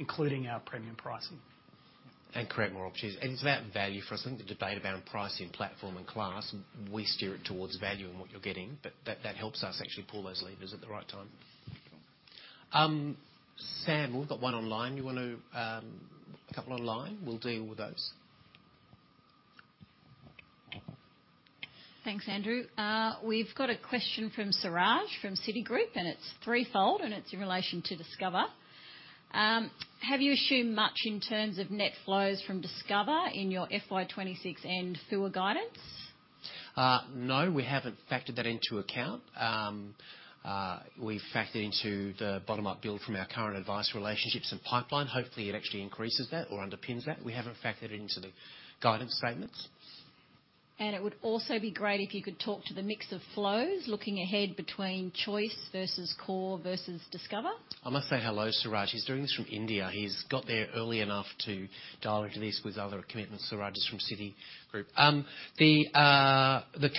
including our premium pricing. And create more opportunities. And it's about value for us. I think the debate about pricing, platform, and Class, we steer it towards value and what you're getting, but that, that helps us actually pull those levers at the right time. Sam, we've got one online. You want to, a couple online? We'll deal with those. Thanks, Andrew. We've got a question from Suraj from Citigroup, and it's threefold, and it's in relation to Discover. Have you assumed much in terms of net flows from Discover in your FY 2026 and full year guidance? No, we haven't factored that into account. We've factored into the bottom-up build from our current advice, relationships, and pipeline. Hopefully, it actually increases that or underpins that. We haven't factored it into the guidance statements. ... It would also be great if you could talk to the mix of flows, looking ahead between Choice versus Core versus Discover? I must say hello, Suraj. He's doing this from India. He's got there early enough to dial into this with other commitments. Suraj is from Citigroup.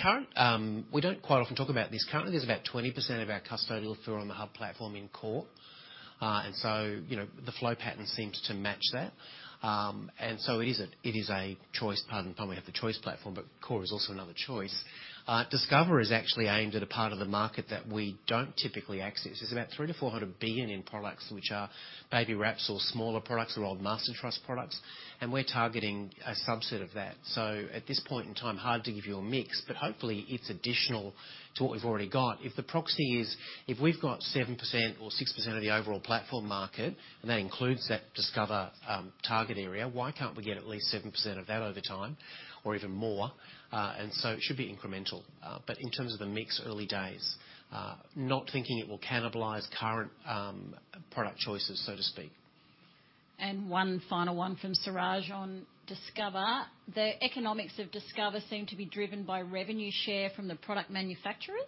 Currently, we don't quite often talk about this. Currently, there's about 20% of our custodial through on the Hub platform in core. And so, you know, the flow pattern seems to match that. And so it is a choice, pardon the pun, we have the choice platform, but core is also another choice. Discover is actually aimed at a part of the market that we don't typically access. There's about 300 billion-400 billion in products, which are baby wraps or smaller products or old master trust products, and we're targeting a subset of that. So at this point in time, hard to give you a mix, but hopefully it's additional to what we've already got. If the proxy is, if we've got 7% or 6% of the overall platform market, and that includes that Discover target area, why can't we get at least 7% of that over time or even more? And so it should be incremental. But in terms of the mix, early days, not thinking it will cannibalize current product choices, so to speak. One final one from Suraj on Discover. The economics of Discover seem to be driven by revenue share from the product manufacturers.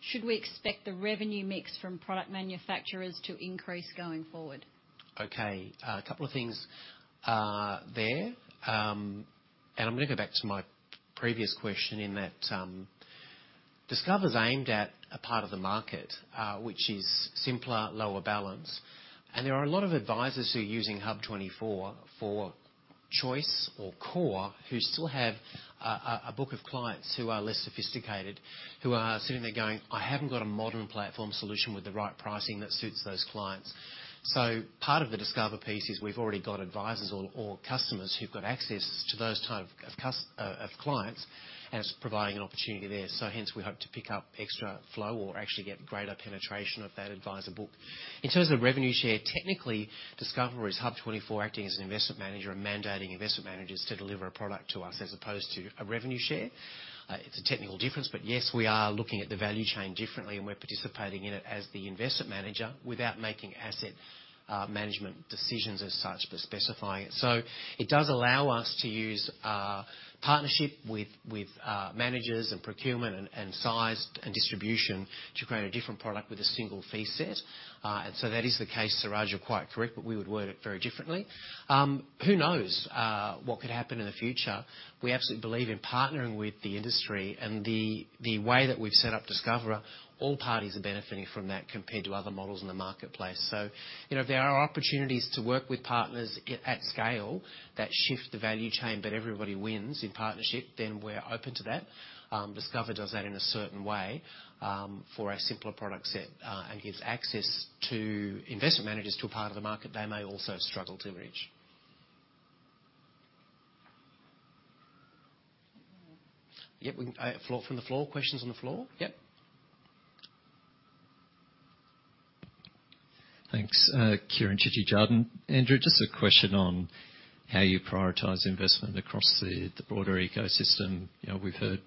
Should we expect the revenue mix from product manufacturers to increase going forward? Okay, a couple of things, there. I'm gonna go back to my previous question in that, Discover's aimed at a part of the market, which is simpler, lower balance. And there are a lot of advisors who are using HUB24 for Choice or Core, who still have a book of clients who are less sophisticated, who are sitting there going, "I haven't got a modern platform solution with the right pricing that suits those clients." So part of the Discover piece is we've already got advisors or customers who've got access to those type of clients, and it's providing an opportunity there. So hence, we hope to pick up extra flow or actually get greater penetration of that advisor book. In terms of revenue share, technically, Discover is HUB24, acting as an investment manager and mandating investment managers to deliver a product to us, as opposed to a revenue share. It's a technical difference, but yes, we are looking at the value chain differently, and we're participating in it as the investment manager without making asset management decisions as such, but specifying it. So it does allow us to use partnership with managers and procurement and size and distribution to create a different product with a single fee set. And so that is the case, Suraj, you're quite correct, but we would word it very differently. Who knows what could happen in the future? We absolutely believe in partnering with the industry and the way that we've set up Discover, all parties are benefiting from that compared to other models in the marketplace. So, you know, if there are opportunities to work with partners at scale that shift the value chain, but everybody wins in partnership, then we're open to that. Discover does that in a certain way, for a simpler product set, and gives access to investment managers to a part of the market they may also struggle to reach. Yep, we... Floor, from the floor, questions on the floor? Yep. Thanks. Kieran Chitty, Jarden. Andrew, just a question on how you prioritize investment across the broader ecosystem. You know, we've heard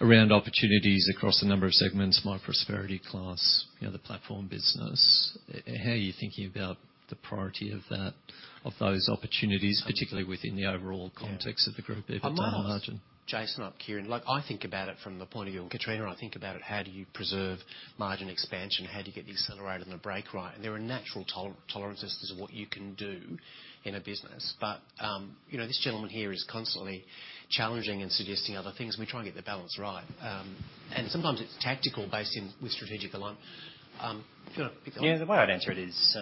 around opportunities across a number of segments, myprosperity, Class, you know, the platform business. How are you thinking about the priority of that, of those opportunities, particularly within the overall context of the group, EBITDA margin? Jason, up, Kieran. Look, I think about it from the point of view of Kitrina. I think about it, how do you preserve margin expansion? How do you get the accelerator and the brake right? And there are natural tolerances as to what you can do in a business. But, you know, this gentleman here is constantly challenging and suggesting other things. We try and get the balance right. And sometimes it's tactical, based in with strategic alignment. Do you want to pick up? Yeah, the way I'd answer it is,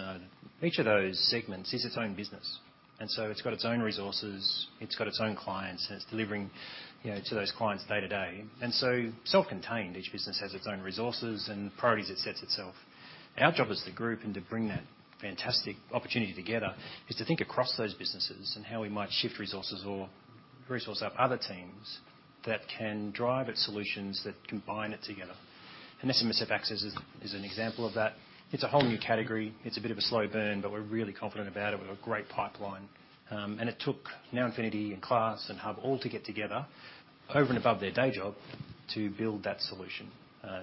each of those segments is its own business, and so it's got its own resources, it's got its own clients, and it's delivering, you know, to those clients day to day. And so, self-contained, each business has its own resources and priorities it sets itself. Our job as the group and to bring that fantastic opportunity together, is to think across those businesses and how we might shift resources or resource up other teams that can drive at solutions that combine it together. And SMSF Access is an example of that. It's a whole new category. It's a bit of a slow burn, but we're really confident about it. We've got a great pipeline. It took NowInfinity and Class and HUB24 all to get together over and above their day job to build that solution,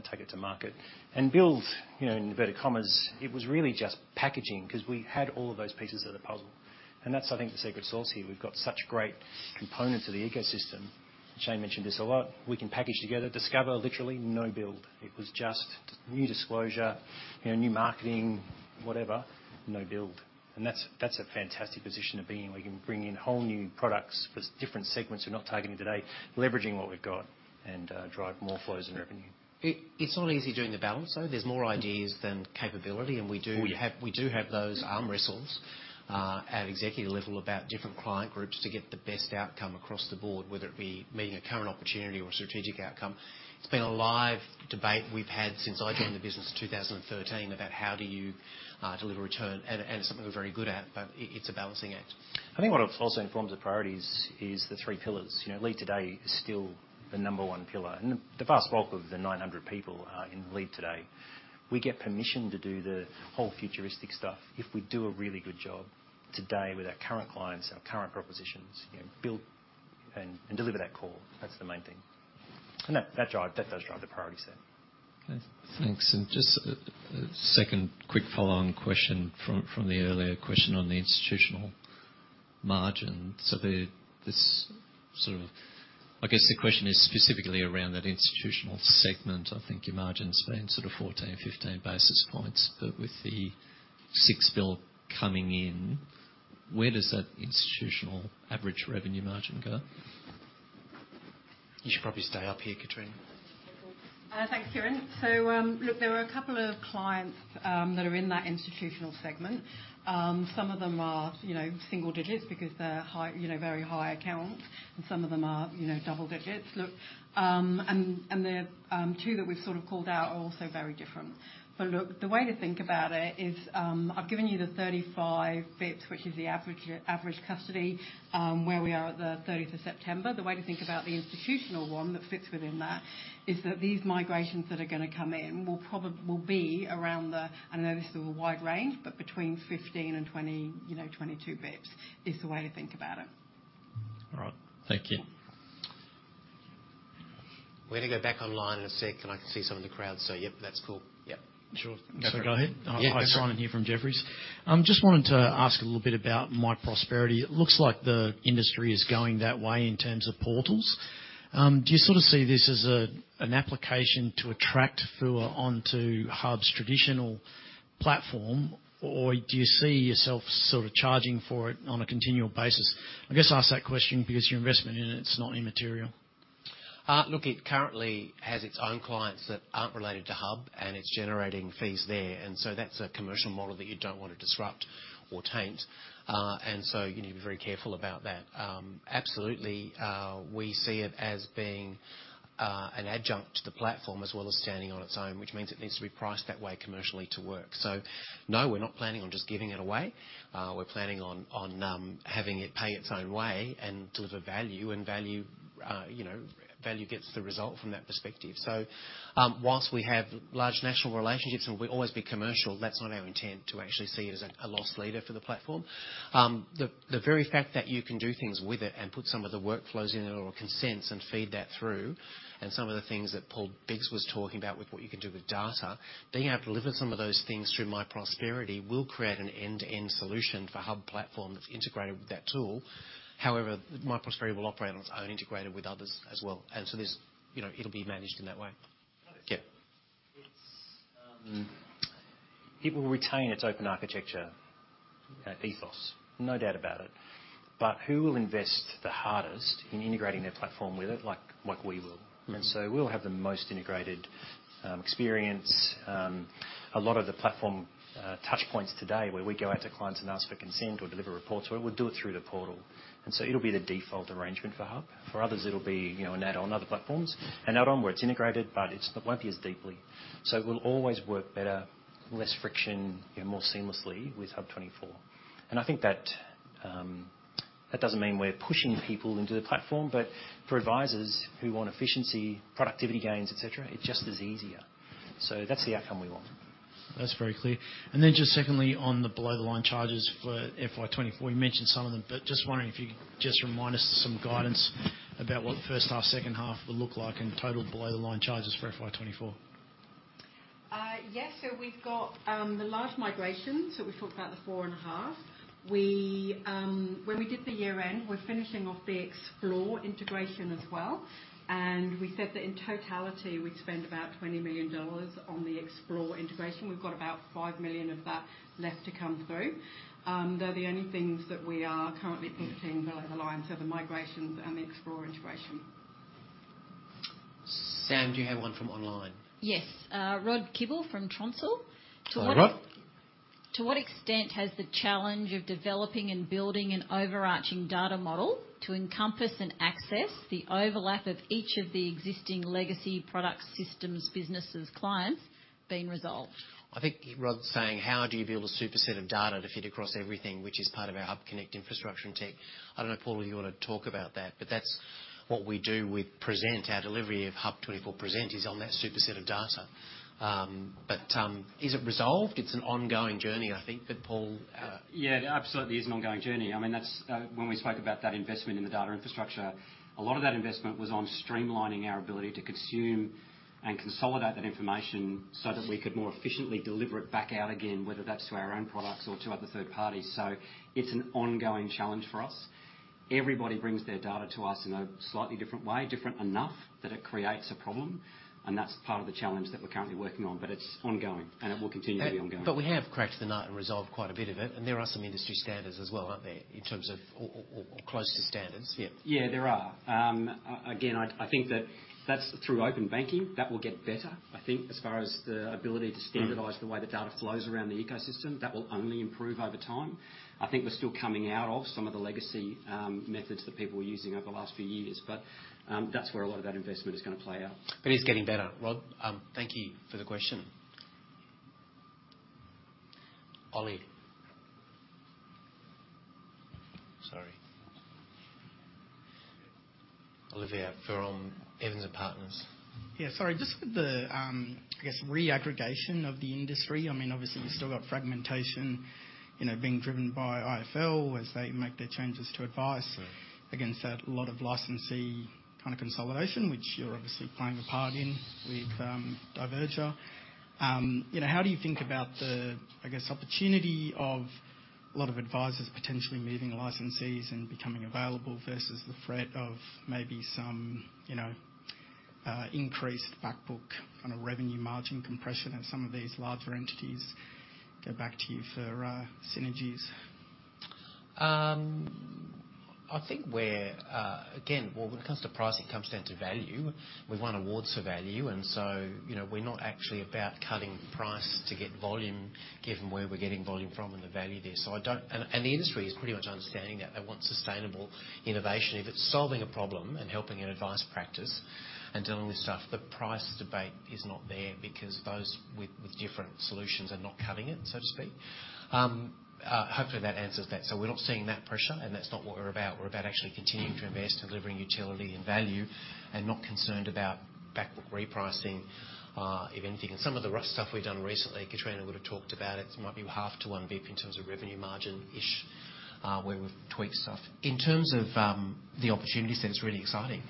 take it to market. And build, you know, in inverted commas, it was really just packaging, 'cause we had all of those pieces of the puzzle. And that's, I think, the secret sauce here. We've got such great components of the ecosystem. Chesne mentioned this a lot. We can package together, Discover, literally no build. It was just new disclosure, you know, new marketing, whatever, no build. And that's, that's a fantastic position to be in, where you can bring in whole new products for different segments we're not targeting today, leveraging what we've got, and drive more flows and revenue. It's not easy doing the balance, though. There's more ideas than capability, and we do- Oh, yeah. We do have those arm wrestles at executive level about different client groups to get the best outcome across the board, whether it be meeting a current opportunity or strategic outcome. It's been a live debate we've had since I joined the business in 2013, about how do you deliver return? And, and it's something we're very good at, but it, it's a balancing act. I think what it also informs the priorities is the 3 pillars. You know, Lead Today is still the number 1 pillar. The vast bulk of the 900 people are in Lead Today. We get permission to do the whole futuristic stuff if we do a really good job today with our current clients, our current propositions, you know, build and deliver that call. That's the main thing. That drive does drive the priority set. Okay, thanks. And just a second quick follow-on question from the earlier question on the institutional margin. So this sort of, I guess, the question is specifically around that institutional segment. I think your margin's been sort of 14, 15 basis points, but with the 6 billion coming in, where does that institutional average revenue margin go? You should probably stay up here, Kitrina. Thanks, Kieran. So, look, there are a couple of clients that are in that institutional segment. Some of them are, you know, single digits because they're high, you know, very high accounts, and some of them are, you know, double digits. Look, and the two that we've sort of called out are also very different. But look, the way to think about it is, I've given you the 35 basis points, which is the average, average custody, where we are at the 30th of September. The way to think about the institutional one that fits within that is that these migrations that are gonna come in will be around the... I know this is a wide range, but between 15 and 20, you know, 22 basis points is the way to think about it. All right. Thank you. We're gonna go back online in a sec, and I can see some of the crowd, so yep, that's cool. Yep. Sure. Go ahead. Yeah. Hi, Simon here from Jefferies. Just wanted to ask a little bit about myprosperity. It looks like the industry is going that way in terms of portals. Do you sort of see this as a, an application to attract FUA onto HUB24's traditional platform, or do you see yourself sort of charging for it on a continual basis? I guess I ask that question because your investment in it, it's not immaterial. Look, it currently has its own clients that aren't related to Hub, and it's generating fees there, and so that's a commercial model that you don't want to disrupt or taint. And so you need to be very careful about that. Absolutely, we see it as being an adjunct to the platform as well as standing on its own, which means it needs to be priced that way commercially to work. So, no, we're not planning on just giving it away. We're planning on having it pay its own way and deliver value. And value, you know, value gets the result from that perspective. Whilst we have large national relationships, and we'll always be commercial, that's not our intent to actually see it as a loss leader for the platform. The very fact that you can do things with it and put some of the workflows in it or consents and feed that through, and some of the things that Paul Biggs was talking about with what you can do with data, being able to deliver some of those things through myprosperity will create an end-to-end solution for HUB24 platform that's integrated with that tool. However, myprosperity will operate on its own, integrated with others as well. And so there's, you know, it'll be managed in that way. Yeah. It will retain its open architecture ethos, no doubt about it. But who will invest the hardest in integrating their platform with it? Like, we will. Mm. And so we'll have the most integrated experience. A lot of the platform touch points today, where we go out to clients and ask for consent or deliver reports, well, we'll do it through the portal, and so it'll be the default arrangement for HUB. For others, it'll be, you know, an add-on other platforms, an add-on where it's integrated, but it's, it won't be as deeply. So it will always work better, less friction, you know, more seamlessly with HUB24. And I think that that doesn't mean we're pushing people into the platform, but for advisors who want efficiency, productivity gains, et cetera, it just is easier. So that's the outcome we want. That's very clear. And then just secondly, on the below-the-line charges for FY 2024, you mentioned some of them, but just wondering if you could just remind us some guidance about what the first half, second half will look like and total below-the-line charges for FY 2024? Yes. So we've got the large migrations that we talked about, the four and a half. We, when we did the year end, we're finishing off the Xplore integration as well, and we said that in totality, we'd spend about 20 million dollars on the Xplore integration. We've got about 5 million of that left to come through. They're the only things that we are currently predicting below the line, so the migrations and the Xplore integration. Sam, do you have one from online? Yes. Rod Kibble from Tronsal. Hello, Rod. To what extent has the challenge of developing and building an overarching data model to encompass and access the overlap of each of the existing legacy product systems, businesses, clients been resolved? I think Rod's saying: How do you build a super set of data to fit across everything which is part of our HUBconnect infrastructure and tech? I don't know, Paul, if you want to talk about that, but that's what we do with Present. Our delivery of HUB24 Present is on that super set of data. Is it resolved? It's an ongoing journey, I think, but Paul, Yeah, it absolutely is an ongoing journey. I mean, that's when we spoke about that investment in the data infrastructure, a lot of that investment was on streamlining our ability to consume and consolidate that information so that we could more efficiently deliver it back out again, whether that's to our own products or to other third parties. So it's an ongoing challenge for us. Everybody brings their data to us in a slightly different way, different enough that it creates a problem, and that's part of the challenge that we're currently working on. But it's ongoing, and it will continue to be ongoing. But we have cracked the nut and resolved quite a bit of it, and there are some industry standards as well, aren't there, in terms of, or close to standards? Yeah. Yeah, there are. Again, I think that that's through Open Banking, that will get better. I think as far as the ability to standardize- Mm... the way the data flows around the ecosystem, that will only improve over time. I think we're still coming out of some of the legacy, methods that people were using over the last few years, but, that's where a lot of that investment is gonna play out. But it's getting better, Rod. Thank you for the question. Ollie. Sorry. Olivia Farrer, Evans & Partners.... Yeah, sorry, just with the, I guess, reaggregation of the industry, I mean, obviously, you've still got fragmentation, you know, being driven by IFL as they make their changes to advice. Against that, a lot of licensee kind of consolidation, which you're obviously playing a part in with Diverger. You know, how do you think about the, I guess, opportunity of a lot of advisors potentially moving licensees and becoming available versus the threat of maybe some, you know, increased back book on a revenue margin compression, and some of these larger entities go back to you for synergies? I think where—again, well, when it comes to price, it comes down to value. We've won awards for value, and so, you know, we're not actually about cutting price to get volume, given where we're getting volume from and the value there. So I don't... And the industry is pretty much understanding that. They want sustainable innovation. If it's solving a problem and helping an advice practice and dealing with stuff, the price debate is not there because those with different solutions are not cutting it, so to speak. Hopefully, that answers that. So we're not seeing that pressure, and that's not what we're about. We're about actually continuing to invest, delivering utility and value, and not concerned about back book repricing, if anything. Some of the rough stuff we've done recently, Kitrina would have talked about it, it might be 0.5-1 BP in terms of revenue margin-ish, where we've tweaked stuff. In terms of the opportunity set, it's really exciting.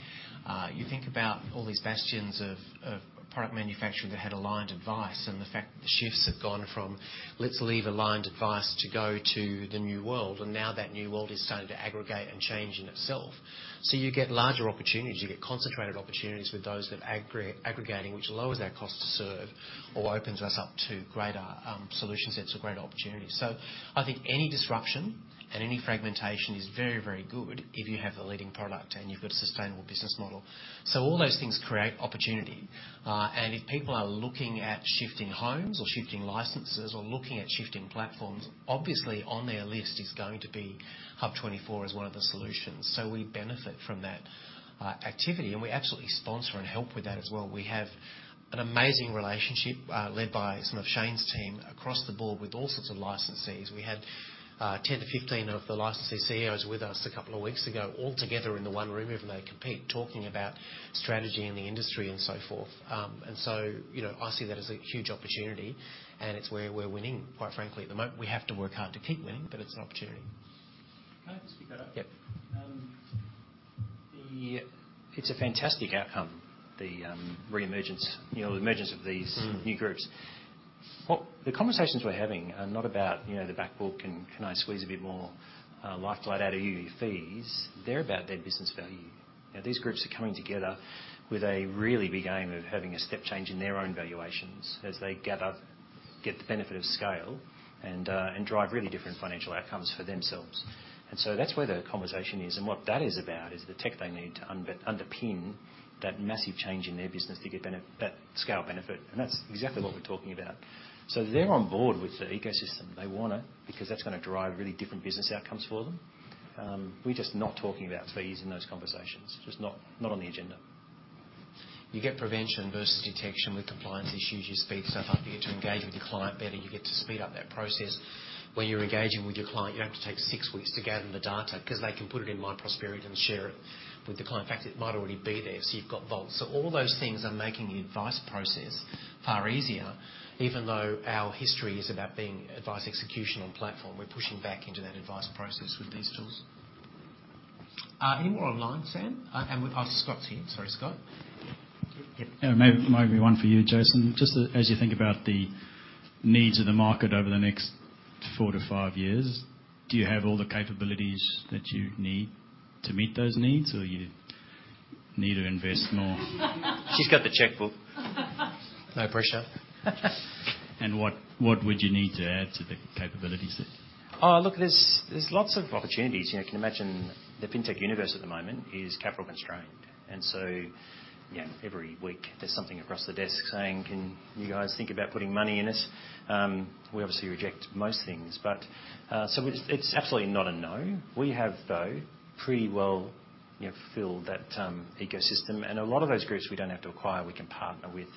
You think about all these bastions of product manufacturing that had aligned advice and the fact that the shifts have gone from, "Let's leave aligned advice to go to the new world," and now that new world is starting to aggregate and change in itself. So you get larger opportunities, you get concentrated opportunities with those that aggregating, which lowers our cost to serve or opens us up to greater solution sets or greater opportunities. So I think any disruption and any fragmentation is very, very good if you have the leading product and you've got a sustainable business model. So all those things create opportunity. And if people are looking at shifting homes or shifting licenses or looking at shifting platforms, obviously on their list is going to be HUB24 as one of the solutions. So we benefit from that activity, and we absolutely sponsor and help with that as well. We have an amazing relationship, led by some of Chesne's team across the board with all sorts of licensees. We had 10-15 of the licensee CEOs with us a couple of weeks ago, all together in the one room, even though they compete, talking about strategy in the industry and so forth. And so, you know, I see that as a huge opportunity, and it's where we're winning, quite frankly. At the moment, we have to work hard to keep winning, but it's an opportunity. Can I just pick that up? Yep. It's a fantastic outcome, the reemergence, you know, the emergence of these- Mm. New groups. What, the conversations we're having are not about, you know, the back book and can I squeeze a bit more lifeblood out of you, you fees? They're about their business value. Now, these groups are coming together with a really big aim of having a step change in their own valuations as they gather, get the benefit of scale and drive really different financial outcomes for themselves. And so that's where the conversation is, and what that is about is the tech they need to underpin that massive change in their business to get that scale benefit, and that's exactly what we're talking about. So they're on board with the ecosystem. They want it because that's gonna drive really different business outcomes for them. We're just not talking about fees in those conversations. Just not, not on the agenda. You get prevention versus detection with compliance issues. You speed stuff up. You get to engage with your client better. You get to speed up that process. When you're engaging with your client, you don't have to take six weeks to gather the data because they can put it in myprosperity and share it with the client. In fact, it might already be there, so you've got vaults. So all those things are making the advice process far easier, even though our history is about being advice, execution, and platform. We're pushing back into that advice process with these tools. Any more online, Sam? And we-- Oh, Scott's here. Sorry, Scott. Yep. Might be one for you, Jason. Just as you think about the needs of the market over the next 4-5 years, do you have all the capabilities that you need to meet those needs, or you need to invest more? She's got the checkbook. No pressure. What would you need to add to the capabilities there? Oh, look, there's lots of opportunities. You know, you can imagine the fintech universe at the moment is capital constrained, and so, you know, every week there's something across the desk saying: Can you guys think about putting money in it? We obviously reject most things, but, so it's absolutely not a no. We have, though, pretty well, you know, filled that ecosystem, and a lot of those groups we don't have to acquire. We can partner with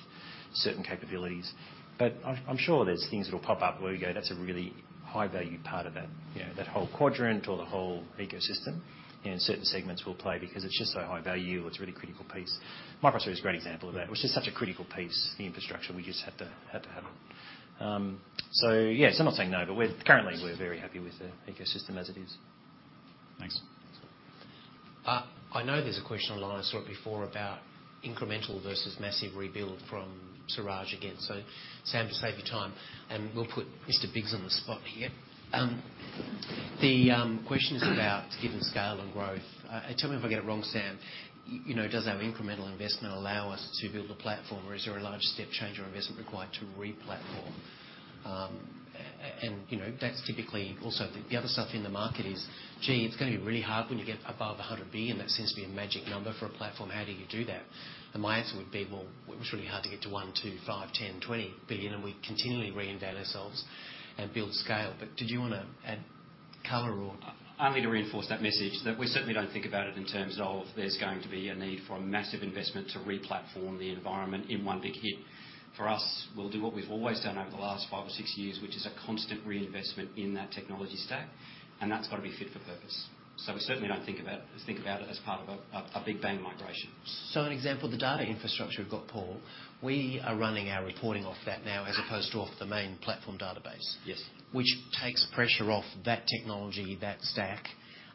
certain capabilities. But I'm sure there's things that will pop up where we go, "That's a really high-value part of that, you know, that whole quadrant or the whole ecosystem," and certain segments we'll play because it's just so high value. It's a really critical piece. myprosperity is a great example of that. It was just such a critical piece, the infrastructure, we just had to have it. So yeah, someone's saying no, but we're currently very happy with the ecosystem as it is. Thanks. I know there's a question online I saw it before about incremental versus massive rebuild from Siraj again. So Sam, to save you time, and we'll put Mr. Biggs on the spot here. The question is about given scale and growth. Tell me if I get it wrong, Sam. You know, does our incremental investment allow us to build a platform, or is there a large step change or investment required to re-platform? And, you know, that's typically also the other stuff in the market is, gee, it's gonna be really hard when you get above 100 billion. That seems to be a magic number for a platform. How do you do that? And my answer would be, well, it was really hard to get to 1 billion, 2 billion, 5 billion, 10 billion, 20 billion, and we continually reinvent ourselves and build scale. Did you wanna add?... Only to reinforce that message, that we certainly don't think about it in terms of there's going to be a need for a massive investment to re-platform the environment in one big hit. For us, we'll do what we've always done over the last five or six years, which is a constant reinvestment in that technology stack, and that's got to be fit for purpose. So we certainly don't think about it as part of a big bang migration. An example: the data infrastructure we've got, Paul. We are running our reporting off that now, as opposed to off the main platform database. Yes. Which takes pressure off that technology, that stack,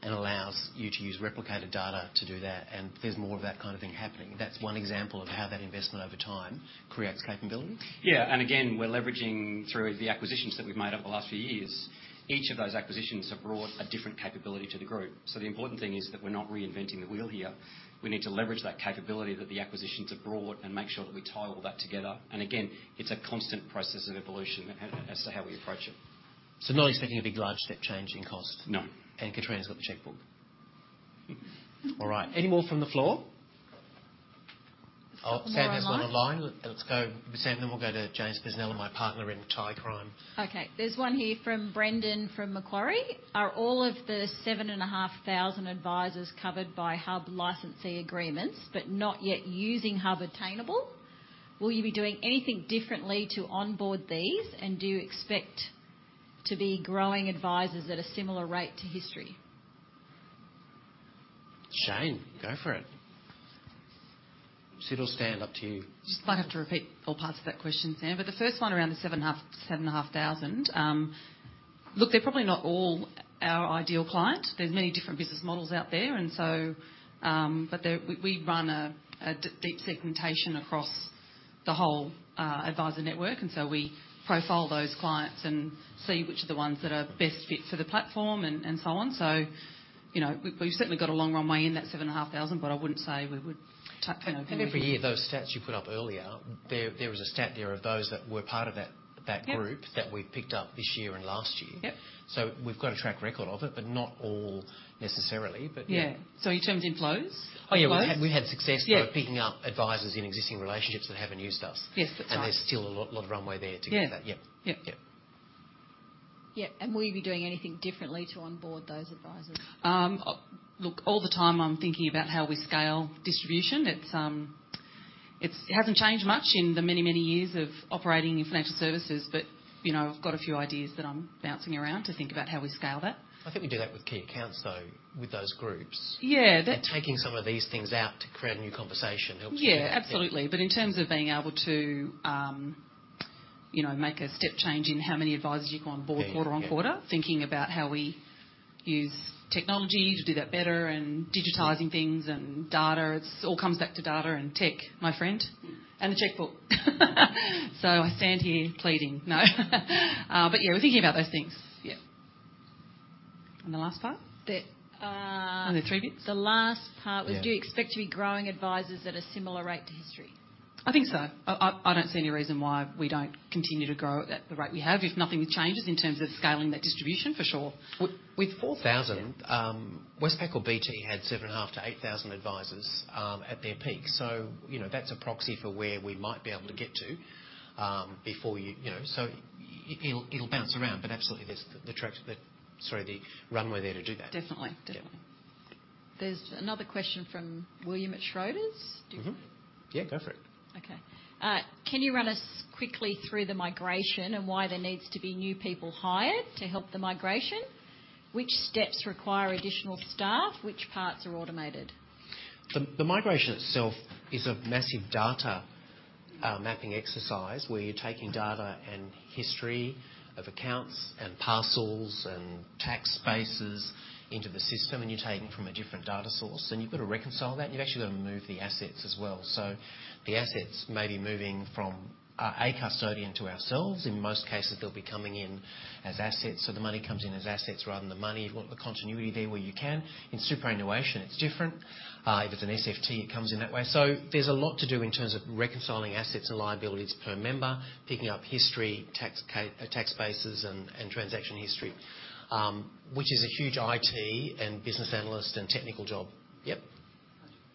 and allows you to use replicated data to do that. And there's more of that kind of thing happening. That's one example of how that investment over time creates capability. Yeah. And again, we're leveraging through the acquisitions that we've made over the last few years. Each of those acquisitions have brought a different capability to the group. So the important thing is that we're not reinventing the wheel here. We need to leverage that capability that the acquisitions have brought and make sure that we tie all that together. And again, it's a constant process of evolution as to how we approach it. So not expecting a big, large step change in cost? No. Kitrina's got the checkbook. All right, any more from the floor? A couple more online. Oh, Sam has one online. Let's go, Sam, then we'll go to James Bisinella, my partner in crime. Okay, there's one here from Brendan, from Macquarie. "Are all of the 7,500 advisors covered by Hub licensee agreements but not yet using Hub attainable? Will you be doing anything differently to onboard these, and do you expect to be growing advisors at a similar rate to history? Chesne, go for it. Chesne or Stan, up to you. Just might have to repeat all parts of that question, Sam, but the first one around the 7,500, 7,500, look, they're probably not all our ideal client. There's many different business models out there, and so... But they- we, we run a deep segmentation across the whole advisor network, and so we profile those clients and see which are the ones that are best fit for the platform and so on. So, you know, we've certainly got a long runway in that 7,500, but I wouldn't say we would kind of- Every year, those stats you put up earlier, there, there was a stat there of those that were part of that, that group- Yep that we've picked up this year and last year. Yep. We've got a track record of it, but not all necessarily, but yeah. Yeah. So in terms of inflows? Inflows. Oh, yeah, we had success- Yeah of picking up advisors in existing relationships that haven't used us. Yes, that's right. There's still a lot, lot of runway there to get that. Yeah. Yep. Yep. Yep. Yep, and will you be doing anything differently to onboard those advisors? Look, all the time, I'm thinking about how we scale distribution. It's, it's hasn't changed much in the many, many years of operating in financial services, but, you know, I've got a few ideas that I'm bouncing around to think about how we scale that. I think we do that with key accounts, though, with those groups. Yeah, that- Taking some of these things out to create a new conversation helps you. Yeah, absolutely. But in terms of being able to, you know, make a step change in how many advisors you go on board- Yeah Quarter-over-quarter, thinking about how we use technology to do that better and digitizing things and data, it's all comes back to data and tech, my friend, and the checkbook. So I stand here pleading, no. But, yeah, we're thinking about those things. Yeah. And the last part? The, uh- Aren't there three bits? The last part was- Yeah... do you expect to be growing advisors at a similar rate to history? I think so. I don't see any reason why we don't continue to grow at the rate we have, if nothing changes in terms of scaling that distribution, for sure. With 4,000, Westpac or BT had 7,500-8,000 advisors at their peak. So, you know, that's a proxy for where we might be able to get to, before you, you know. So it'll bounce around, but absolutely there's the runway there to do that. Definitely. Yep. Definitely. There's another question from William at Schroders. Mm-hmm. Yeah, go for it. Okay. Can you run us quickly through the migration and why there needs to be new people hired to help the migration? Which steps require additional staff? Which parts are automated? The migration itself is a massive data mapping exercise, where you're taking data and history of accounts and parcels and tax bases into the system, and you're taking from a different data source, and you've got to reconcile that. You've actually got to move the assets as well. So the assets may be moving from a custodian to ourselves. In most cases, they'll be coming in as assets. So the money comes in as assets rather than the money. You want the continuity there where you can. In superannuation, it's different. If it's an SFT, it comes in that way. So there's a lot to do in terms of reconciling assets and liabilities per member, picking up history, tax bases and transaction history, which is a huge IT and business analyst and technical job. Yep.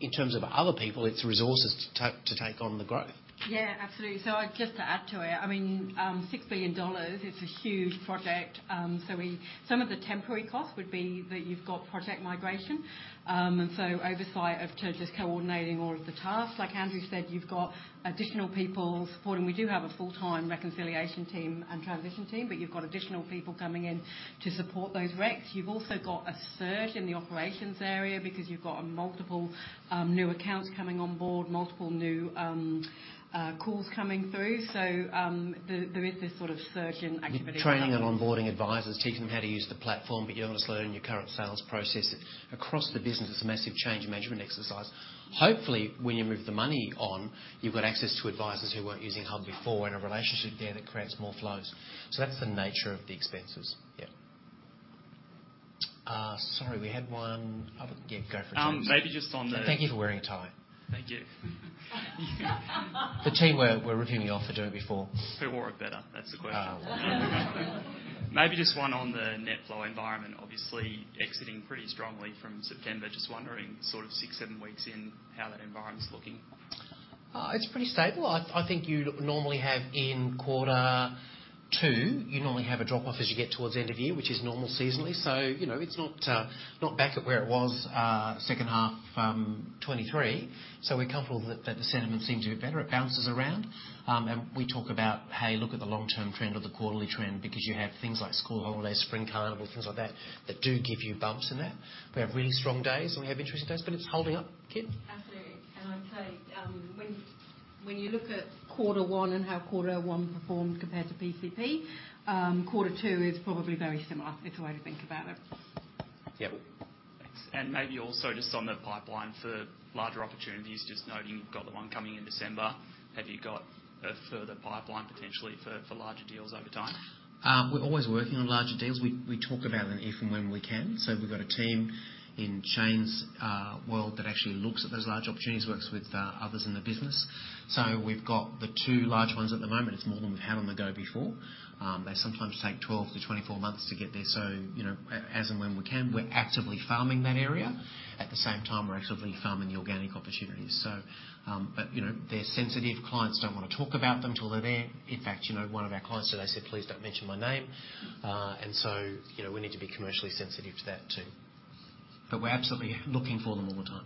In terms of other people, it's resources to take on the growth. Yeah, absolutely. So just to add to it, I mean, 6 billion dollars is a huge project. So we... Some of the temporary costs would be that you've got project migration, and so oversight of, to just coordinating all of the tasks. Like Andrew said, you've got additional people supporting. We do have a full-time reconciliation team and transition team, but you've got additional people coming in to support those recs. You've also got a surge in the operations area because you've got multiple, new accounts coming on board, multiple new, calls coming through. So, there, there is this sort of surge in activity- Training and onboarding advisors, teaching them how to use the platform, but you're almost learning your current sales process. Across the business, it's a massive change management exercise. Hopefully, when you move the money on, you've got access to advisors who weren't using Hub before and a relationship there that creates more flows. So that's the nature of the expenses. Yep. Sorry, we had one... Yeah, go for it. Maybe just on the- Thank you for wearing a tie. Thank you. The team were reviewing me off for doing it before. Who wore it better? That's the question. Uh, well... Maybe just one on the net flow environment, obviously exiting pretty strongly from September. Just wondering, sort of six, seven weeks in, how that environment's looking?... It's pretty stable. I think you'd normally have in quarter two, you normally have a drop-off as you get towards the end of year, which is normal seasonally. So, you know, it's not back at where it was, second half, 2023. So we're comfortable that the sentiment seems to be better. It bounces around. And we talk about, "Hey, look at the long-term trend or the quarterly trend," because you have things like school holidays, Spring Carnival, things like that, that do give you bumps in that. We have really strong days, and we have interesting days, but it's holding up. Kim? Absolutely. I'd say, when you look at quarter one and how quarter one performed compared to PCP, quarter two is probably very similar. It's a way to think about it. Yep. Thanks. And maybe also just on the pipeline for larger opportunities, just noting you've got the one coming in December, have you got a further pipeline potentially for larger deals over time? We're always working on larger deals. We talk about them if and when we can. So we've got a team in Chesne's world that actually looks at those large opportunities, works with others in the business. So we've got the two large ones at the moment. It's more than we've had on the go before. They sometimes take 12-24 months to get there, so, you know, as and when we can, we're actively farming that area. At the same time, we're actively farming the organic opportunities. So, but, you know, they're sensitive. Clients don't want to talk about them till they're there. In fact, you know, one of our clients today said, "Please don't mention my name." And so, you know, we need to be commercially sensitive to that, too. But we're absolutely looking for them all the time.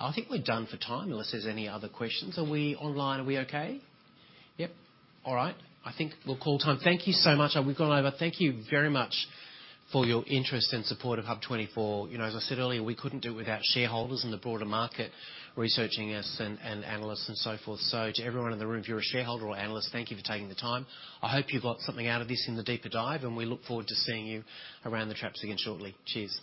I think we're done for time, unless there's any other questions. Are we online? Are we okay? Yep. All right. I think we'll call time. Thank you so much, and we've gone over. Thank you very much for your interest and support of HUB24. You know, as I said earlier, we couldn't do it without shareholders and the broader market researching us and, and analysts and so forth. So to everyone in the room, if you're a shareholder or analyst, thank you for taking the time. I hope you've got something out of this in the deeper dive, and we look forward to seeing you around the traps again shortly. Cheers!